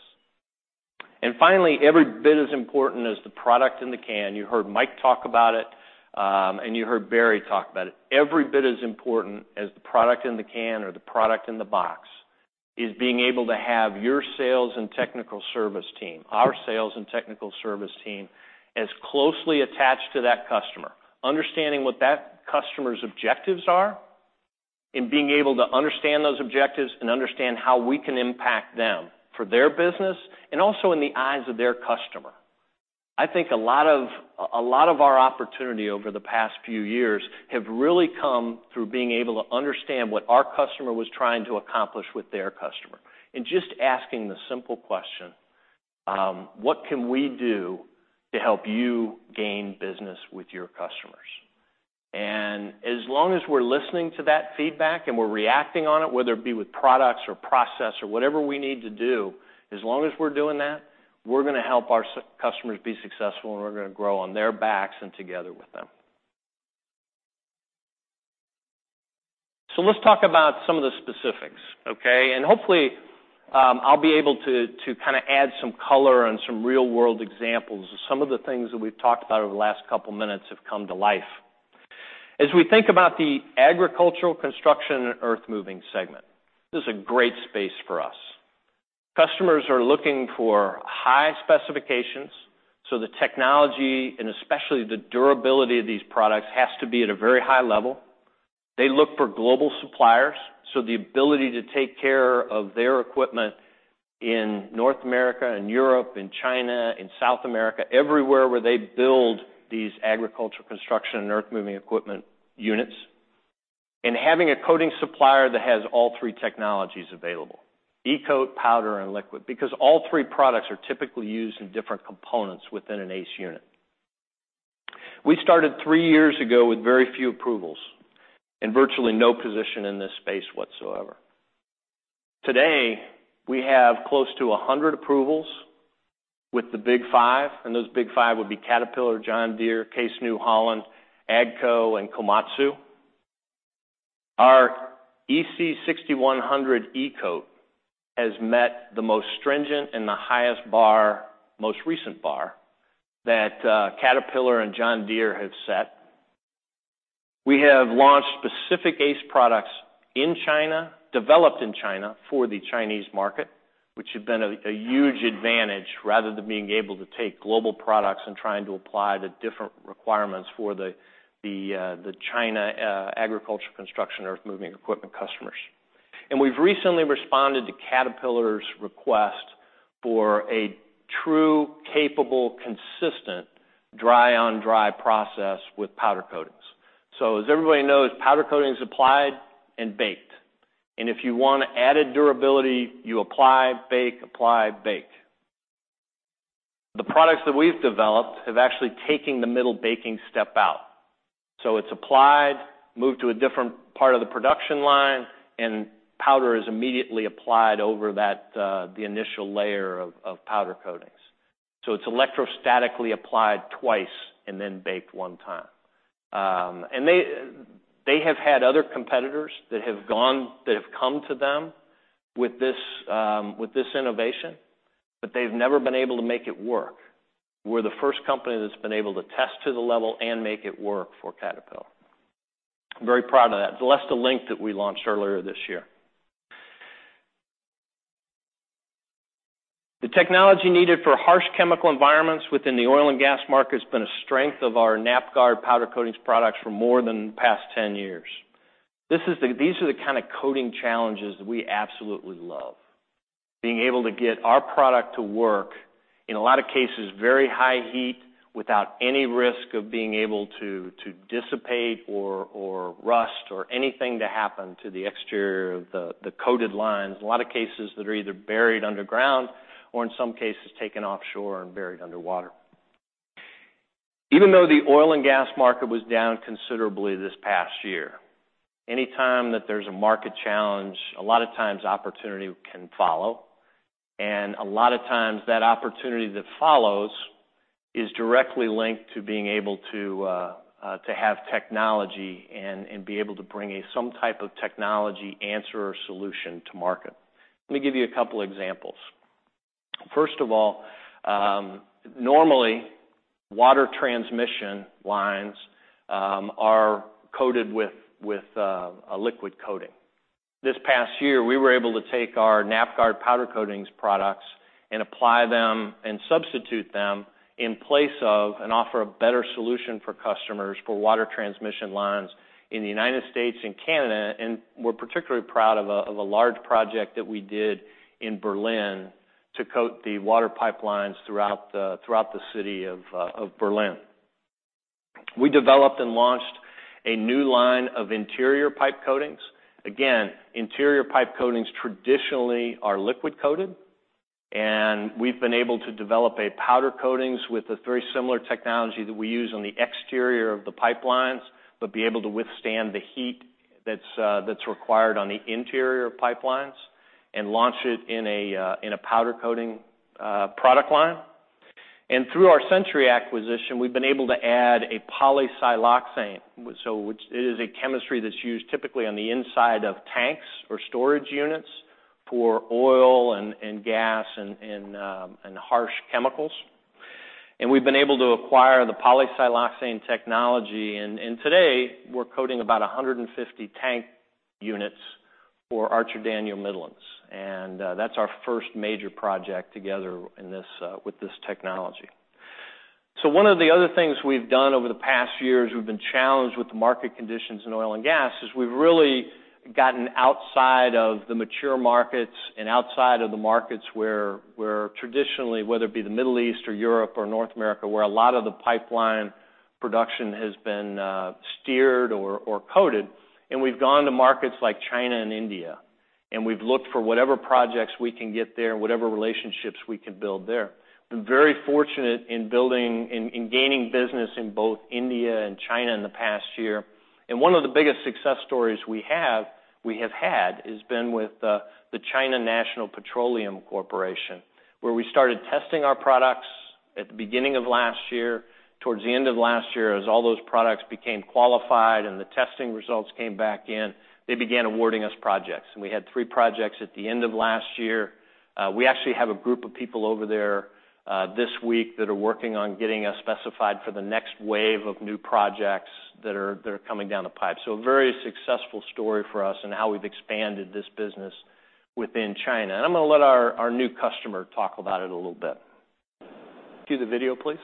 Finally, every bit as important as the product in the can, you heard Mike talk about it, and you heard Barry talk about it. Every bit as important as the product in the can or the product in the box is being able to have your sales and technical service team, our sales and technical service team, as closely attached to that customer, understanding what that customer's objectives are, and being able to understand those objectives and understand how we can impact them for their business and also in the eyes of their customer. I think a lot of our opportunity over the past few years have really come through being able to understand what our customer was trying to accomplish with their customer, and just asking the simple question, "What can we do to help you gain business with your customers?" As long as we're listening to that feedback and we're reacting on it, whether it be with products or process or whatever we need to do, as long as we're doing that, we're going to help our customers be successful, and we're going to grow on their backs and together with them. Let's talk about some of the specifics, okay? Hopefully, I'll be able to add some color and some real-world examples of some of the things that we've talked about over the last couple of minutes have come to life. As we think about the agricultural construction and earthmoving segment, this is a great space for us. Customers are looking for high specifications, so the technology, and especially the durability of these products, has to be at a very high level. They look for global suppliers, so the ability to take care of their equipment in North America, in Europe, in China, in South America, everywhere where they build these agricultural construction and earthmoving equipment units. Having a coating supplier that has all three technologies available, e-coat, powder, and liquid, because all three products are typically used in different components within an ACE unit. We started three years ago with very few approvals and virtually no position in this space whatsoever. Today, we have close to 100 approvals with the Big Five, and those Big Five would be Caterpillar, John Deere, Case New Holland, AGCO, and Komatsu. Our EC 6100 e-coat has met the most stringent and the highest bar, most recent bar, that Caterpillar and John Deere have set. We have launched specific ACE products in China, developed in China for the Chinese market, which has been a huge advantage, rather than being able to take global products and trying to apply the different requirements for the China agricultural construction, earthmoving equipment customers. We've recently responded to Caterpillar's request for a true, capable, consistent dry-on-dry process with powder coatings. As everybody knows, powder coating is applied and baked. If you want added durability, you apply, bake, apply, bake. The products that we've developed have actually taken the middle baking step out. It's applied, moved to a different part of the production line, and powder is immediately applied over the initial layer of powder coatings. It's electrostatically applied twice and then baked one time. They have had other competitors that have come to them with this innovation, but they've never been able to make it work. We're the first company that's been able to test to the level and make it work for Caterpillar. I'm very proud of that. Alesta Zinc that we launched earlier this year. The technology needed for harsh chemical environments within the oil and gas market has been a strength of our Nap-Gard powder coatings products for more than the past 10 years. These are the kind of coating challenges that we absolutely love. Being able to get our product to work, in a lot of cases, very high heat, without any risk of being able to dissipate or rust or anything to happen to the exterior of the coated lines. A lot of cases that are either buried underground or in some cases, taken offshore and buried underwater. Even though the oil and gas market was down considerably this past year, anytime that there's a market challenge, a lot of times opportunity can follow. A lot of times that opportunity that follows is directly linked to being able to have technology and be able to bring some type of technology answer or solution to market. Let me give you a couple examples. First of all, normally, water transmission lines are coated with a liquid coating. This past year, we were able to take our Nap-Gard powder coatings products and apply them and substitute them in place of, and offer a better solution for customers for water transmission lines in the U.S. and Canada. We're particularly proud of a large project that we did in Berlin to coat the water pipelines throughout the city of Berlin. We developed and launched a new line of interior pipe coatings. Again, interior pipe coatings traditionally are liquid coated, and we've been able to develop a powder coatings with a very similar technology that we use on the exterior of the pipelines, but be able to withstand the heat that's required on the interior pipelines and launch it in a powder coating product line. Through our Century acquisition, we've been able to add a polysiloxane, which is a chemistry that's used typically on the inside of tanks or storage units for oil and gas and harsh chemicals. We've been able to acquire the polysiloxane technology, and today, we're coating about 150 tank units for Archer Daniels Midland. That's our first major project together with this technology. One of the other things we've done over the past years, we've been challenged with the market conditions in oil and gas, is we've really gotten outside of the mature markets and outside of the markets where traditionally, whether it be the Middle East or Europe or North America, where a lot of the pipeline production has been steered or coated. We've gone to markets like China and India. We've looked for whatever projects we can get there, whatever relationships we can build there. We've been very fortunate in gaining business in both India and China in the past year. One of the biggest success stories we have had has been with the China National Petroleum Corporation, where we started testing our products at the beginning of last year. Towards the end of last year, as all those products became qualified and the testing results came back in, they began awarding us projects. We had three projects at the end of last year. We actually have a group of people over there this week that are working on getting us specified for the next wave of new projects that are coming down the pipe. A very successful story for us in how we've expanded this business within China. I'm going to let our new customer talk about it a little bit. Cue the video, please.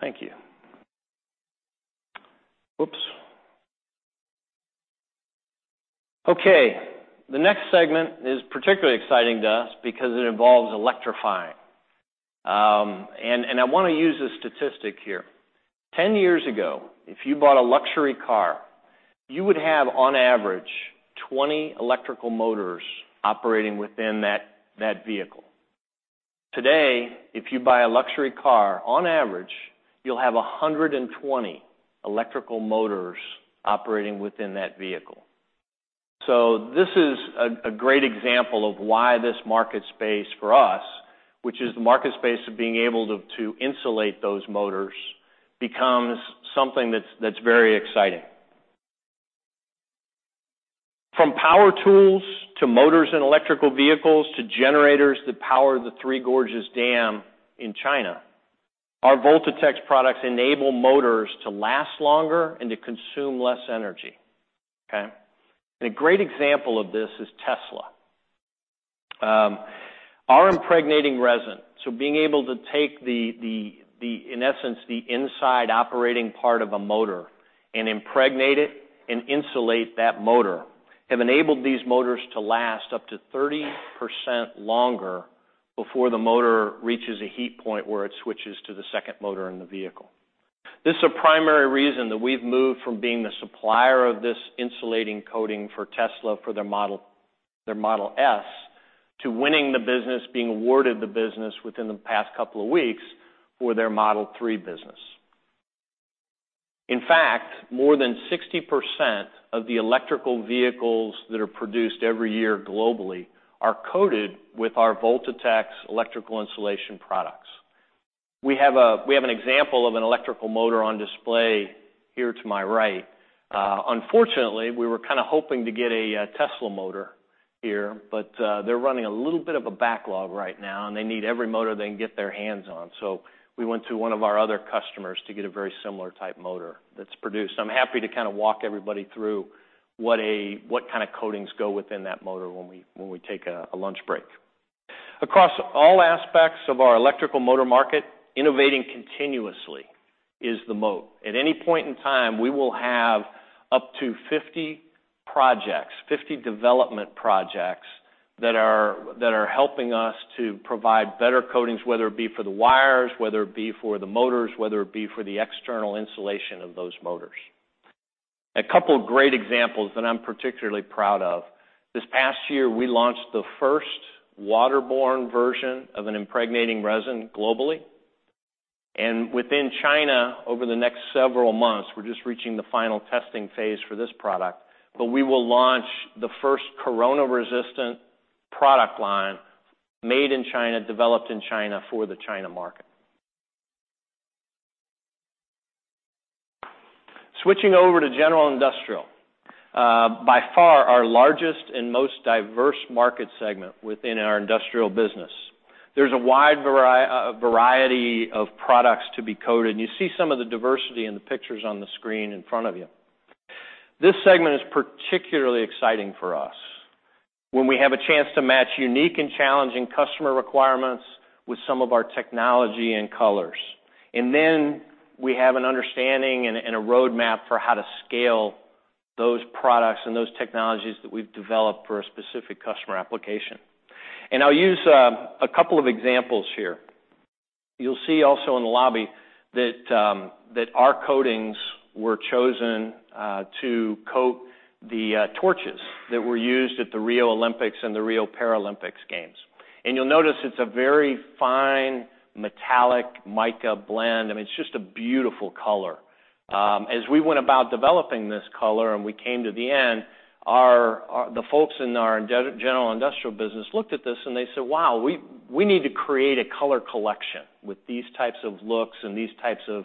Thank you. Oops. Okay, the next segment is particularly exciting to us because it involves electrifying. I want to use this statistic here. 10 years ago, if you bought a luxury car, you would have, on average, 20 electrical motors operating within that vehicle. Today, if you buy a luxury car, on average, you'll have 120 electrical motors operating within that vehicle. This is a great example of why this market space, for us, which is the market space of being able to insulate those motors, becomes something that's very exciting. From power tools to motors in electrical vehicles to generators that power the Three Gorges Dam in China, our Voltatex products enable motors to last longer and to consume less energy. Okay. A great example of this is Tesla. Our impregnating resin, being able to take, in essence, the inside operating part of a motor and impregnate it and insulate that motor, have enabled these motors to last up to 30% longer before the motor reaches a heat point where it switches to the second motor in the vehicle. This is a primary reason that we've moved from being the supplier of this insulating coating for Tesla for their Model S to winning the business, being awarded the business within the past couple of weeks for their Model 3 business. In fact, more than 60% of the electrical vehicles that are produced every year globally are coated with our Voltatex electrical insulation products. We have an example of an electrical motor on display here to my right. Unfortunately, we were kind of hoping to get a Tesla motor here, but they're running a little bit of a backlog right now, and they need every motor they can get their hands on. We went to one of our other customers to get a very similar type motor that's produced. I'm happy to kind of walk everybody through what kind of coatings go within that motor when we take a lunch break. Across all aspects of our electrical motor market, innovating continuously is the mode. At any point in time, we will have up to 50 development projects that are helping us to provide better coatings, whether it be for the wires, whether it be for the motors, whether it be for the external insulation of those motors. A couple of great examples that I'm particularly proud of. This past year, we launched the first waterborne version of an impregnating resin globally. Within China, over the next several months, we're just reaching the final testing phase for this product, but we will launch the first corona-resistant product line made in China, developed in China for the China market. Switching over to general industrial. By far, our largest and most diverse market segment within our industrial business. There's a wide variety of products to be coated, and you see some of the diversity in the pictures on the screen in front of you. This segment is particularly exciting for us, when we have a chance to match unique and challenging customer requirements with some of our technology and colors. Then we have an understanding and a roadmap for how to scale those products and those technologies that we've developed for a specific customer application. I'll use a couple of examples here. You'll see also in the lobby that our coatings were chosen to coat the torches that were used at the Rio Olympics and the Rio Paralympics Games. You'll notice it's a very fine metallic mica blend. It's just a beautiful color. As we went about developing this color and we came to the end, the folks in our general industrial business looked at this, and they said, "Wow, we need to create a color collection with these types of looks and these types of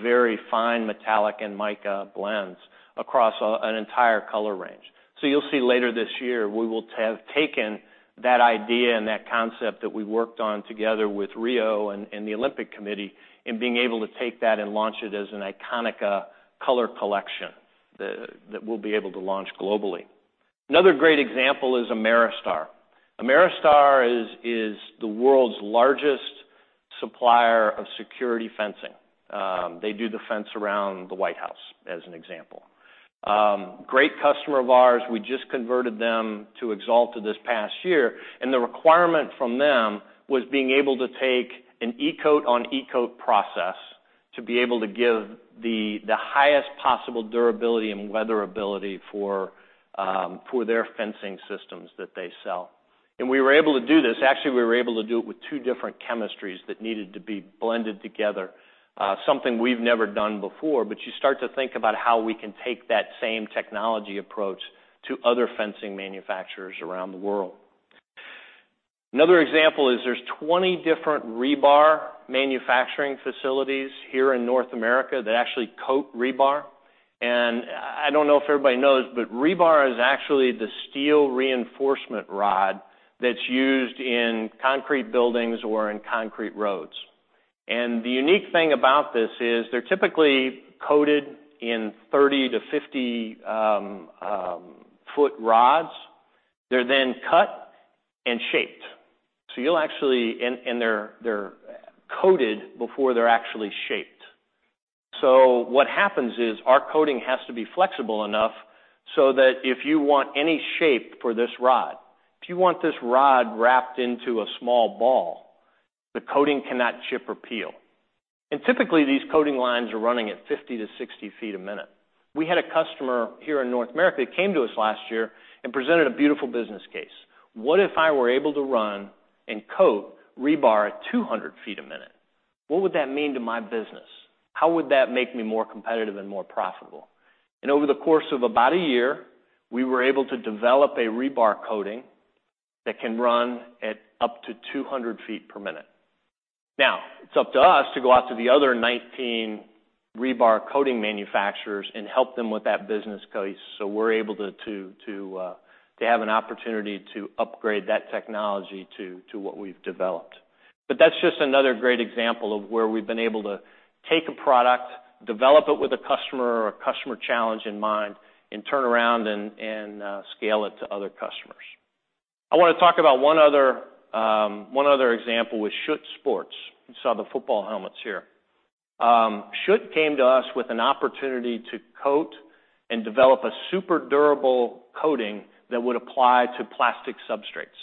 very fine metallic and mica blends across an entire color range." You'll see later this year, we will have taken that idea and that concept that we worked on together with Rio and the Olympic Committee, and being able to take that and launch it as an ICONICA color collection, that we'll be able to launch globally. Another great example is Ameristar. Ameristar is the world's largest supplier of security fencing. They do the fence around the White House, as an example. Great customer of ours, we just converted them to Axalta this past year, and the requirement from them was being able to take an e-coat-on-e-coat process to be able to give the highest possible durability and weatherability for their fencing systems that they sell. We were able to do this. Actually, we were able to do it with two different chemistries that needed to be blended together. Something we've never done before, you start to think about how we can take that same technology approach to other fencing manufacturers around the world. Another example is there's 20 different rebar manufacturing facilities here in North America that actually coat rebar. I don't know if everybody knows, but rebar is actually the steel reinforcement rod that's used in concrete buildings or in concrete roads. The unique thing about this is they're typically coated in 30-50-foot rods. They're then cut and shaped. They're coated before they're actually shaped. What happens is our coating has to be flexible enough so that if you want any shape for this rod, if you want this rod wrapped into a small ball, the coating cannot chip or peel. Typically, these coating lines are running at 50-60 feet a minute. We had a customer here in North America that came to us last year and presented a beautiful business case. What if I were able to run and coat rebar at 200 feet a minute? What would that mean to my business? How would that make me more competitive and more profitable? Over the course of about a year, we were able to develop a rebar coating that can run at up to 200 feet per minute. It's up to us to go out to the other 19 rebar coating manufacturers and help them with that business case, we're able to have an opportunity to upgrade that technology to what we've developed. That's just another great example of where we've been able to take a product, develop it with a customer or a customer challenge in mind, and turn around and scale it to other customers. I want to talk about one other example with Schutt Sports. You saw the football helmets here. Schutt came to us with an opportunity to coat and develop a super durable coating that would apply to plastic substrates.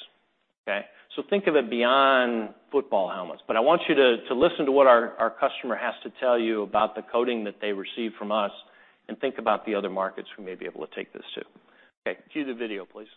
Okay? Think of it beyond football helmets, but I want you to listen to what our customer has to tell you about the coating that they received from us, and think about the other markets we may be able to take this to. Cue the video, please.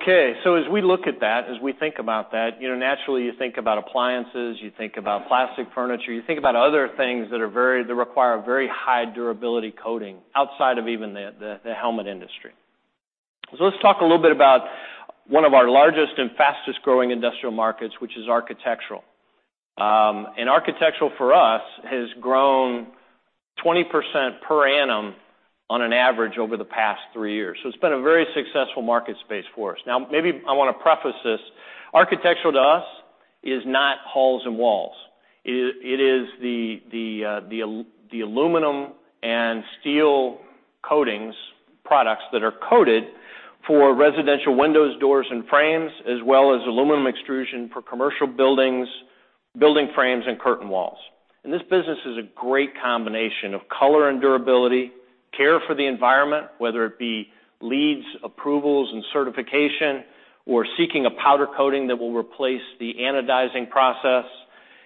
As we look at that, as we think about that, naturally you think about appliances, you think about plastic furniture, you think about other things that require very high durability coating outside of even the helmet industry. Let's talk a little bit about one of our largest and fastest growing industrial markets, which is architectural. Architectural for us has grown 20% per annum on average over the past three years. It's been a very successful market space for us. Maybe I want to preface this. Architectural to us is not halls and walls. It is the aluminum and steel coatings products that are coated for residential windows, doors, and frames, as well as aluminum extrusion for commercial buildings, building frames, and curtain walls. This business is a great combination of color and durability, care for the environment, whether it be LEED approvals and certification, or seeking a powder coating that will replace the anodizing process,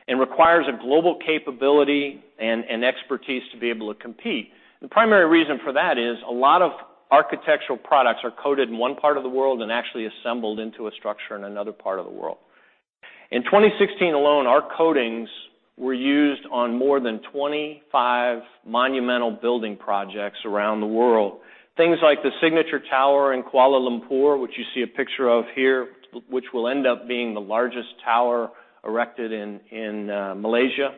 and requires a global capability and expertise to be able to compete. The primary reason for that is a lot of architectural products are coated in one part of the world and actually assembled into a structure in another part of the world. In 2016 alone, our coatings were used on more than 25 monumental building projects around the world. Things like the Signature Tower in Kuala Lumpur, which you see a picture of here, which will end up being the largest tower erected in Malaysia,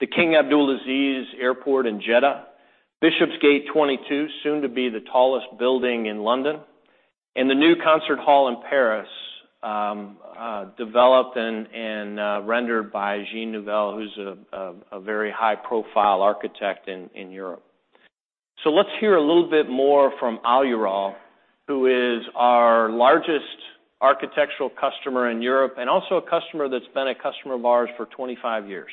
the King Abdulaziz Airport in Jeddah, Bishopsgate 22, soon to be the tallest building in London, and the new concert hall in Paris, developed and rendered by Jean Nouvel, who's a very high profile architect in Europe. Let's hear a little bit more from Alural, who is our largest architectural customer in Europe, and also a customer that's been a customer of ours for 25 years.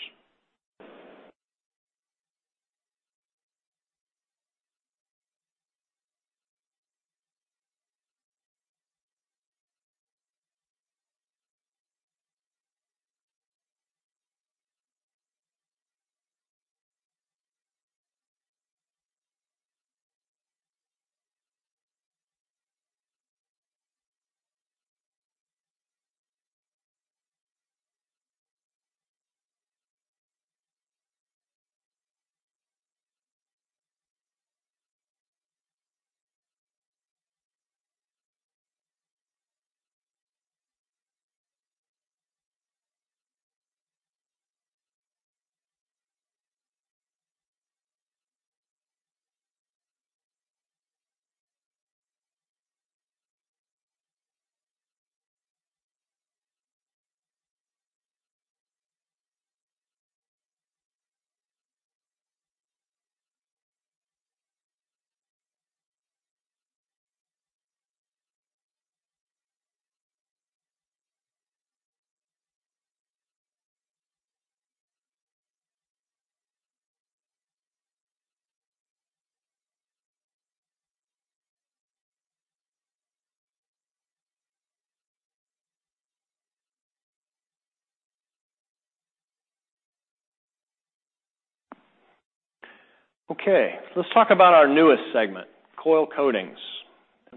Let's talk about our newest segment, coil coatings,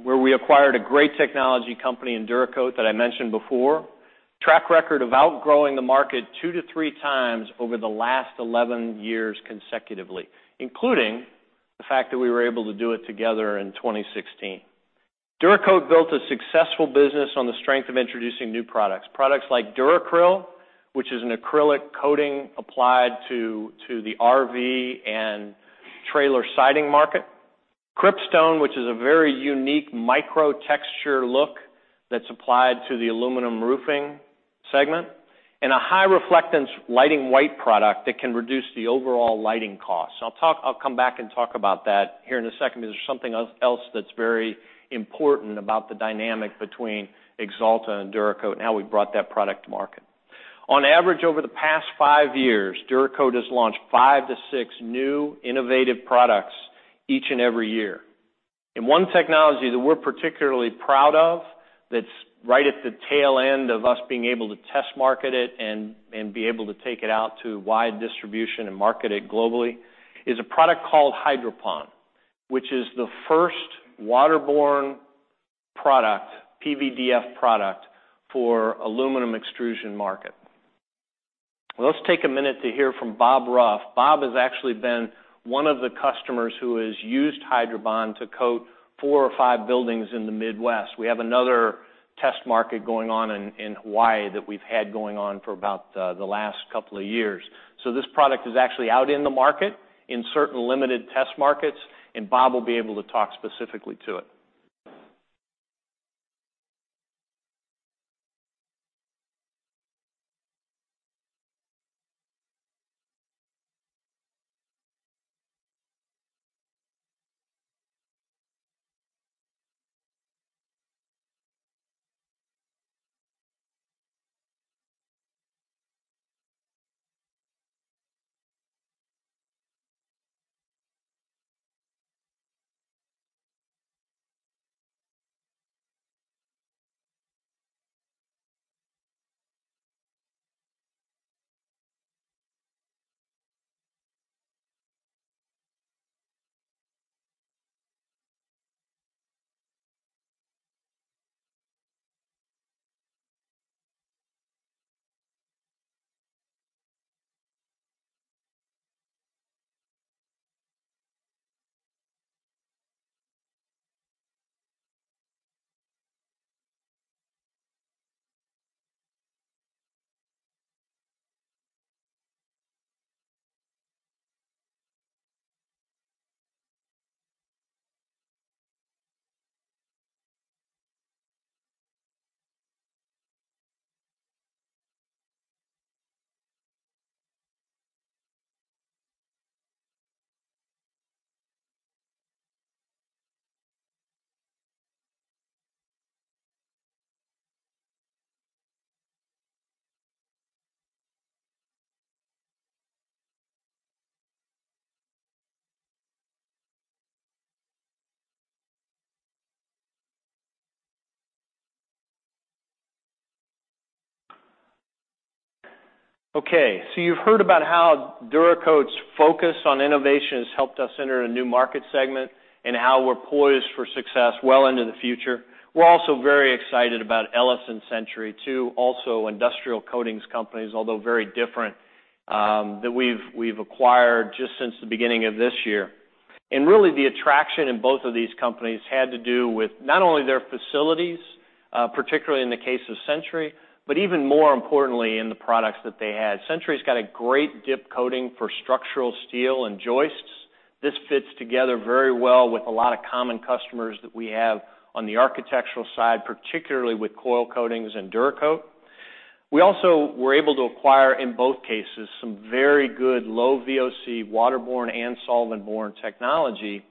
where we acquired a great technology company in DuraCoat that I mentioned before. Track record of outgrowing the market two to three times over the last 11 years consecutively, including the fact that we were able to do it together in 2016. DuraCoat built a successful business on the strength of introducing new products like DuraAcryl, which is an acrylic coating applied to the RV and trailer siding market, Cryptstone, which is a very unique microtexture look that's applied to the aluminum roofing segment, and a high reflectance lighting white product that can reduce the overall lighting cost. I'll come back and talk about that here in a second because there's something else that's very important about the dynamic between Axalta and DuraCoat and how we brought that product to market. On average, over the past five years, DuraCoat has launched five to six new innovative products each and every year. One technology that we're particularly proud of, that's right at the tail end of us being able to test market it and be able to take it out to wide distribution and market it globally, is a product called HydroPon, which is the first waterborne PVDF product for aluminum extrusion market. Let's take a minute to hear from Robert Roop. Robert has actually been one of the customers who has used HydroPon to coat four or five buildings in the Midwest. We have another test market going on in Hawaii that we've had going on for about the last couple of years. This product is actually out in the market in certain limited test markets, and Robert will be able to talk specifically to it. Okay. You've heard about how DuraCoat's focus on innovation has helped us enter a new market segment, and how we're poised for success well into the future. We're also very excited about Ellis and Century too, also industrial coatings companies, although very different, that we've acquired just since the beginning of this year. Really the attraction in both of these companies had to do with not only their facilities, particularly in the case of Century, but even more importantly, in the products that they had. Century's got a great dip coating for structural steel and joists. This fits together very well with a lot of common customers that we have on the architectural side, particularly with coil coatings and DuraCoat. We also were able to acquire, in both cases, some very good low VOC waterborne and solvent-borne technology,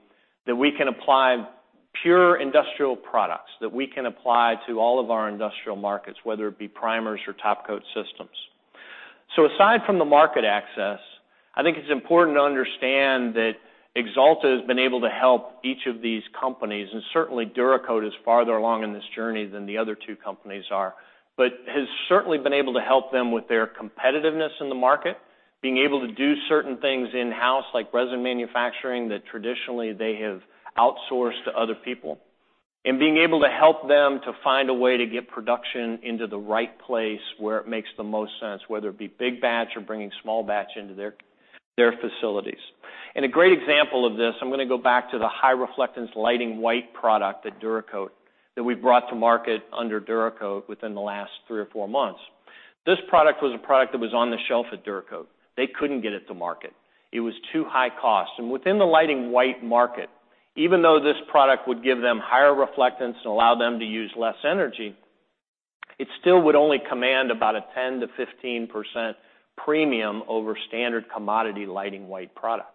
pure industrial products that we can apply to all of our industrial markets, whether it be primers or topcoat systems. Aside from the market access, I think it's important to understand that Axalta has been able to help each of these companies, and certainly DuraCoat is farther along in this journey than the other two companies are, but has certainly been able to help them with their competitiveness in the market, being able to do certain things in-house like resin manufacturing that traditionally they have outsourced to other people. Being able to help them to find a way to get production into the right place where it makes the most sense, whether it be big batch or bringing small batch into their facilities. A great example of this, I'm going to go back to the high reflectance lighting white product at DuraCoat, that we've brought to market under DuraCoat within the last three or four months. This product was a product that was on the shelf at DuraCoat. They couldn't get it to market. It was too high cost. Within the lighting white market, even though this product would give them higher reflectance and allow them to use less energy, it still would only command about a 10%-15% premium over standard commodity lighting white products.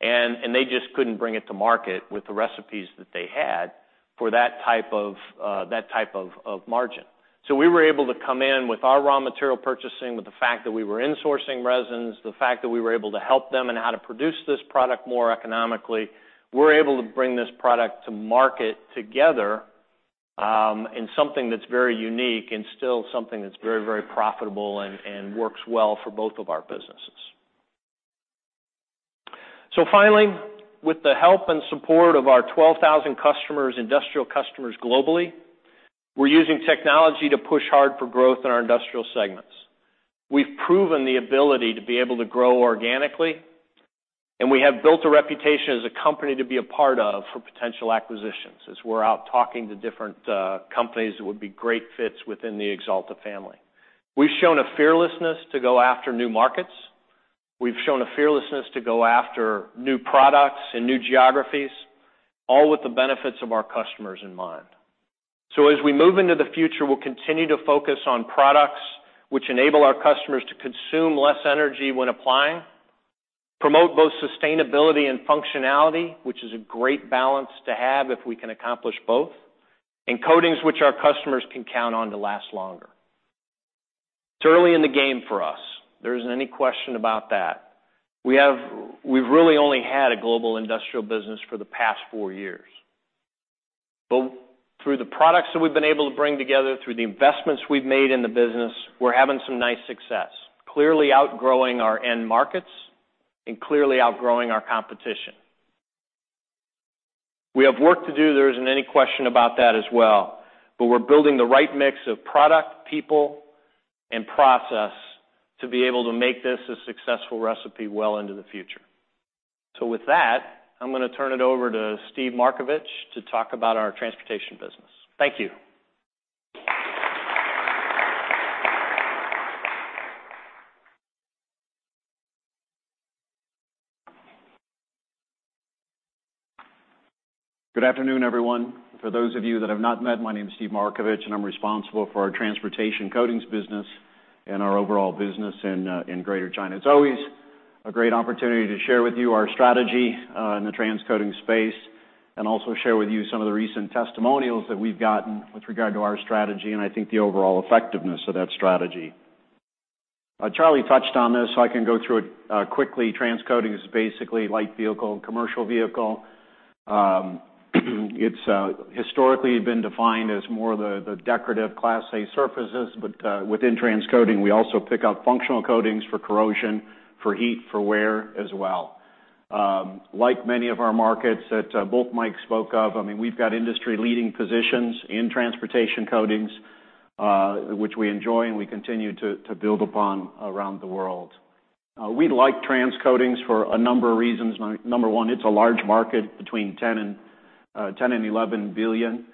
They just couldn't bring it to market with the recipes that they had for that type of margin. We were able to come in with our raw material purchasing, with the fact that we were insourcing resins, the fact that we were able to help them in how to produce this product more economically. We are able to bring this product to market together, in something that is very unique and still something that is very, very profitable and works well for both of our businesses. Finally, with the help and support of our 12,000 industrial customers globally, we are using technology to push hard for growth in our industrial segments. We have proven the ability to be able to grow organically, and we have built a reputation as a company to be a part of for potential acquisitions, as we are out talking to different companies that would be great fits within the Axalta family. We have shown a fearlessness to go after new markets. We have shown a fearlessness to go after new products and new geographies, all with the benefits of our customers in mind. As we move into the future, we will continue to focus on products which enable our customers to consume less energy when applying, promote both sustainability and functionality, which is a great balance to have if we can accomplish both, and coatings which our customers can count on to last longer. It is early in the game for us. There is not any question about that. We have really only had a global industrial business for the past four years. But through the products that we have been able to bring together, through the investments we have made in the business, we are having some nice success, clearly outgrowing our end markets and clearly outgrowing our competition. We have work to do. There is not any question about that as well, but we are building the right mix of product, people, and process to be able to make this a successful recipe well into the future. With that, I am going to turn it over to Steve Markevich to talk about our transportation business. Thank you. Good afternoon, everyone. For those of you that I have not met, my name is Steve Markevich, and I am responsible for our transportation coatings business and our overall business in Greater China. It is always a great opportunity to share with you our strategy in the trans coatings space. And also share with you some of the recent testimonials that we have gotten with regard to our strategy, and I think the overall effectiveness of that strategy. Charlie touched on this, I can go through it quickly. Trans coatings is basically light vehicle, commercial vehicle. It is historically been defined as more the decorative class A surfaces. But within trans coating, we also pick up functional coatings for corrosion, for heat, for wear as well. Like many of our markets that both Mikes spoke of, we've got industry-leading positions in transportation coatings, which we enjoy and we continue to build upon around the world. We like trans coatings for a number of reasons. Number one, it's a large market, between $10 billion and $11 billion.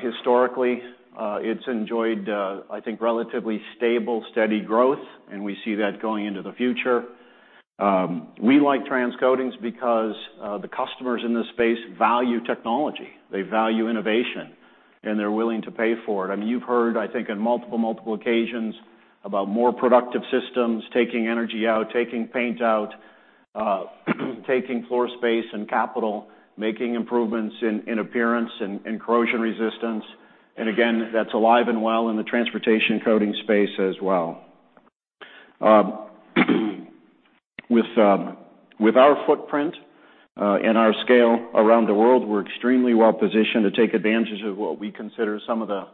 Historically, it's enjoyed, I think, relatively stable, steady growth, and we see that going into the future. We like trans coatings because the customers in this space value technology. They value innovation, and they're willing to pay for it. You've heard, I think, on multiple occasions about more productive systems, taking energy out, taking paint out, taking floor space and capital, making improvements in appearance and corrosion resistance. Again, that's alive and well in the transportation coating space as well. With our footprint and our scale around the world, we're extremely well-positioned to take advantage of what we consider some of the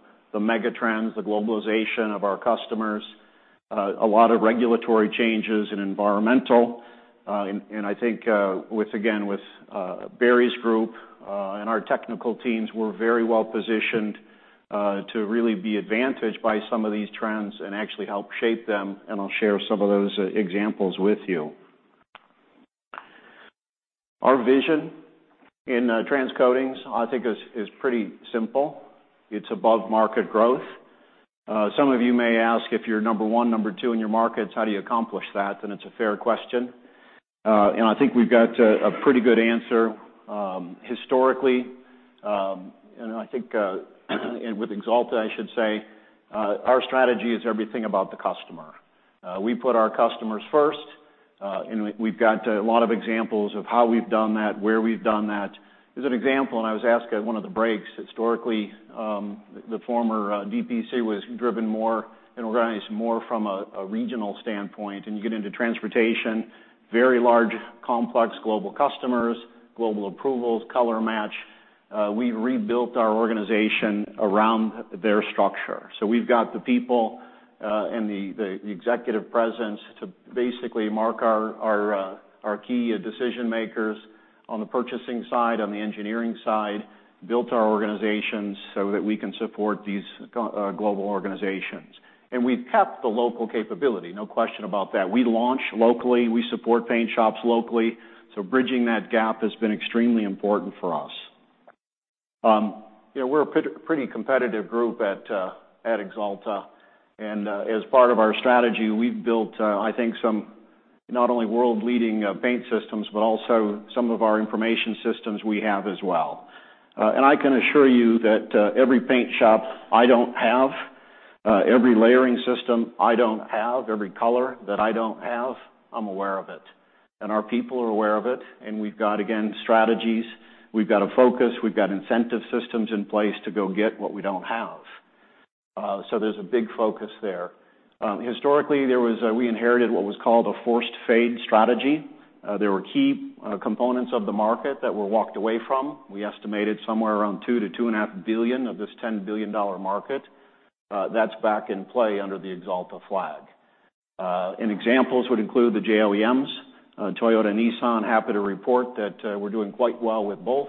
mega trends, the globalization of our customers, a lot of regulatory changes in environmental. I think, again, with Barry's group and our technical teams, we're very well-positioned to really be advantaged by some of these trends and actually help shape them, and I'll share some of those examples with you. Our vision in trans coatings, I think, is pretty simple. It's above-market growth. Some of you may ask, if you're number one, number two in your markets, how do you accomplish that? It's a fair question. I think we've got a pretty good answer historically. I think with Axalta, I should say, our strategy is everything about the customer. We put our customers first, and we've got a lot of examples of how we've done that, where we've done that. As an example, I was asked at one of the breaks, historically, the former DPC was driven more and organized more from a regional standpoint. You get into transportation, very large, complex global customers, global approvals, color match. We rebuilt our organization around their structure. We've got the people and the executive presence to basically mark our key decision-makers on the purchasing side, on the engineering side, built our organizations so that we can support these global organizations. We've kept the local capability, no question about that. We launch locally, we support paint shops locally, bridging that gap has been extremely important for us. We're a pretty competitive group at Axalta, and as part of our strategy, we've built, I think, some not only world-leading paint systems, but also some of our information systems we have as well. I can assure you that every paint shop I don't have, every layering system I don't have, every color that I don't have, I'm aware of it. Our people are aware of it, and we've got, again, strategies. We've got a focus. We've got incentive systems in place to go get what we don't have. There's a big focus there. Historically, we inherited what was called a forced fade strategy. There were key components of the market that were walked away from. We estimated somewhere around $2 billion to $2.5 billion of this $10 billion market. That's back in play under the Axalta flag. Examples would include the OEMs, Toyota, Nissan. Happy to report that we're doing quite well with both.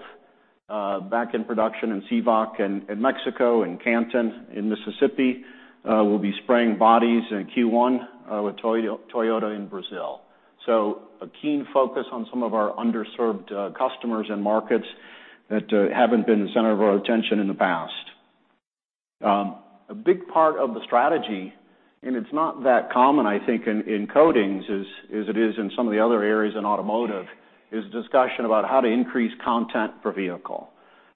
Back in production in Civac in Mexico and Canton in Mississippi. We'll be spraying bodies in Q1 with Toyota in Brazil. A keen focus on some of our underserved customers and markets that haven't been the center of our attention in the past. A big part of the strategy, and it's not that common, I think, in coatings as it is in some of the other areas in automotive, is discussion about how to increase content per vehicle.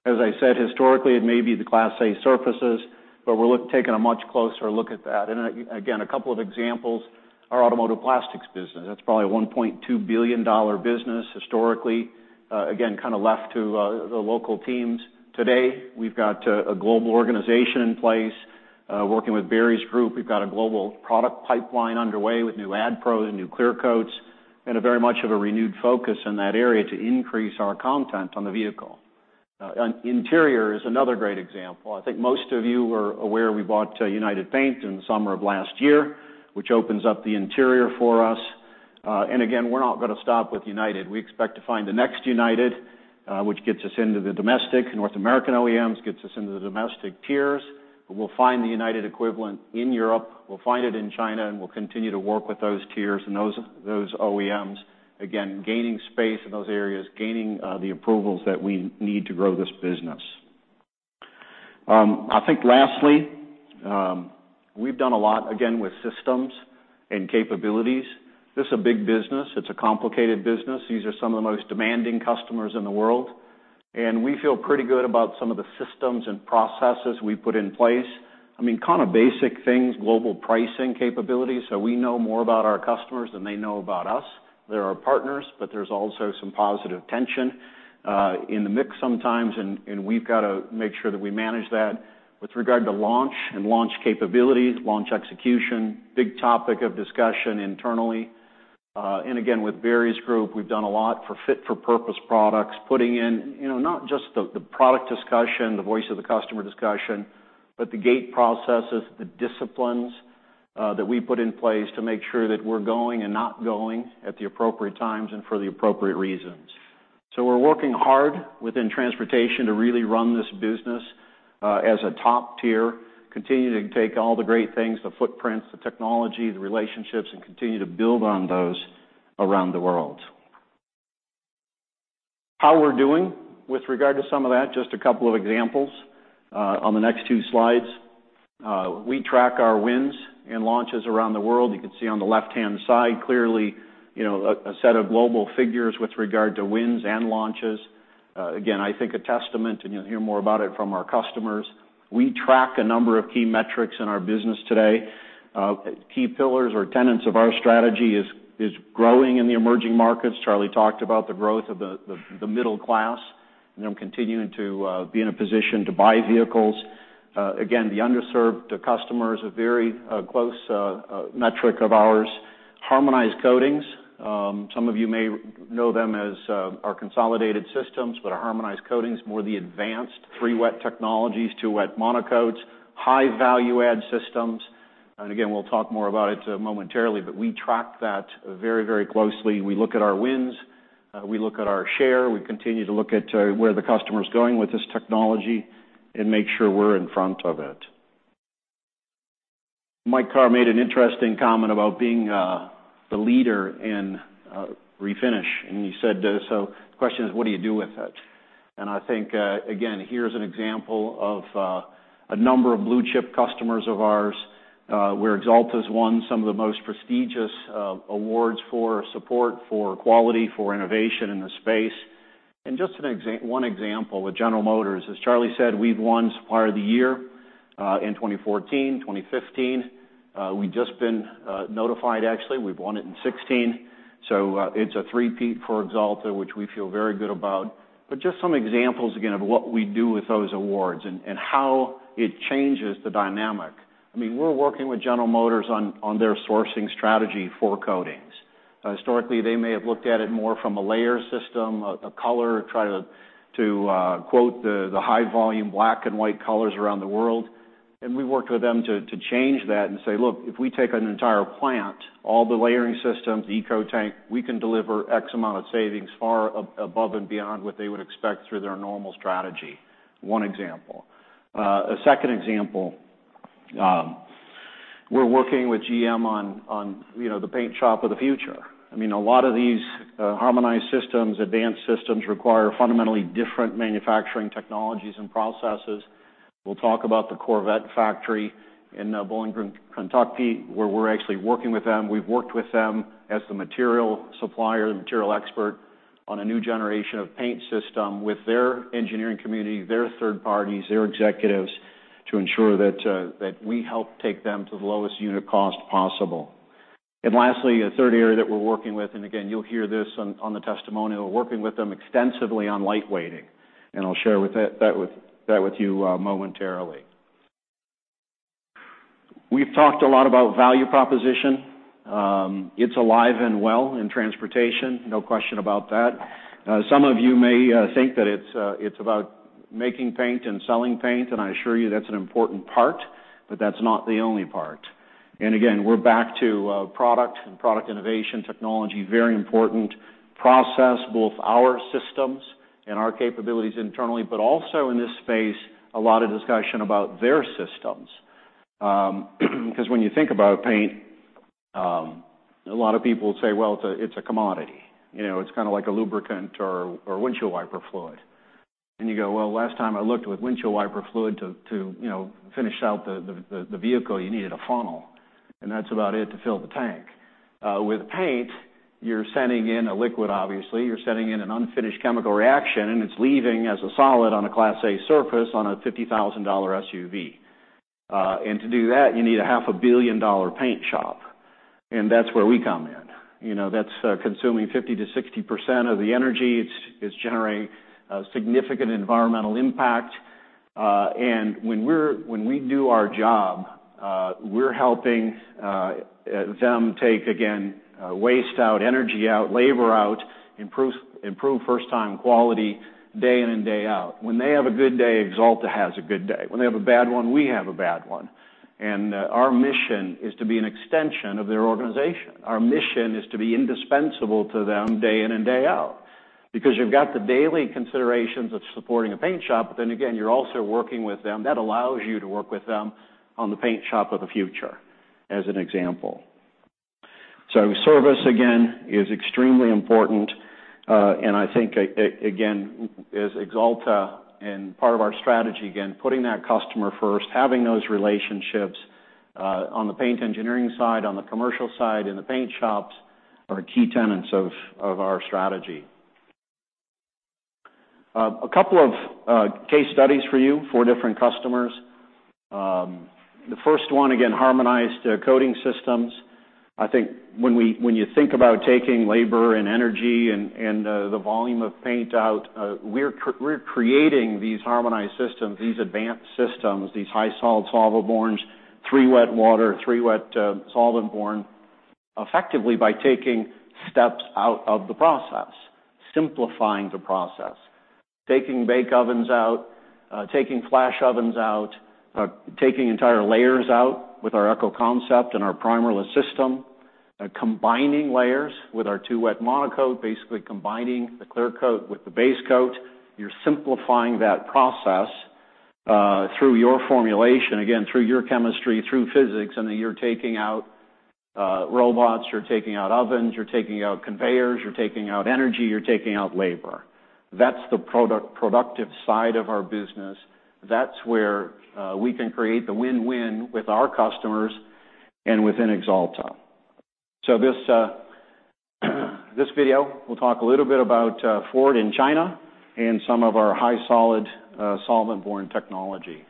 As I said, historically, it may be the class A surfaces, but we're taking a much closer look at that. Again, a couple of examples. Our automotive plastics business, that's probably a $1.2 billion business historically. Again, kind of left to the local teams. Today, we've got a global organization in place. Working with Barry's group, we've got a global product pipeline underway with new adhesion promoters and new clear coats, and very much of a renewed focus in that area to increase our content on the vehicle. Interior is another great example. I think most of you are aware we bought United Paint in the summer of last year, which opens up the interior for us. Again, we're not going to stop with United. We expect to find the next United, which gets us into the domestic North American OEMs, gets us into the domestic tiers. We'll find the United equivalent in Europe, we'll find it in China, we'll continue to work with those tiers and those OEMs, again, gaining space in those areas, gaining the approvals that we need to grow this business. I think lastly, we've done a lot, again, with systems and capabilities. This is a big business. It's a complicated business. These are some of the most demanding customers in the world, we feel pretty good about some of the systems and processes we've put in place. Kind of basic things, global pricing capabilities. We know more about our customers than they know about us. They're our partners, but there's also some positive tension in the mix sometimes, we've got to make sure that we manage that. With regard to launch and launch capabilities, launch execution, big topic of discussion internally. Again, with Barry's group, we've done a lot for fit-for-purpose products, putting in not just the product discussion, the voice of the customer discussion, but the gate processes, the disciplines that we put in place to make sure that we're going and not going at the appropriate times and for the appropriate reasons. We're working hard within Transportation to really run this business as a top tier, continuing to take all the great things, the footprints, the technology, the relationships, continue to build on those around the world. How we're doing with regard to some of that, just a couple of examples on the next two slides. We track our wins and launches around the world. You can see on the left-hand side, clearly, a set of global figures with regard to wins and launches. Again, I think a testament, you'll hear more about it from our customers. We track a number of key metrics in our business today. Key pillars or tenets of our strategy is growing in the emerging markets. Charlie talked about the growth of the middle class, them continuing to be in a position to buy vehicles. The underserved customer is a very close metric of ours. Harmonized coatings, some of you may know them as our consolidated systems, but our harmonized coatings, more the advanced three-wet technologies, two-wet mono coats, high value add systems. Again, we'll talk more about it momentarily, but we track that very closely. We look at our wins, we look at our share, we continue to look at where the customer's going with this technology and make sure we're in front of it. Mike Carr made an interesting comment about being the leader in refinish, and he said, so the question is, what do you do with it? I think again, here's an example of a number of blue-chip customers of ours, where Axalta's won some of the most prestigious awards for support, for quality, for innovation in the space. Just one example with General Motors, as Charlie said, we've won GM Supplier of the Year in 2014, 2015. We've just been notified, actually, we've won it in 2016. It's a three-peat for Axalta, which we feel very good about. Just some examples, again, of what we do with those awards and how it changes the dynamic. We're working with General Motors on their sourcing strategy for coatings. Historically, they may have looked at it more from a layer system, a color, try to quote the high volume black and white colors around the world. We worked with them to change that and say, look, if we take an entire plant, all the layering systems, e-coat tank, we can deliver X amount of savings far above and beyond what they would expect through their normal strategy. One example. Second example, we're working with GM on the paint shop of the future. A lot of these harmonized systems, advanced systems require fundamentally different manufacturing technologies and processes. We'll talk about the Corvette factory in Bowling Green, Kentucky, where we're actually working with them. We've worked with them as the material supplier, the material expert on a new generation of paint system with their engineering community, their third parties, their executives to ensure that we help take them to the lowest unit cost possible. Lastly, a third area that we're working with, again, you'll hear this on the testimonial, working with them extensively on lightweighting. I'll share that with you momentarily. We've talked a lot about value proposition. It's alive and well in transportation, no question about that. Some of you may think that it's about making paint and selling paint, and I assure you that's an important part, but that's not the only part. Again, we're back to product and product innovation technology, very important process, both our systems and our capabilities internally, but also in this space, a lot of discussion about their systems. When you think about paint, a lot of people say, well, it's a commodity. It's kind of like a lubricant or windshield wiper fluid. You go, well, last time I looked with windshield wiper fluid to finish out the vehicle, you needed a funnel, and that's about it to fill the tank. With paint, you're sending in a liquid, obviously, you're sending in an unfinished chemical reaction, and it's leaving as a solid on a class A surface on a $50,000 SUV. To do that, you need a half a billion dollar paint shop. That's where we come in. That's consuming 50%-60% of the energy. It's generating a significant environmental impact. When we do our job, we're helping them take, again, waste out, energy out, labor out, improve first time quality day in and day out. When they have a good day, Axalta has a good day. When they have a bad one, we have a bad one. Our mission is to be an extension of their organization. Our mission is to be indispensable to them day in and day out. You've got the daily considerations of supporting a paint shop, but then again, you're also working with them. That allows you to work with them on the paint shop of the future, as an example. Service, again, is extremely important. I think, again, as Axalta and part of our strategy, again, putting that customer first, having those relationships on the paint engineering side, on the commercial side, in the paint shops are key tenets of our strategy. A couple of case studies for you, four different customers. The first one, again, harmonized coating systems. I think when you think about taking labor and energy and the volume of paint out, we're creating these harmonized systems, these advanced systems, these high solids solventbornes, three wet water, three wet solventborne, effectively by taking steps out of the process, simplifying the process. Taking bake ovens out, taking flash ovens out, taking entire layers out with our Eco-Concept and our primerless system. Combining layers with our two wet monocoat, basically combining the clear coat with the base coat. You're simplifying that process through your formulation, again, through your chemistry, through physics, you're taking out robots, you're taking out ovens, you're taking out conveyors, you're taking out energy, you're taking out labor. That's the productive side of our business. That's where we can create the win-win with our customers and within Axalta. This video will talk a little bit about Ford in China and some of our high solid solventborne technology.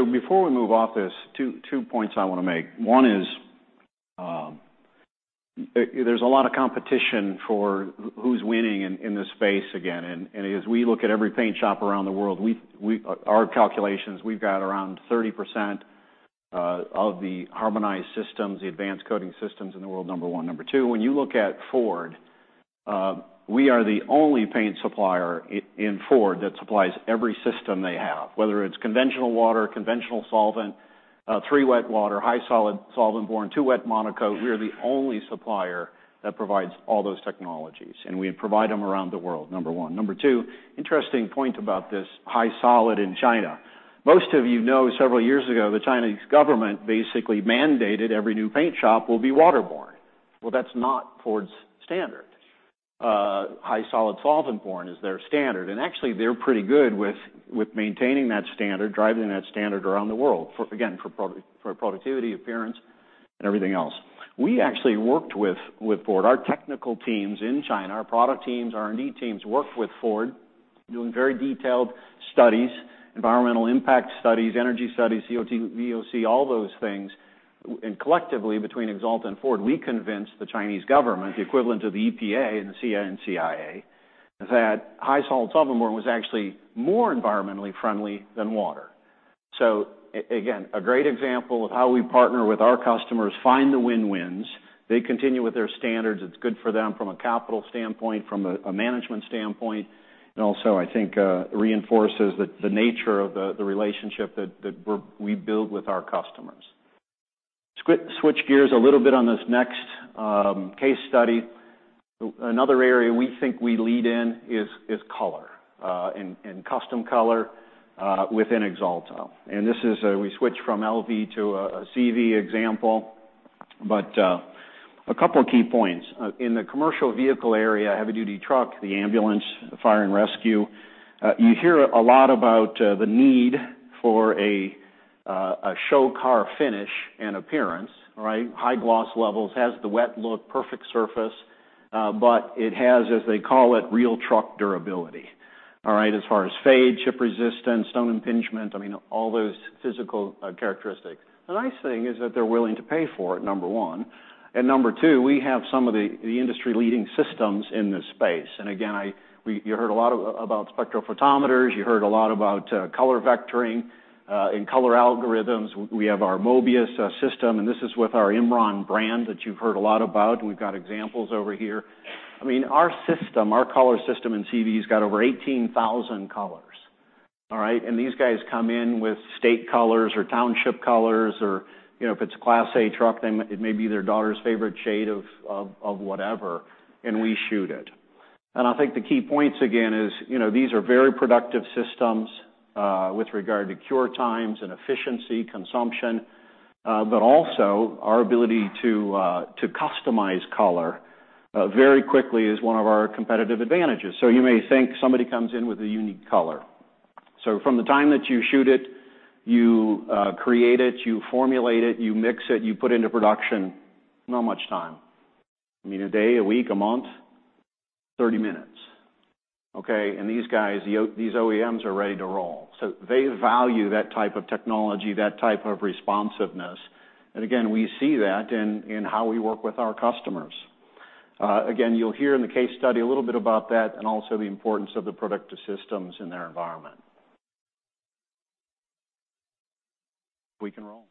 Before we move off this, two points I want to make. One is, there's a lot of competition for who's winning in this space again, and as we look at every paint shop around the world, our calculations, we've got around 30% of the harmonized systems, the advanced coating systems in the world, number one. Number two, when you look at Ford, we are the only paint supplier in Ford that supplies every system they have, whether it's conventional water, conventional solvent, three wet water, high solid solventborne, two wet monocoat. We are the only supplier that provides all those technologies, and we provide them around the world, number one. Number two, interesting point about this high solid in China. Most of you know, several years ago, the Chinese government basically mandated every new paint shop will be waterborne. That's not Ford's standard. High solid solventborne is their standard. Actually, they're pretty good with maintaining that standard, driving that standard around the world, again, for productivity, appearance, and everything else. We actually worked with Ford. Our technical teams in China, our product teams, R&D teams, worked with Ford doing very detailed studies, environmental impact studies, energy studies, COT, VOC, all those things. Collectively, between Axalta and Ford, we convinced the Chinese government, the equivalent of the EPA and the CNCIA, that high solid solventborne was actually more environmentally friendly than water. Again, a great example of how we partner with our customers, find the win-wins. They continue with their standards. It's good for them from a capital standpoint, from a management standpoint, and also, I think reinforces the nature of the relationship that we build with our customers. Switch gears a little bit on this next case study. Another area we think we lead in is color and custom color within Axalta. This is, we switch from LV to a CV example, but a couple of key points. In the commercial vehicle area, heavy duty truck, the ambulance, fire and rescue, you hear a lot about the need for a show car finish and appearance, right. High gloss levels, has the wet look, perfect surface, but it has, as they call it, real truck durability. All right. As far as fade, chip resistance, stone impingement, all those physical characteristics. The nice thing is that they're willing to pay for it, number one. Number two, we have some of the industry leading systems in this space. Again, you heard a lot about spectrophotometers. You heard a lot about color vectoring and color algorithms. We have our Mobius system, and this is with our Imron brand that you've heard a lot about, and we've got examples over here. Our system, our color system in CV has got over 18,000 colors. All right. These guys come in with state colors or township colors, or if it's a Class A truck, it may be their daughter's favorite shade of whatever, and we shoot it. I think the key points again is, these are very productive systems with regard to cure times and efficiency, consumption. Also our ability to customize color very quickly is one of our competitive advantages. You may think somebody comes in with a unique color. From the time that you shoot it, you create it, you formulate it, you mix it, you put it into production, not much time. A day, a week, a month, 30 minutes, okay. These guys, these OEMs are ready to roll. They value that type of technology, that type of responsiveness. Again, we see that in how we work with our customers. Again, you'll hear in the case study a little bit about that and also the importance of the productive systems in their environment. We can roll.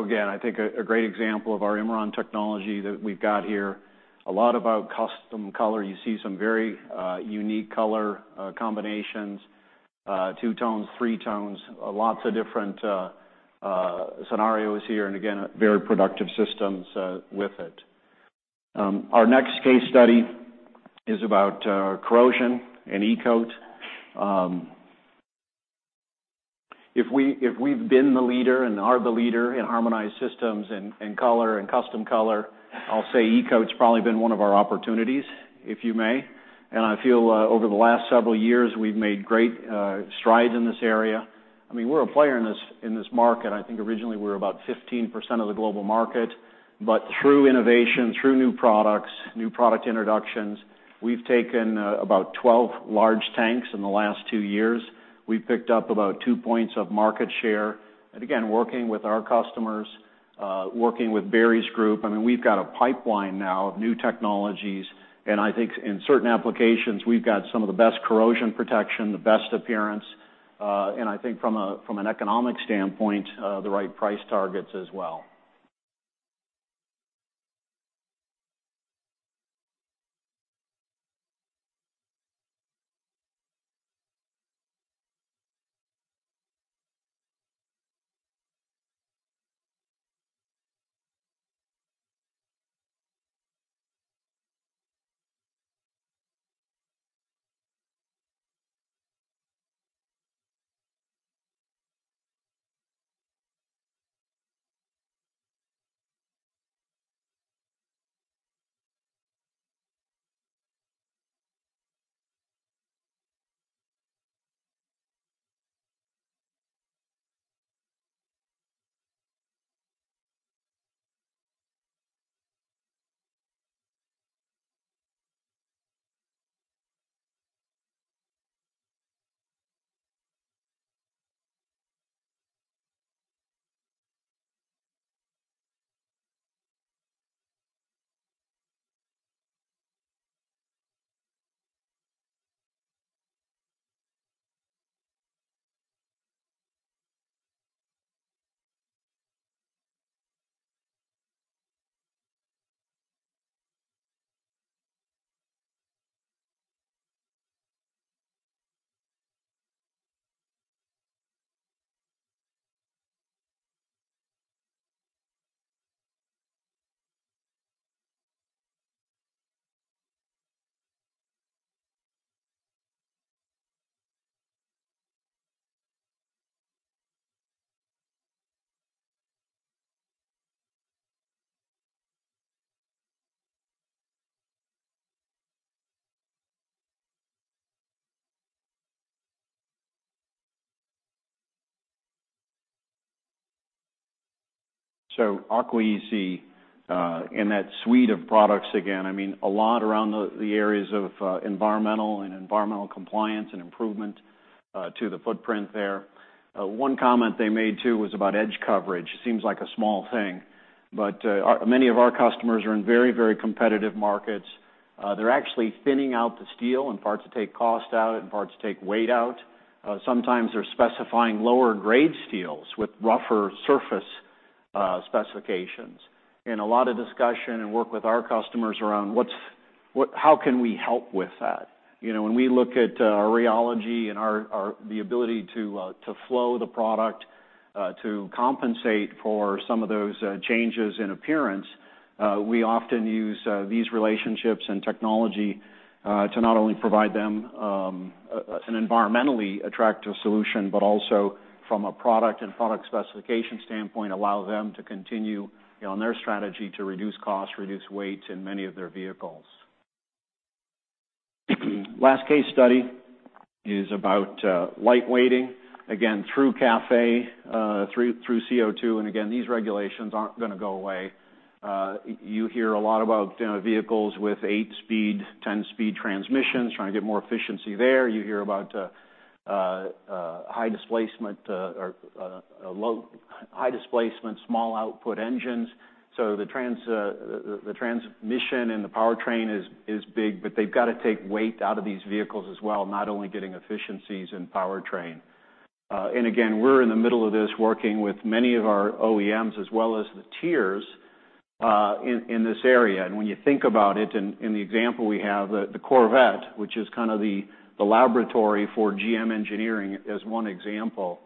Again, I think a great example of our Imron technology that we've got here, a lot about custom color. You see some very unique color combinations, two tones, three tones, lots of different scenarios here, and again, very productive systems with it. Our next case study is about corrosion and e-coat. If we've been the leader and are the leader in harmonized systems and color and custom color, I'll say e-coat's probably been one of our opportunities, if you may. I feel over the last several years, we've made great strides in this area. We're a player in this market. I think originally we were about 15% of the global market. Through innovation, through new products, new product introductions, we've taken about 12 large tanks in the last two years. We've picked up about two points of market share. Again, working with our customers, working with Barry's group, I mean, we've got a pipeline now of new technologies, and I think in certain applications, we've got some of the best corrosion protection, the best appearance, and I think from an economic standpoint, the right price targets as well. AquaEC in that suite of products, again, I mean, a lot around the areas of environmental and environmental compliance and improvement to the footprint there. One comment they made, too, was about edge coverage. Seems like a small thing, but many of our customers are in very competitive markets. They're actually thinning out the steel in parts to take cost out, in parts to take weight out. Sometimes they're specifying lower grade steels with rougher surface specifications. A lot of discussion and work with our customers around how can we help with that. When we look at our rheology and the ability to flow the product to compensate for some of those changes in appearance, we often use these relationships and technology to not only provide them an environmentally attractive solution, but also from a product and product specification standpoint, allow them to continue on their strategy to reduce costs, reduce weights in many of their vehicles. Last case study is about lightweighting, again, through CAFE, through CO2. Again, these regulations aren't going to go away. You hear a lot about vehicles with eight-speed, 10-speed transmissions, trying to get more efficiency there. You hear about high displacement, small output engines. The transmission and the powertrain is big, but they've got to take weight out of these vehicles as well, not only getting efficiencies in powertrain. Again, we're in the middle of this, working with many of our OEMs as well as the tiers in this area. When you think about it, in the example we have, the Corvette, which is kind of the laboratory for GM engineering, as one example.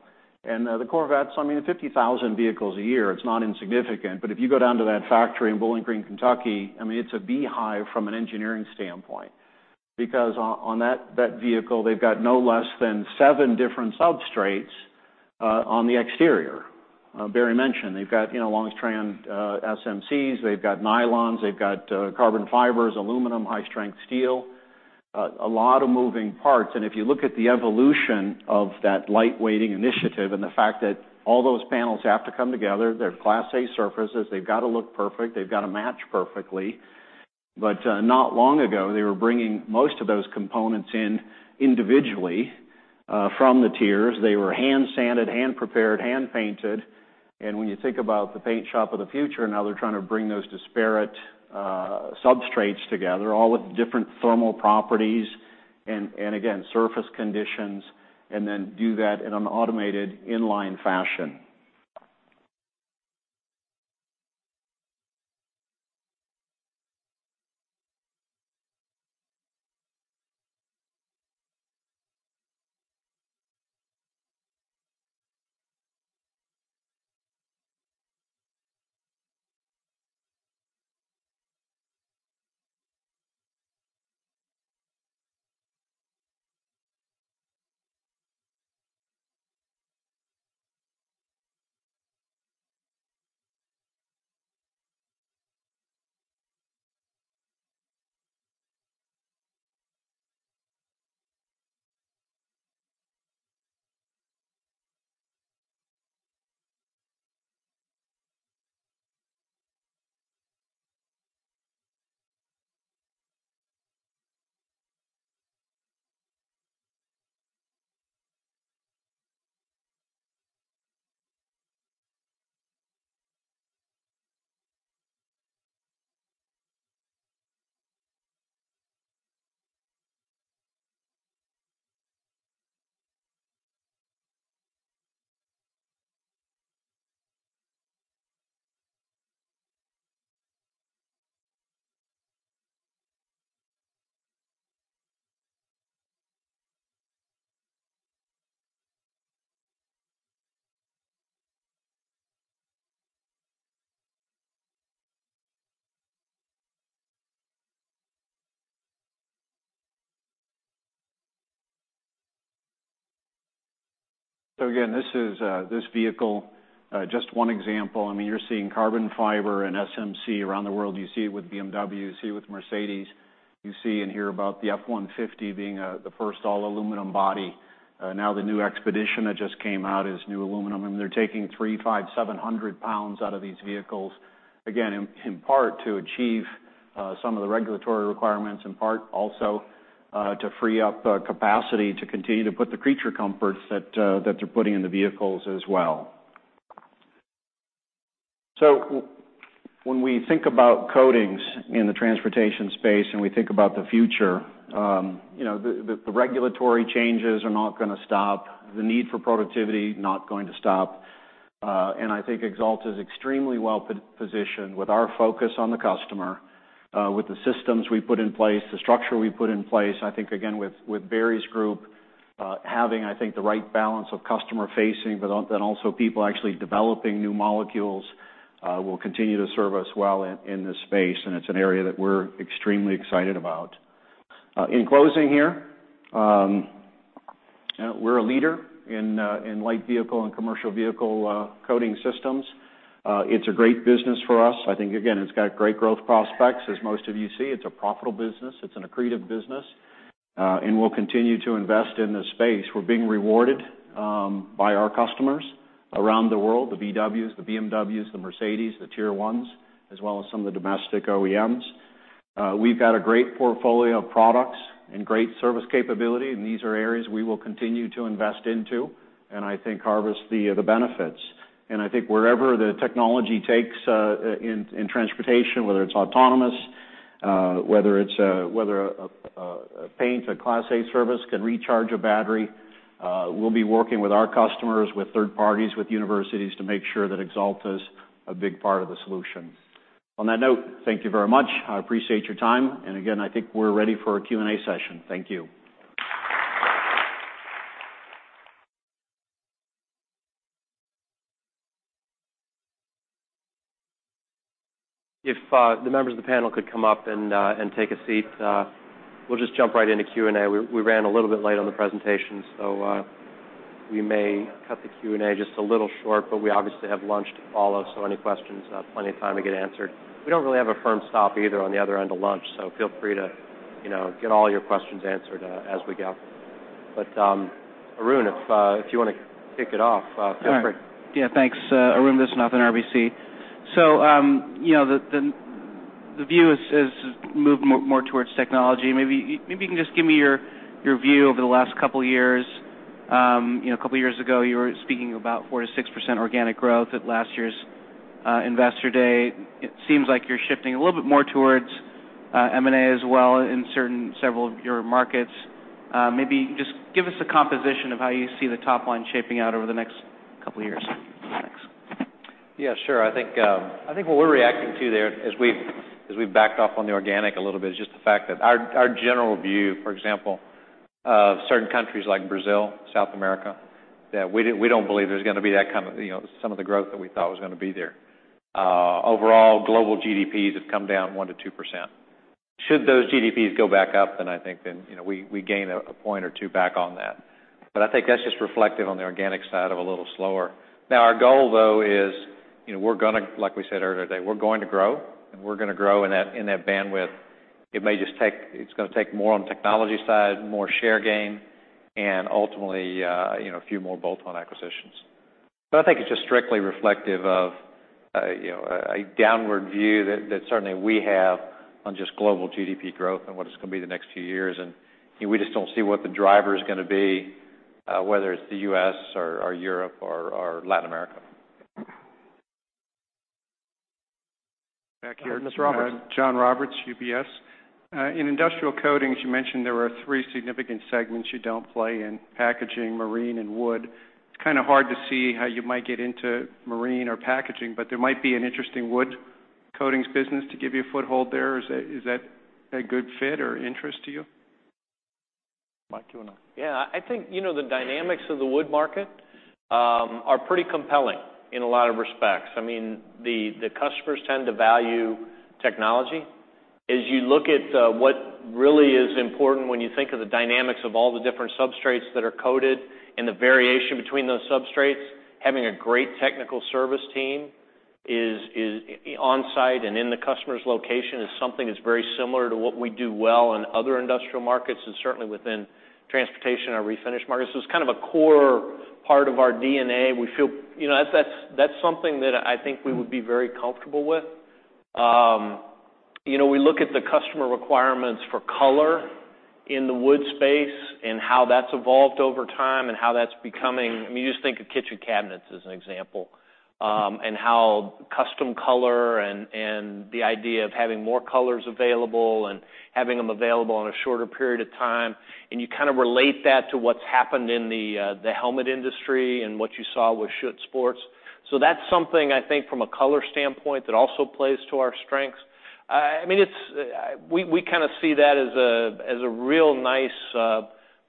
The Corvette, I mean, at 50,000 vehicles a year, it's not insignificant. But if you go down to that factory in Bowling Green, Kentucky, it's a beehive from an engineering standpoint, because on that vehicle, they've got no less than seven different substrates on the exterior. Barry mentioned, they've got long strand SMCs, they've got nylons, they've got carbon fibers, aluminum, high strength steel, a lot of moving parts. If you look at the evolution of that lightweighting initiative and the fact that all those panels have to come together, they're Class A surfaces, they've got to look perfect, they've got to match perfectly. But not long ago, they were bringing most of those components in individually from the tiers. They were hand sanded, hand prepared, hand painted. When you think about the paint shop of the future, now they're trying to bring those disparate substrates together, all with different thermal properties and, again, surface conditions, and then do that in an automated inline fashion. Again, this vehicle, just one example. You're seeing carbon fiber and SMC around the world. You see it with BMW, you see it with Mercedes. You see and hear about the F-150 being the first all aluminum body. The new Expedition that just came out is new aluminum, and they're taking 300, 500, 700 pounds out of these vehicles, again, in part to achieve some of the regulatory requirements, in part also to free up capacity to continue to put the creature comforts that they're putting in the vehicles as well. When we think about coatings in the transportation space and we think about the future, the regulatory changes are not going to stop, the need for productivity, not going to stop. I think Axalta is extremely well positioned with our focus on the customer, with the systems we've put in place, the structure we've put in place. I think, again, with Barry's group having, I think, the right balance of customer facing, but then also people actually developing new molecules will continue to serve us well in this space. It's an area that we're extremely excited about. In closing here, we're a leader in light vehicle and commercial vehicle coating systems. It's a great business for us. I think, again, it's got great growth prospects. As most of you see, it's a profitable business. It's an accretive business. We'll continue to invest in this space. We're being rewarded by our customers around the world, the VWs, the BMWs, the Mercedes, the Tier 1s, as well as some of the domestic OEMs. We've got a great portfolio of products and great service capability. These are areas we will continue to invest into and I think harvest the benefits. I think wherever the technology takes in transportation, whether it's autonomous, whether a paint, a Class A service can recharge a battery, we'll be working with our customers, with third parties, with universities to make sure that Axalta is a big part of the solution. On that note, thank you very much. I appreciate your time. Again, I think we're ready for a Q&A session. Thank you. If the members of the panel could come up and take a seat. We'll just jump right into Q&A. We ran a little bit late on the presentation. We may cut the Q&A just a little short, but we obviously have lunch to follow. Any questions, plenty of time to get answered. We don't really have a firm stop either on the other end of lunch. Feel free to get all your questions answered as we go. Arun, if you want to kick it off, feel free. Yeah. Thanks. Arun Viswanathan, RBC. The view has moved more towards technology. Maybe you can just give me your view over the last couple years. A couple years ago, you were speaking about 4%-6% organic growth at last year's Investor Day. It seems like you're shifting a little bit more towards M&A as well in several of your markets. Maybe just give us a composition of how you see the top line shaping out over the next couple of years. Thanks. Yeah, sure. I think what we're reacting to there, as we've backed off on the organic a little bit, is just the fact that our general view, for example, of certain countries like Brazil, South America, that we don't believe there's going to be some of the growth that we thought was going to be there. Overall, global GDPs have come down 1%-2%. Should those GDPs go back up, I think then we gain a point or two back on that. I think that's just reflected on the organic side of a little slower. Our goal, though, is we're going to, like we said earlier today, we're going to grow, and we're going to grow in that bandwidth. It's going to take more on the technology side, more share gain, and ultimately, a few more bolt-on acquisitions. I think it's just strictly reflective of a downward view that certainly we have on just global GDP growth and what it's going to be the next few years, and we just don't see what the driver is going to be, whether it's the U.S. or Europe or Latin America. Back here. John Roberts. John Roberts, UBS. Industrial coatings, you mentioned there were three significant segments you don't play in: packaging, marine, and wood. It's kind of hard to see how you might get into marine or packaging, but there might be an interesting wood coatings business to give you a foothold there. Is that a good fit or interest to you? Mike, do you want to Yeah, I think the dynamics of the wood market are pretty compelling in a lot of respects. The customers tend to value technology. As you look at what really is important when you think of the dynamics of all the different substrates that are coated and the variation between those substrates, having a great technical service team on-site and in the customer's location is something that's very similar to what we do well in other industrial markets, and certainly within transportation or refinish markets. It's kind of a core part of our DNA. That's something that I think we would be very comfortable with. We look at the customer requirements for color in the wood space and how that's evolved over time and how that's becoming. You just think of kitchen cabinets as an example, and how custom color and the idea of having more colors available and having them available in a shorter period of time, and you kind of relate that to what's happened in the helmet industry and what you saw with Schutt Sports. That's something, I think, from a color standpoint, that also plays to our strengths. We kind of see that as a real nice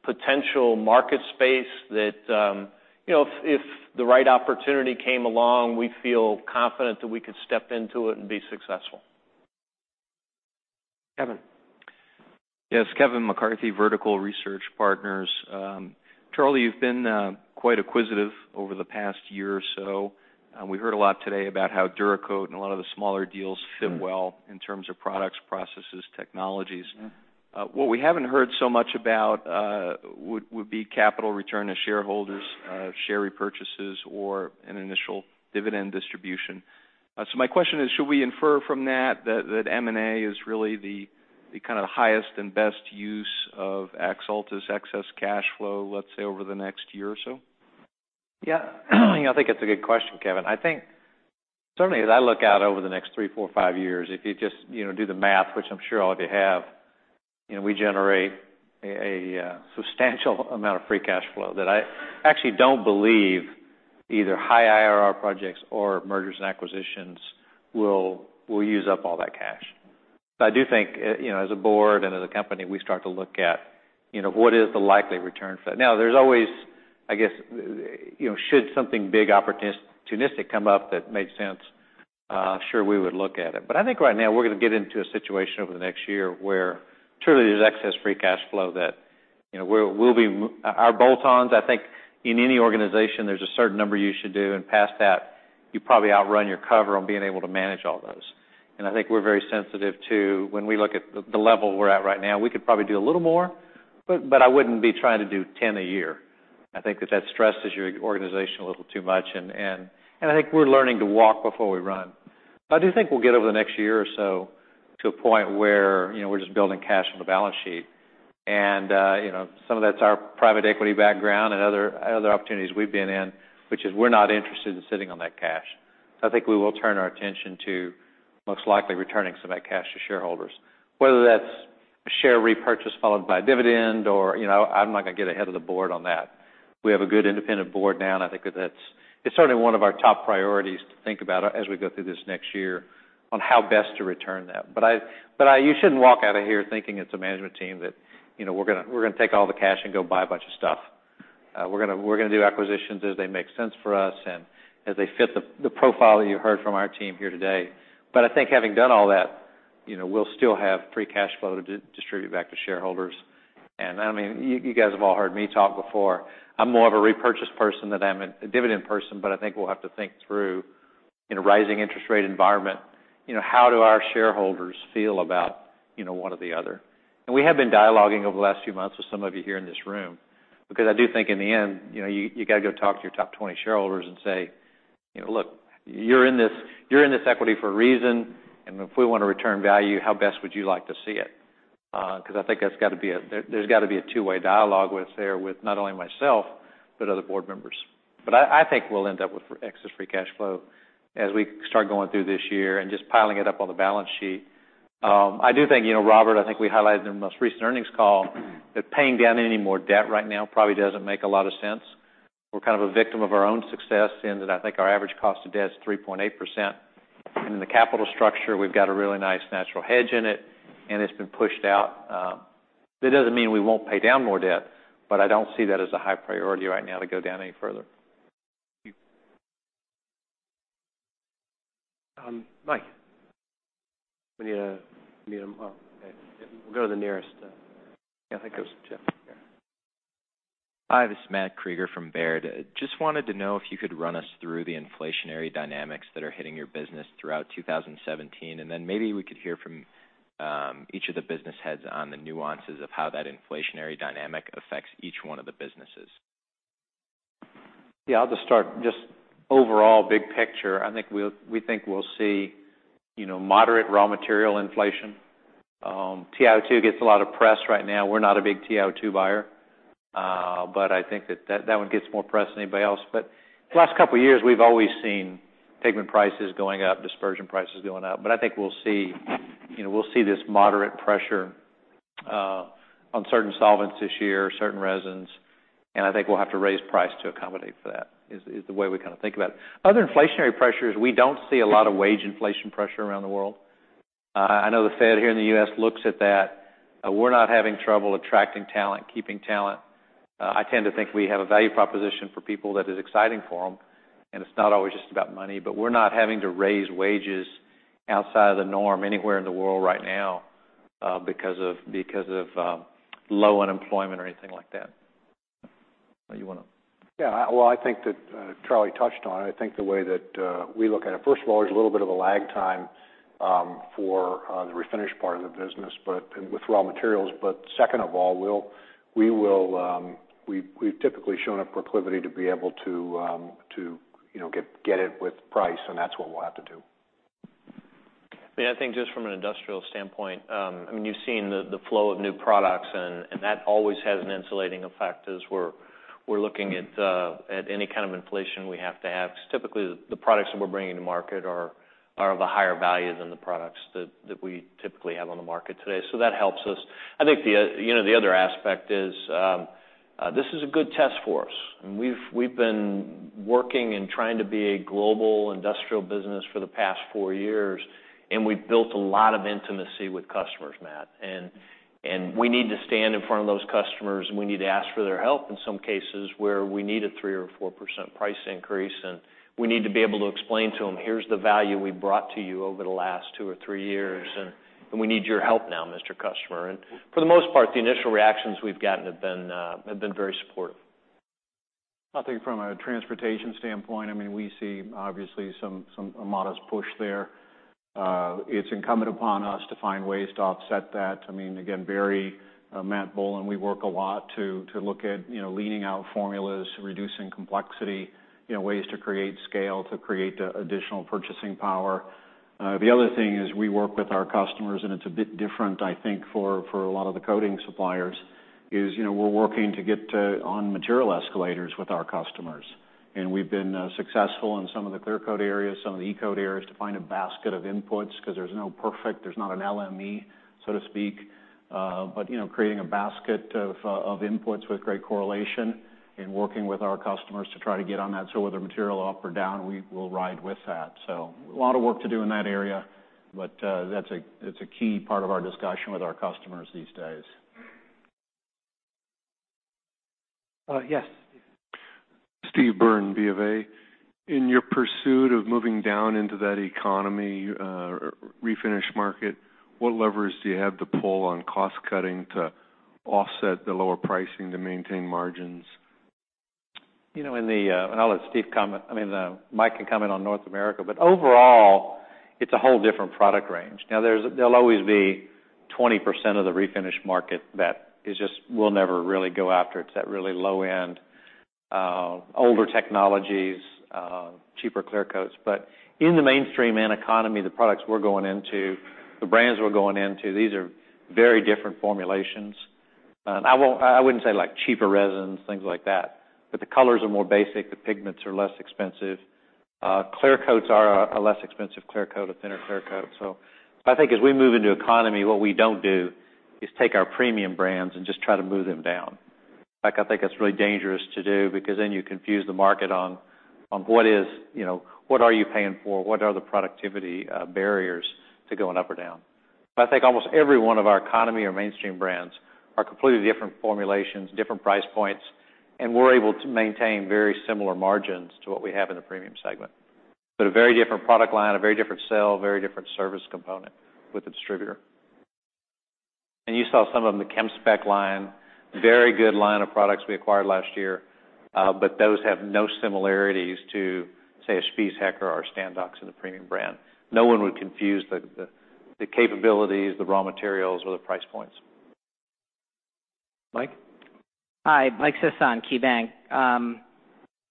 potential market space that if the right opportunity came along, we feel confident that we could step into it and be successful. Kevin. Yes. Kevin McCarthy, Vertical Research Partners. Charlie, you've been quite acquisitive over the past year or so. We heard a lot today about how DuraCoat and a lot of the smaller deals fit well in terms of products, processes, technologies. What we haven't heard so much about would be capital return to shareholders, share repurchases, or an initial dividend distribution. My question is, should we infer from that that M&A is really the kind of highest and best use of Axalta's excess cash flow, let's say, over the next year or so? Yeah. I think that's a good question, Kevin. I think certainly as I look out over the next three, four, five years, if you just do the math, which I'm sure all of you have, we generate a substantial amount of free cash flow that I actually don't believe either high IRR projects or mergers and acquisitions will use up all that cash. But I do think, as a board and as a company, we start to look at what is the likely return for that. Now, there's always, I guess, should something big opportunistic come up that made sense, sure, we would look at it. I think right now we're going to get into a situation over the next year where truly there's excess free cash flow that our bolt-ons, I think in any organization, there's a certain number you should do, and past that, you probably outrun your cover on being able to manage all those. I think we're very sensitive to when we look at the level we're at right now, we could probably do a little more, but I wouldn't be trying to do 10 a year. I think that that stresses your organization a little too much, and I think we're learning to walk before we run. I do think we'll get over the next year or so to a point where we're just building cash on the balance sheet. Some of that's our private equity background and other opportunities we've been in, which is we're not interested in sitting on that cash. I think we will turn our attention to most likely returning some of that cash to shareholders. Whether that's a share repurchase followed by a dividend or I'm not going to get ahead of the board on that. We have a good independent board now, and I think that it's certainly one of our top priorities to think about as we go through this next year on how best to return that. You shouldn't walk out of here thinking as the management team that we're going to take all the cash and go buy a bunch of stuff. We're going to do acquisitions as they make sense for us and as they fit the profile that you heard from our team here today. I think having done all that, we'll still have free cash flow to distribute back to shareholders. You guys have all heard me talk before. I'm more of a repurchase person than I'm a dividend person, but I think we'll have to think through, in a rising interest rate environment, how do our shareholders feel about one or the other. We have been dialoguing over the last few months with some of you here in this room, because I do think in the end, you got to go talk to your top 20 shareholders and say, "Look, you're in this equity for a reason, and if we want to return value, how best would you like to see it?" Because I think there's got to be a two-way dialogue there with not only myself, but other board members. I think we'll end up with excess free cash flow as we start going through this year and just piling it up on the balance sheet. I do think, Robert, I think we highlighted in the most recent earnings call that paying down any more debt right now probably doesn't make a lot of sense. We're kind of a victim of our own success in that I think our average cost of debt is 3.8%. In the capital structure, we've got a really nice natural hedge in it, and it's been pushed out. That doesn't mean we won't pay down more debt, but I don't see that as a high priority right now to go down any further. Thank you. Mike. We need a mic. We'll go to the nearest. Yeah, I think it was Jeff. Yeah. Hi, this is Matthew Krueger from Baird. Just wanted to know if you could run us through the inflationary dynamics that are hitting your business throughout 2017, and then maybe we could hear from each of the business heads on the nuances of how that inflationary dynamic affects each one of the businesses. Yeah, I'll just start. Just overall big picture, I think we'll see moderate raw material inflation. TiO2 gets a lot of press right now. We're not a big TiO2 buyer. I think that one gets more press than anybody else. The last couple of years, we've always seen pigment prices going up, dispersion prices going up. I think we'll see this moderate pressure on certain solvents this year, certain resins, and I think we'll have to raise price to accommodate for that, is the way we kind of think about it. Other inflationary pressures, we don't see a lot of wage inflation pressure around the world. I know the Fed here in the U.S. looks at that. We're not having trouble attracting talent, keeping talent. I tend to think we have a value proposition for people that is exciting for them, and it's not always just about money. We're not having to raise wages outside of the norm anywhere in the world right now because of low unemployment or anything like that. You want to? Yeah. Well, I think that Charlie touched on it. I think the way that we look at it, first of all, there's a little bit of a lag time for the refinish part of the business with raw materials. Second of all, we've typically shown a proclivity to be able to get it with price, and that's what we'll have to do. I think just from an industrial standpoint, you've seen the flow of new products, and that always has an insulating effect as we're looking at any kind of inflation we have to have. Because typically, the products that we're bringing to market are of a higher value than the products that we typically have on the market today. That helps us. I think the other aspect is, this is a good test for us, and we've been working and trying to be a global industrial business for the past 4 years, and we've built a lot of intimacy with customers, Matt. We need to stand in front of those customers, and we need to ask for their help in some cases where we need a 3% or 4% price increase. We need to be able to explain to them, "Here's the value we brought to you over the last 2 or 3 years, and we need your help now, Mr. Customer." For the most part, the initial reactions we've gotten have been very supportive. I think from a transportation standpoint, we see obviously a modest push there. It's incumbent upon us to find ways to offset that. Again, Barry, Matt Boland, we work a lot to look at leaning out formulas, reducing complexity, ways to create scale to create additional purchasing power. The other thing is we work with our customers, and it's a bit different, I think, for a lot of the coating suppliers, is we're working to get on material escalators with our customers. We've been successful in some of the clear coat areas, some of the e-coat areas to find a basket of inputs because there's no perfect, there's not an LME, so to speak. Creating a basket of inputs with great correlation and working with our customers to try to get on that. Whether material up or down, we'll ride with that. A lot of work to do in that area, but that's a key part of our discussion with our customers these days. Yes. Steve Byrne, Bank of America. In your pursuit of moving down into that economy refinish market, what levers do you have to pull on cost cutting to offset the lower pricing to maintain margins? I'll let Mike can comment on North America. Overall, it's a whole different product range. Now, there'll always be 20% of the refinish market that we'll never really go after. It's that really low end. Older technologies, cheaper clear coats. In the mainstream and economy, the products we're going into, the brands we're going into, these are very different formulations. I wouldn't say like cheaper resins, things like that, but the colors are more basic. The pigments are less expensive. Clear coats are a less expensive clear coat, a thinner clear coat. I think as we move into economy, what we don't do is take our premium brands and just try to move them down. I think that's really dangerous to do, because then you confuse the market on what are you paying for, what are the productivity barriers to going up or down. I think almost every one of our economy or mainstream brands are completely different formulations, different price points, and we're able to maintain very similar margins to what we have in the premium segment. A very different product line, a very different sell, very different service component with the distributor. You saw some of them, the ChemSpec line, very good line of products we acquired last year. Those have no similarities to, say, a Spies Hecker or a Standox in the premium brand. No one would confuse the capabilities, the raw materials, or the price points. Mike? Hi, Mike Sison, KeyBanc.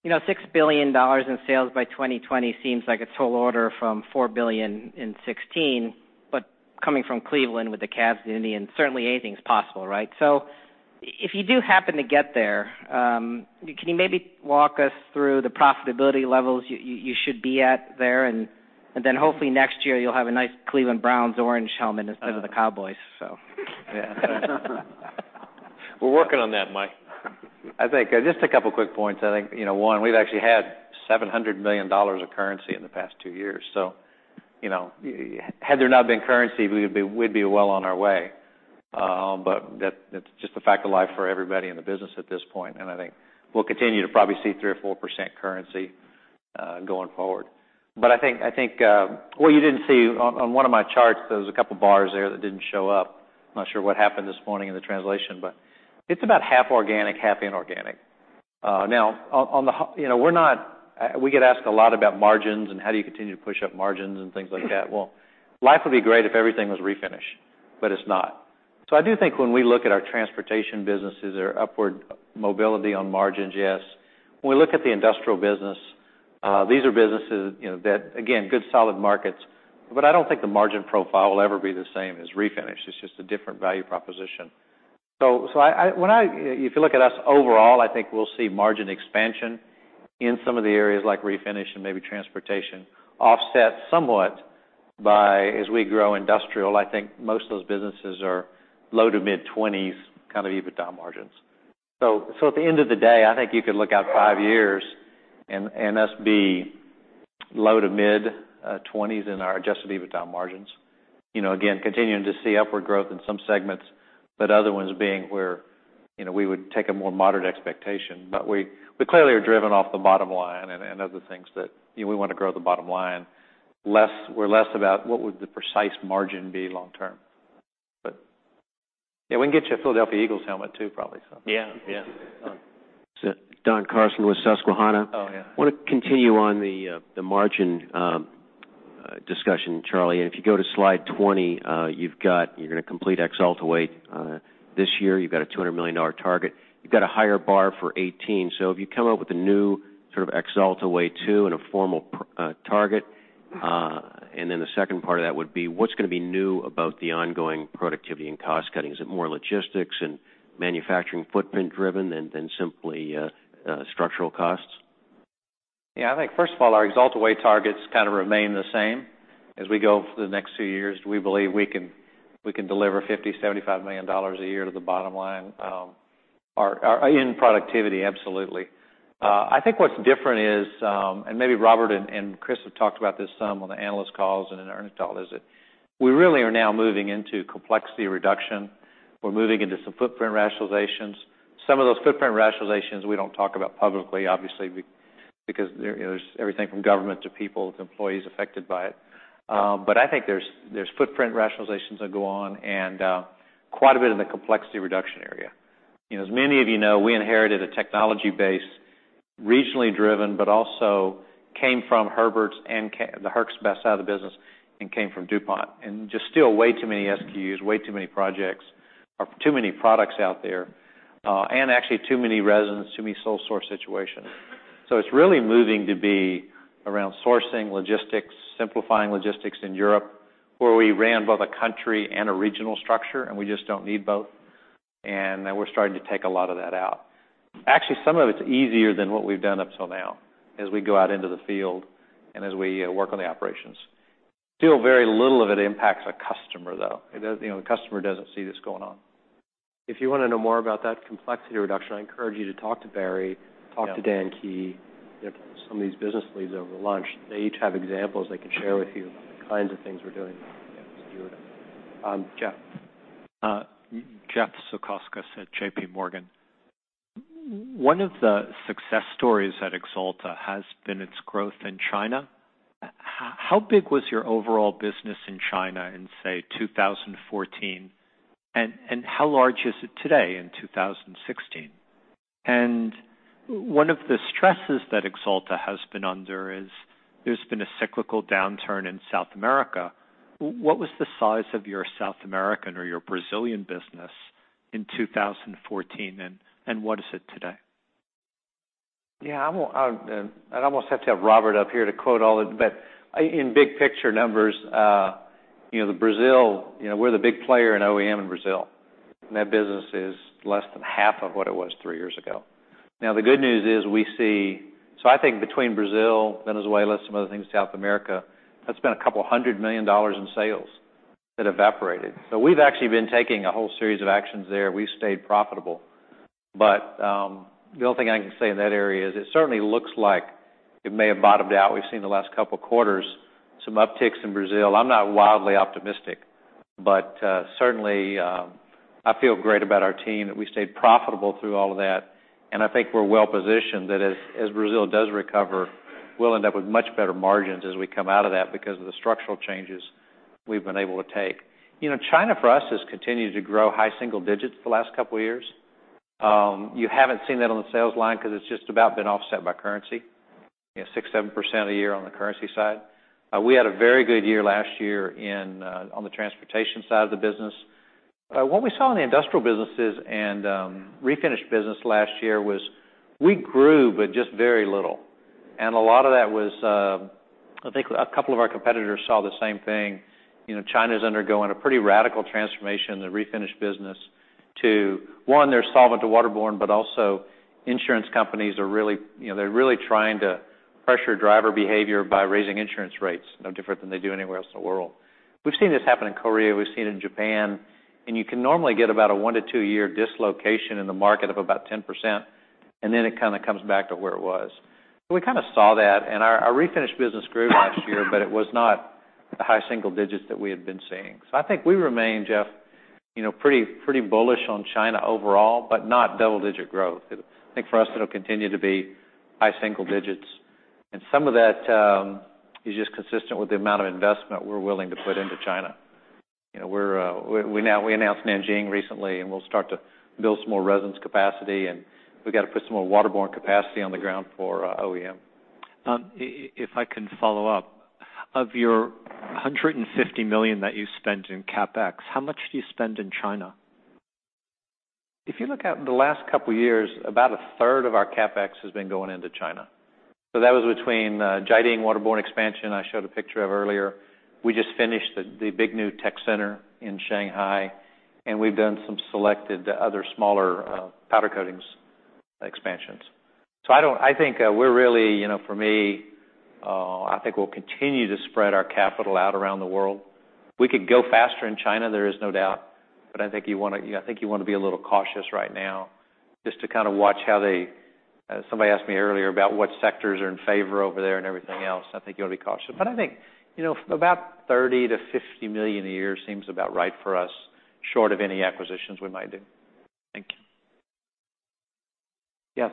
$6 billion in sales by 2020 seems like a tall order from $4 billion in 2016. Coming from Cleveland with the Cleveland Cavaliers certainly anything's possible, right? If you do happen to get there, can you maybe walk us through the profitability levels you should be at there? Then hopefully next year you'll have a nice Cleveland Browns orange helmet instead of the Dallas Cowboys. We're working on that, Mike. I think just a couple of quick points. I think, one, we've actually had $700 million of currency in the past 2 years. Had there not been currency, we'd be well on our way. That's just a fact of life for everybody in the business at this point, and I think we'll continue to probably see 3% or 4% currency going forward. I think what you didn't see on one of my charts, there was a couple bars there that didn't show up. I'm not sure what happened this morning in the translation, but it's about half organic, half inorganic. We get asked a lot about margins and how do you continue to push up margins and things like that. Well, life would be great if everything was refinish, but it's not. I do think when we look at our transportation businesses, there are upward mobility on margins, yes. When we look at the industrial business, these are businesses that, again, good, solid markets. I don't think the margin profile will ever be the same as refinish. It's just a different value proposition. If you look at us overall, I think we'll see margin expansion in some of the areas like refinish and maybe transportation offset somewhat by as we grow industrial. I think most of those businesses are low to mid-20s kind of EBITDA margins. At the end of the day, I think you could look out 5 years and us be low to mid-20s in our adjusted EBITDA margins. Again, continuing to see upward growth in some segments, but other ones being where we would take a more moderate expectation. We clearly are driven off the bottom line and other things that we want to grow the bottom line. We're less about what would the precise margin be long term. Yeah, we can get you a Philadelphia Eagles helmet too, probably. Yeah. Don Carson with Susquehanna. Oh, yeah. I want to continue on the margin discussion, Charlie. If you go to slide 20, you're going to complete Axalta Way this year. You've got a $200 million target. You've got a higher bar for 2018. Have you come up with a new sort of Axalta Way 2 and a formal target? The second part of that would be what's going to be new about the ongoing productivity and cost cutting? Is it more logistics and manufacturing footprint driven than simply structural costs? Yeah. I think first of all, our Axalta Way targets kind of remain the same as we go over the next few years. We believe we can deliver $50 million, $75 million a year to the bottom line in productivity, absolutely. I think what's different is, maybe Robert and Chris have talked about this some on the analyst calls and in our investor visit, we really are now moving into complexity reduction. We're moving into some footprint rationalizations. Some of those footprint rationalizations we don't talk about publicly, obviously, because there's everything from government to people to employees affected by it. I think there's footprint rationalizations that go on and quite a bit in the complexity reduction area. As many of you know, we inherited a technology base, regionally driven, but also came from Herberts and the Herberts side of the business and came from DuPont. Just still way too many SKUs, way too many projects, or too many products out there, and actually too many resins, too many sole source situations. It's really moving to be around sourcing logistics, simplifying logistics in Europe, where we ran both a country and a regional structure, and we just don't need both. We're starting to take a lot of that out. Actually, some of it's easier than what we've done up till now as we go out into the field and as we work on the operations. Still, very little of it impacts a customer, though. The customer doesn't see this going on. If you want to know more about that complexity reduction, I encourage you to talk to Barry, talk to Dan Key, some of these business leads over lunch. They each have examples they can share with you about the kinds of things we're doing. Yeah. Jeff. Jeff Zekauskas at JPMorgan. One of the success stories at Axalta has been its growth in China. How big was your overall business in China in, say, 2014, and how large is it today in 2016? One of the stresses that Axalta has been under is there's been a cyclical downturn in South America. What was the size of your South American or your Brazilian business in 2014, and what is it today? Yeah. I'd almost have to have Robert up here to quote all of it, but in big picture numbers, we're the big player in OEM in Brazil, and that business is less than half of what it was three years ago. The good news is I think between Brazil, Venezuela, some other things, South America, that's been $200 million in sales that evaporated. We've actually been taking a whole series of actions there. We've stayed profitable. The only thing I can say in that area is it certainly looks like it may have bottomed out. We've seen the last couple of quarters, some upticks in Brazil. I'm not wildly optimistic, but certainly, I feel great about our team, that we stayed profitable through all of that, and I think we're well-positioned. That as Brazil does recover, we'll end up with much better margins as we come out of that because of the structural changes we've been able to take. China, for us, has continued to grow high single digits for the last couple of years. You haven't seen that on the sales line because it's just about been offset by currency, 6%-7% a year on the currency side. We had a very good year last year on the transportation side of the business. What we saw in the industrial businesses and refinish business last year was we grew, but just very little. A lot of that was, I think a couple of our competitors saw the same thing. China's undergoing a pretty radical transformation in the refinish business to, one, they're solvent to waterborne, but also insurance companies, they're really trying to pressure driver behavior by raising insurance rates, no different than they do anywhere else in the world. We've seen this happen in Korea, we've seen it in Japan. You can normally get about a one- to two-year dislocation in the market of about 10%, and then it kind of comes back to where it was. We kind of saw that, and our refinish business grew last year, but it was not the high single digits that we had been seeing. I think we remain, Jeff, pretty bullish on China overall, but not double-digit growth. I think for us, it'll continue to be high single digits, and some of that is just consistent with the amount of investment we're willing to put into China. We announced Nanjing recently. We'll start to build some more resins capacity, and we've got to put some more waterborne capacity on the ground for OEM. If I can follow up, of your $150 million that you spent in CapEx, how much do you spend in China? If you look at the last couple of years, about a third of our CapEx has been going into China. That was between Jiading waterborne expansion, I showed a picture of earlier. We just finished the big new tech center in Shanghai, we've done some selected other smaller powder coatings expansions. I think we're really, for me, I think we'll continue to spread our capital out around the world. We could go faster in China, there is no doubt, you want to be a little cautious right now just to kind of watch how they. Somebody asked me earlier about what sectors are in favor over there and everything else. I think you got to be cautious. I think about $30 million-$50 million a year seems about right for us, short of any acquisitions we might do. Thank you. Yes.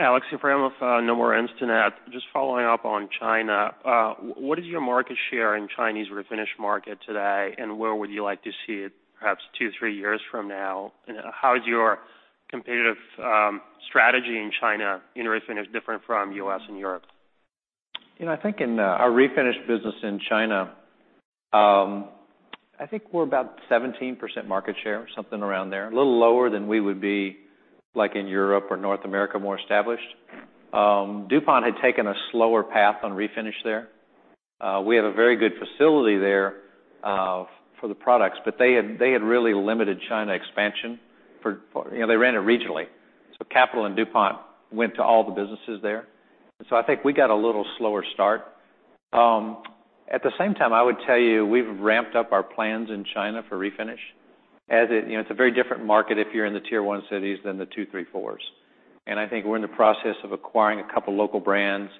Aleksey Yefremov, Nomura Instinet. Just following up on China, what is your market share in Chinese refinish market today, and where would you like to see it perhaps two, three years from now? How is your competitive strategy in China in refinish different from U.S. and Europe? I think in our refinish business in China, I think we're about 17% market share, something around there. A little lower than we would be like in Europe or North America, more established. DuPont had taken a slower path on refinish there. We have a very good facility there for the products, they had really limited China expansion for. They ran it regionally. Capital and DuPont went to all the businesses there. I think we got a little slower start. At the same time, I would tell you, we've ramped up our plans in China for refinish. It's a very different market if you're in the tier 1 cities than the 2, 3, 4s. I think we're in the process of acquiring a couple of local brands.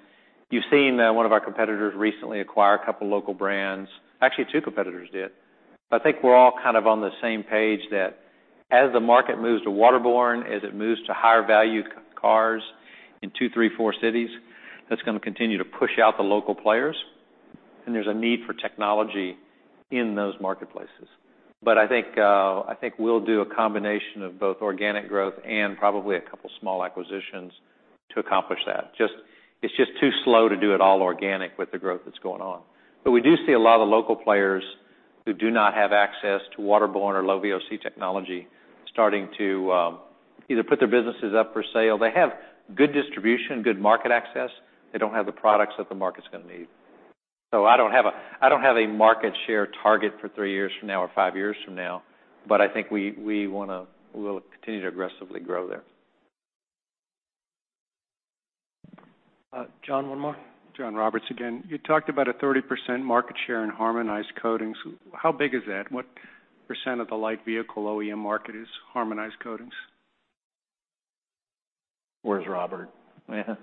You've seen one of our competitors recently acquire a couple of local brands. Actually, two competitors did. I think we're all kind of on the same page that as the market moves to waterborne, as it moves to higher value cars in two, three, four cities, that's going to continue to push out the local players, and there's a need for technology in those marketplaces. I think we'll do a combination of both organic growth and probably a couple of small acquisitions to accomplish that. It's just too slow to do it all organic with the growth that's going on. We do see a lot of the local players who do not have access to waterborne or low VOC technology starting to either put their businesses up for sale. They have good distribution, good market access. They don't have the products that the market's going to need. I don't have a market share target for three years from now or five years from now, I think we'll continue to aggressively grow there. John, one more. John Roberts again. You talked about a 30% market share in harmonized coatings. How big is that? What percent of the light vehicle OEM market is harmonized coatings? Where's Robert? If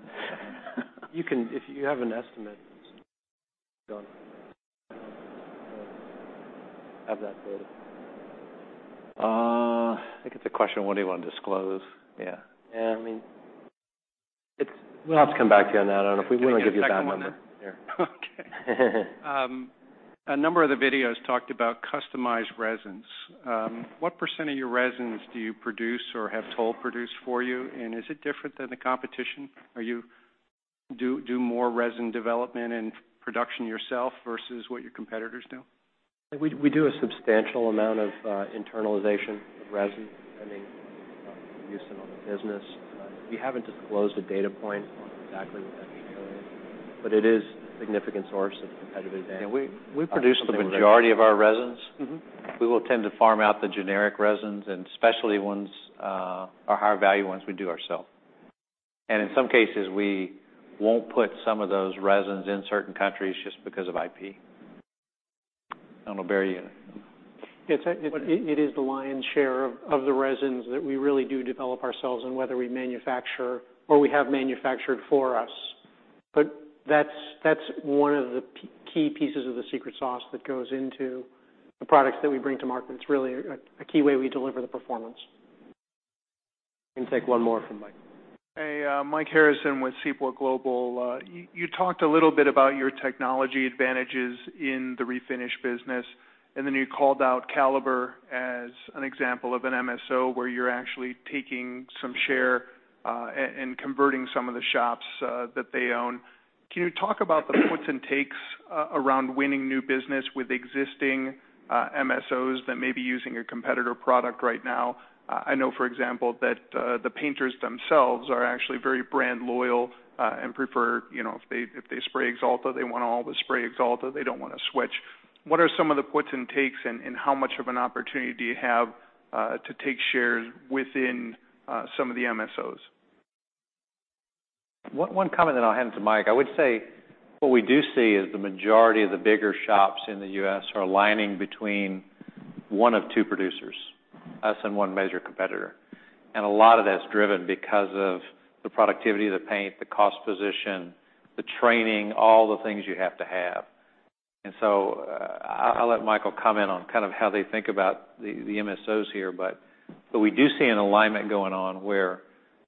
you have an estimate, John. Have that data. I think it's a question of what do you want to disclose? Yeah. Yeah, I mean. We'll have to come back to you on that. I don't know if we want to give you that number. Get back on that. Yeah. Okay. A number of the videos talked about customized resins. What % of your resins do you produce or have toll produced for you? Is it different than the competition? Do you do more resin development and production yourself versus what your competitors do? We do a substantial amount of internalization of resin, depending on the use in all the business. We haven't disclosed a data point on exactly what that share is, but it is a significant source of competitive advantage. We produce the majority of our resins. We will tend to farm out the generic resins, and especially ones, our higher value ones, we do ourself. In some cases, we won't put some of those resins in certain countries just because of IP. I don't know, Barry. It is the lion's share of the resins that we really do develop ourselves, and whether we manufacture or we have manufactured for us. That's one of the key pieces of the secret sauce that goes into the products that we bring to market. It's really a key way we deliver the performance. We can take one more from Mike. Hey, Mike Harrison with Seaport Global. You talked a little bit about your technology advantages in the refinish business. Then you called out Caliber as an example of an MSO, where you're actually taking some share, converting some of the shops that they own. Can you talk about the puts and takes around winning new business with existing MSOs that may be using a competitor product right now? I know, for example, that the painters themselves are actually very brand loyal, prefer, if they spray Axalta, they want to all but spray Axalta. They don't want to switch. What are some of the puts and takes, how much of an opportunity do you have to take shares within some of the MSOs? One comment, then I'll hand it to Mike. I would say what we do see is the majority of the bigger shops in the U.S. are aligning between one of two producers, us and one major competitor. A lot of that's driven because of the productivity of the paint, the cost position, the training, all the things you have to have. I'll let Michael comment on kind of how they think about the MSOs here, but we do see an alignment going on where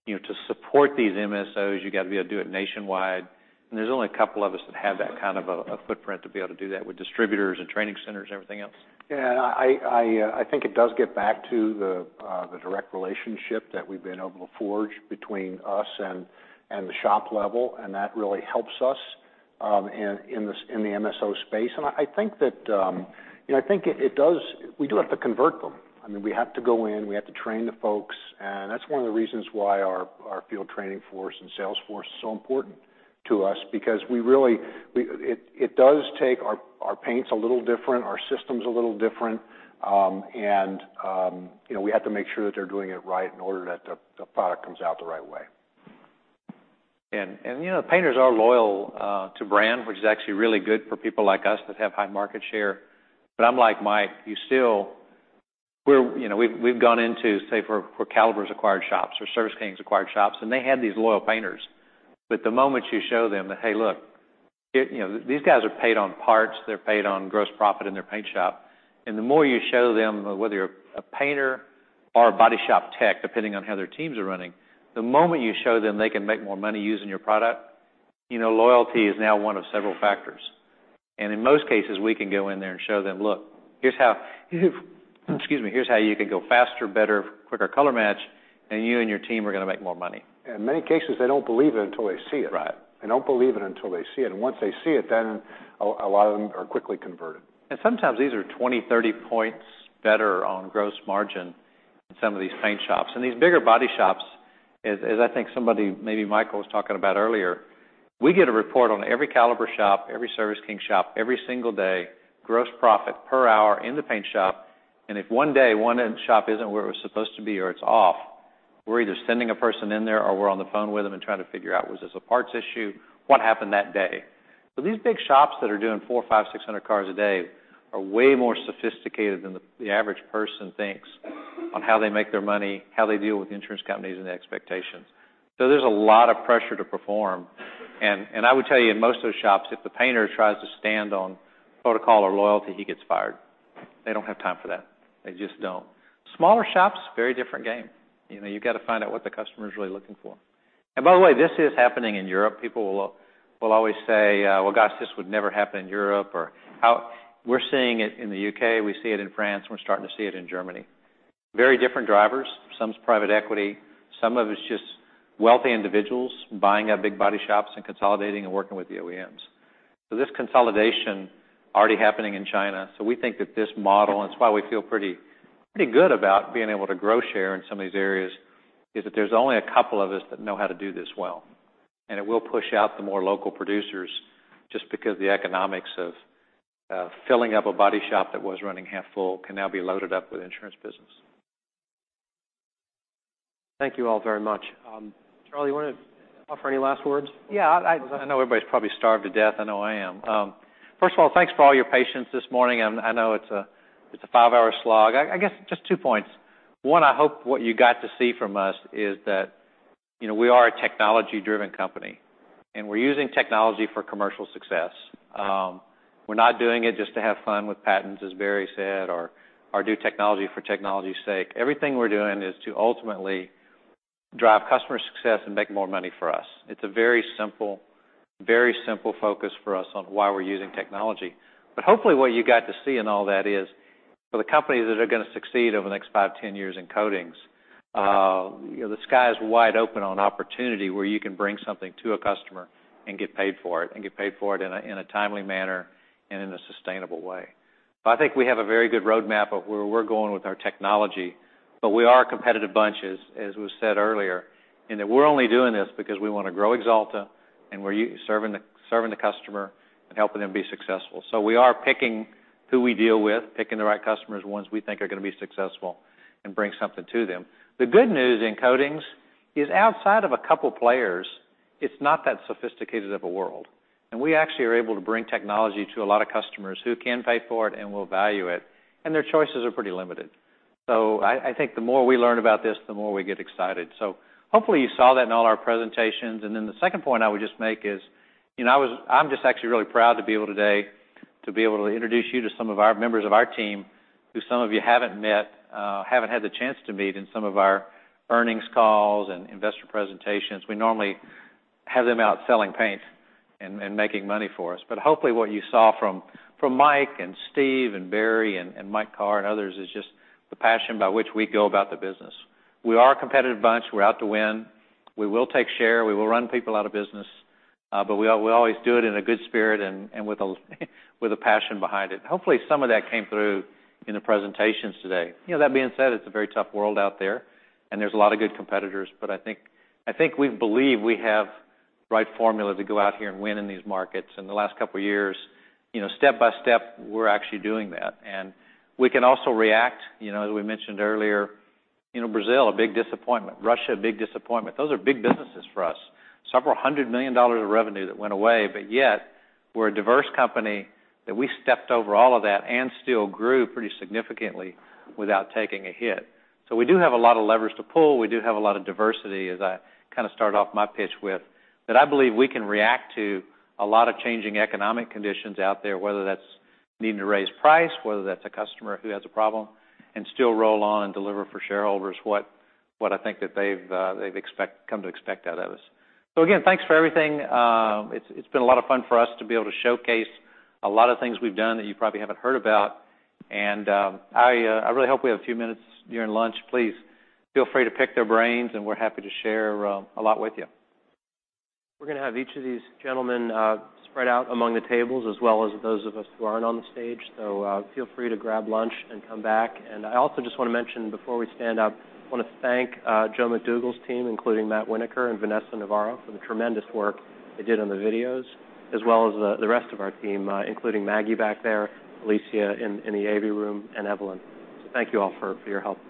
to support these MSOs, you got to be able to do it nationwide, there's only a couple of us that have that kind of a footprint to be able to do that with distributors and training centers, everything else. I think it does get back to the direct relationship that we've been able to forge between us and the shop level, That really helps us in the MSO space. I think that we do have to convert them. We have to go in, we have to train the folks, That's one of the reasons why our field training force and sales force is so important to us, because our paint's a little different, our system's a little different, We have to make sure that they're doing it right in order that the product comes out the right way. Painters are loyal to brand, which is actually really good for people like us that have high market share. I'm like Mike, we've gone into, say, for Caliber's acquired shops or Service King's acquired shops, and they had these loyal painters. The moment you show them that, hey, look, these guys are paid on parts, they're paid on gross profit in their paint shop, The more you show them, whether you're a painter or a body shop tech, depending on how their teams are running, the moment you show them they can make more money using your product, loyalty is now one of several factors. In most cases, we can go in there and show them, "Look, here's how you can go faster, better, quicker color match, and you and your team are going to make more money." In many cases, they don't believe it until they see it. Right. They don't believe it until they see it, Once they see it, then a lot of them are quickly converted. Sometimes these are 20, 30 points better on gross margin in some of these paint shops. These bigger body shops, as I think somebody, maybe Michael, was talking about earlier, we get a report on every Caliber shop, every Service King shop every single day, gross profit per hour in the paint shop. If one day, one end shop isn't where it was supposed to be or it's off, we're either sending a person in there or we're on the phone with them and trying to figure out, was this a parts issue? What happened that day? These big shops that are doing 400, 500, 600 cars a day are way more sophisticated than the average person thinks on how they make their money, how they deal with insurance companies and the expectations. There's a lot of pressure to perform. I would tell you, in most of those shops, if the painter tries to stand on protocol or loyalty, he gets fired. They don't have time for that. They just don't. Smaller shops, very different game. You've got to find out what the customer's really looking for. By the way, this is happening in Europe. People will always say, "Well, gosh, this would never happen in Europe." We're seeing it in the U.K., we see it in France, We're starting to see it in Germany. Very different drivers. Some's private equity, some of it's just wealthy individuals buying up big body shops and consolidating and working with the OEMs. This consolidation already happening in China. We think that this model, and it's why we feel pretty good about being able to grow share in some of these areas, is that there's only a couple of us that know how to do this well, and it will push out the more local producers just because the economics of filling up a body shop that was running half full can now be loaded up with insurance business. Thank you all very much. Charlie, you want to offer any last words? Yeah. I know everybody's probably starved to death. I know I am. First of all, thanks for all your patience this morning. I know it's a five-hour slog. I guess just two points. One, I hope what you got to see from us is that we are a technology-driven company, and we're using technology for commercial success. We're not doing it just to have fun with patents, as Barry said, or do technology for technology's sake. Everything we're doing is to ultimately drive customer success and make more money for us. It's a very simple focus for us on why we're using technology. Hopefully, what you got to see in all that is, for the companies that are going to succeed over the next five, 10 years in coatings, the sky is wide open on opportunity where you can bring something to a customer and get paid for it in a timely manner and in a sustainable way. I think we have a very good roadmap of where we're going with our technology, we are a competitive bunch, as was said earlier, in that we're only doing this because we want to grow Axalta, and we're serving the customer and helping them be successful. We are picking who we deal with, picking the right customers, ones we think are going to be successful, and bring something to them. The good news in coatings is, outside of a couple players, it's not that sophisticated of a world. We actually are able to bring technology to a lot of customers who can pay for it and will value it, and their choices are pretty limited. I think the more we learn about this, the more we get excited. Hopefully you saw that in all our presentations. The second point I would just make is, I'm just actually really proud to be able today to introduce you to some of our members of our team who some of you haven't met, haven't had the chance to meet in some of our earnings calls and investor presentations. We normally have them out selling paint and making money for us. Hopefully, what you saw from Mike and Steve Markevich and Barry and Mike Carr and others is just the passion by which we go about the business. We are a competitive bunch. We're out to win. We will take share. We will run people out of business. We always do it in a good spirit and with a passion behind it. Hopefully, some of that came through in the presentations today. That being said, it's a very tough world out there, and there's a lot of good competitors, I think we believe we have the right formula to go out here and win in these markets. In the last couple of years, step by step, we're actually doing that. We can also react. As we mentioned earlier, Brazil, a big disappointment. Russia, a big disappointment. Those are big businesses for us. Several hundred million dollars of revenue that went away, yet we're a diverse company that we stepped over all of that and still grew pretty significantly without taking a hit. We do have a lot of levers to pull. We do have a lot of diversity, as I kind of started off my pitch with, that I believe we can react to a lot of changing economic conditions out there, whether that's needing to raise price, whether that's a customer who has a problem, and still roll on and deliver for shareholders what I think that they've come to expect out of us. Again, thanks for everything. It's been a lot of fun for us to be able to showcase a lot of things we've done that you probably haven't heard about. I really hope we have a few minutes during lunch. Please feel free to pick their brains, and we're happy to share a lot with you. We're going to have each of these gentlemen spread out among the tables, as well as those of us who aren't on the stage. Feel free to grab lunch and come back. I also just want to mention before we stand up, I want to thank Joseph McDougall's team, including Matt Winiker and Vanessa Navarro, for the tremendous work they did on the videos, as well as the rest of our team, including Maggie back there, Alicia in the AV room, and Evelyn. Thank you all for your help.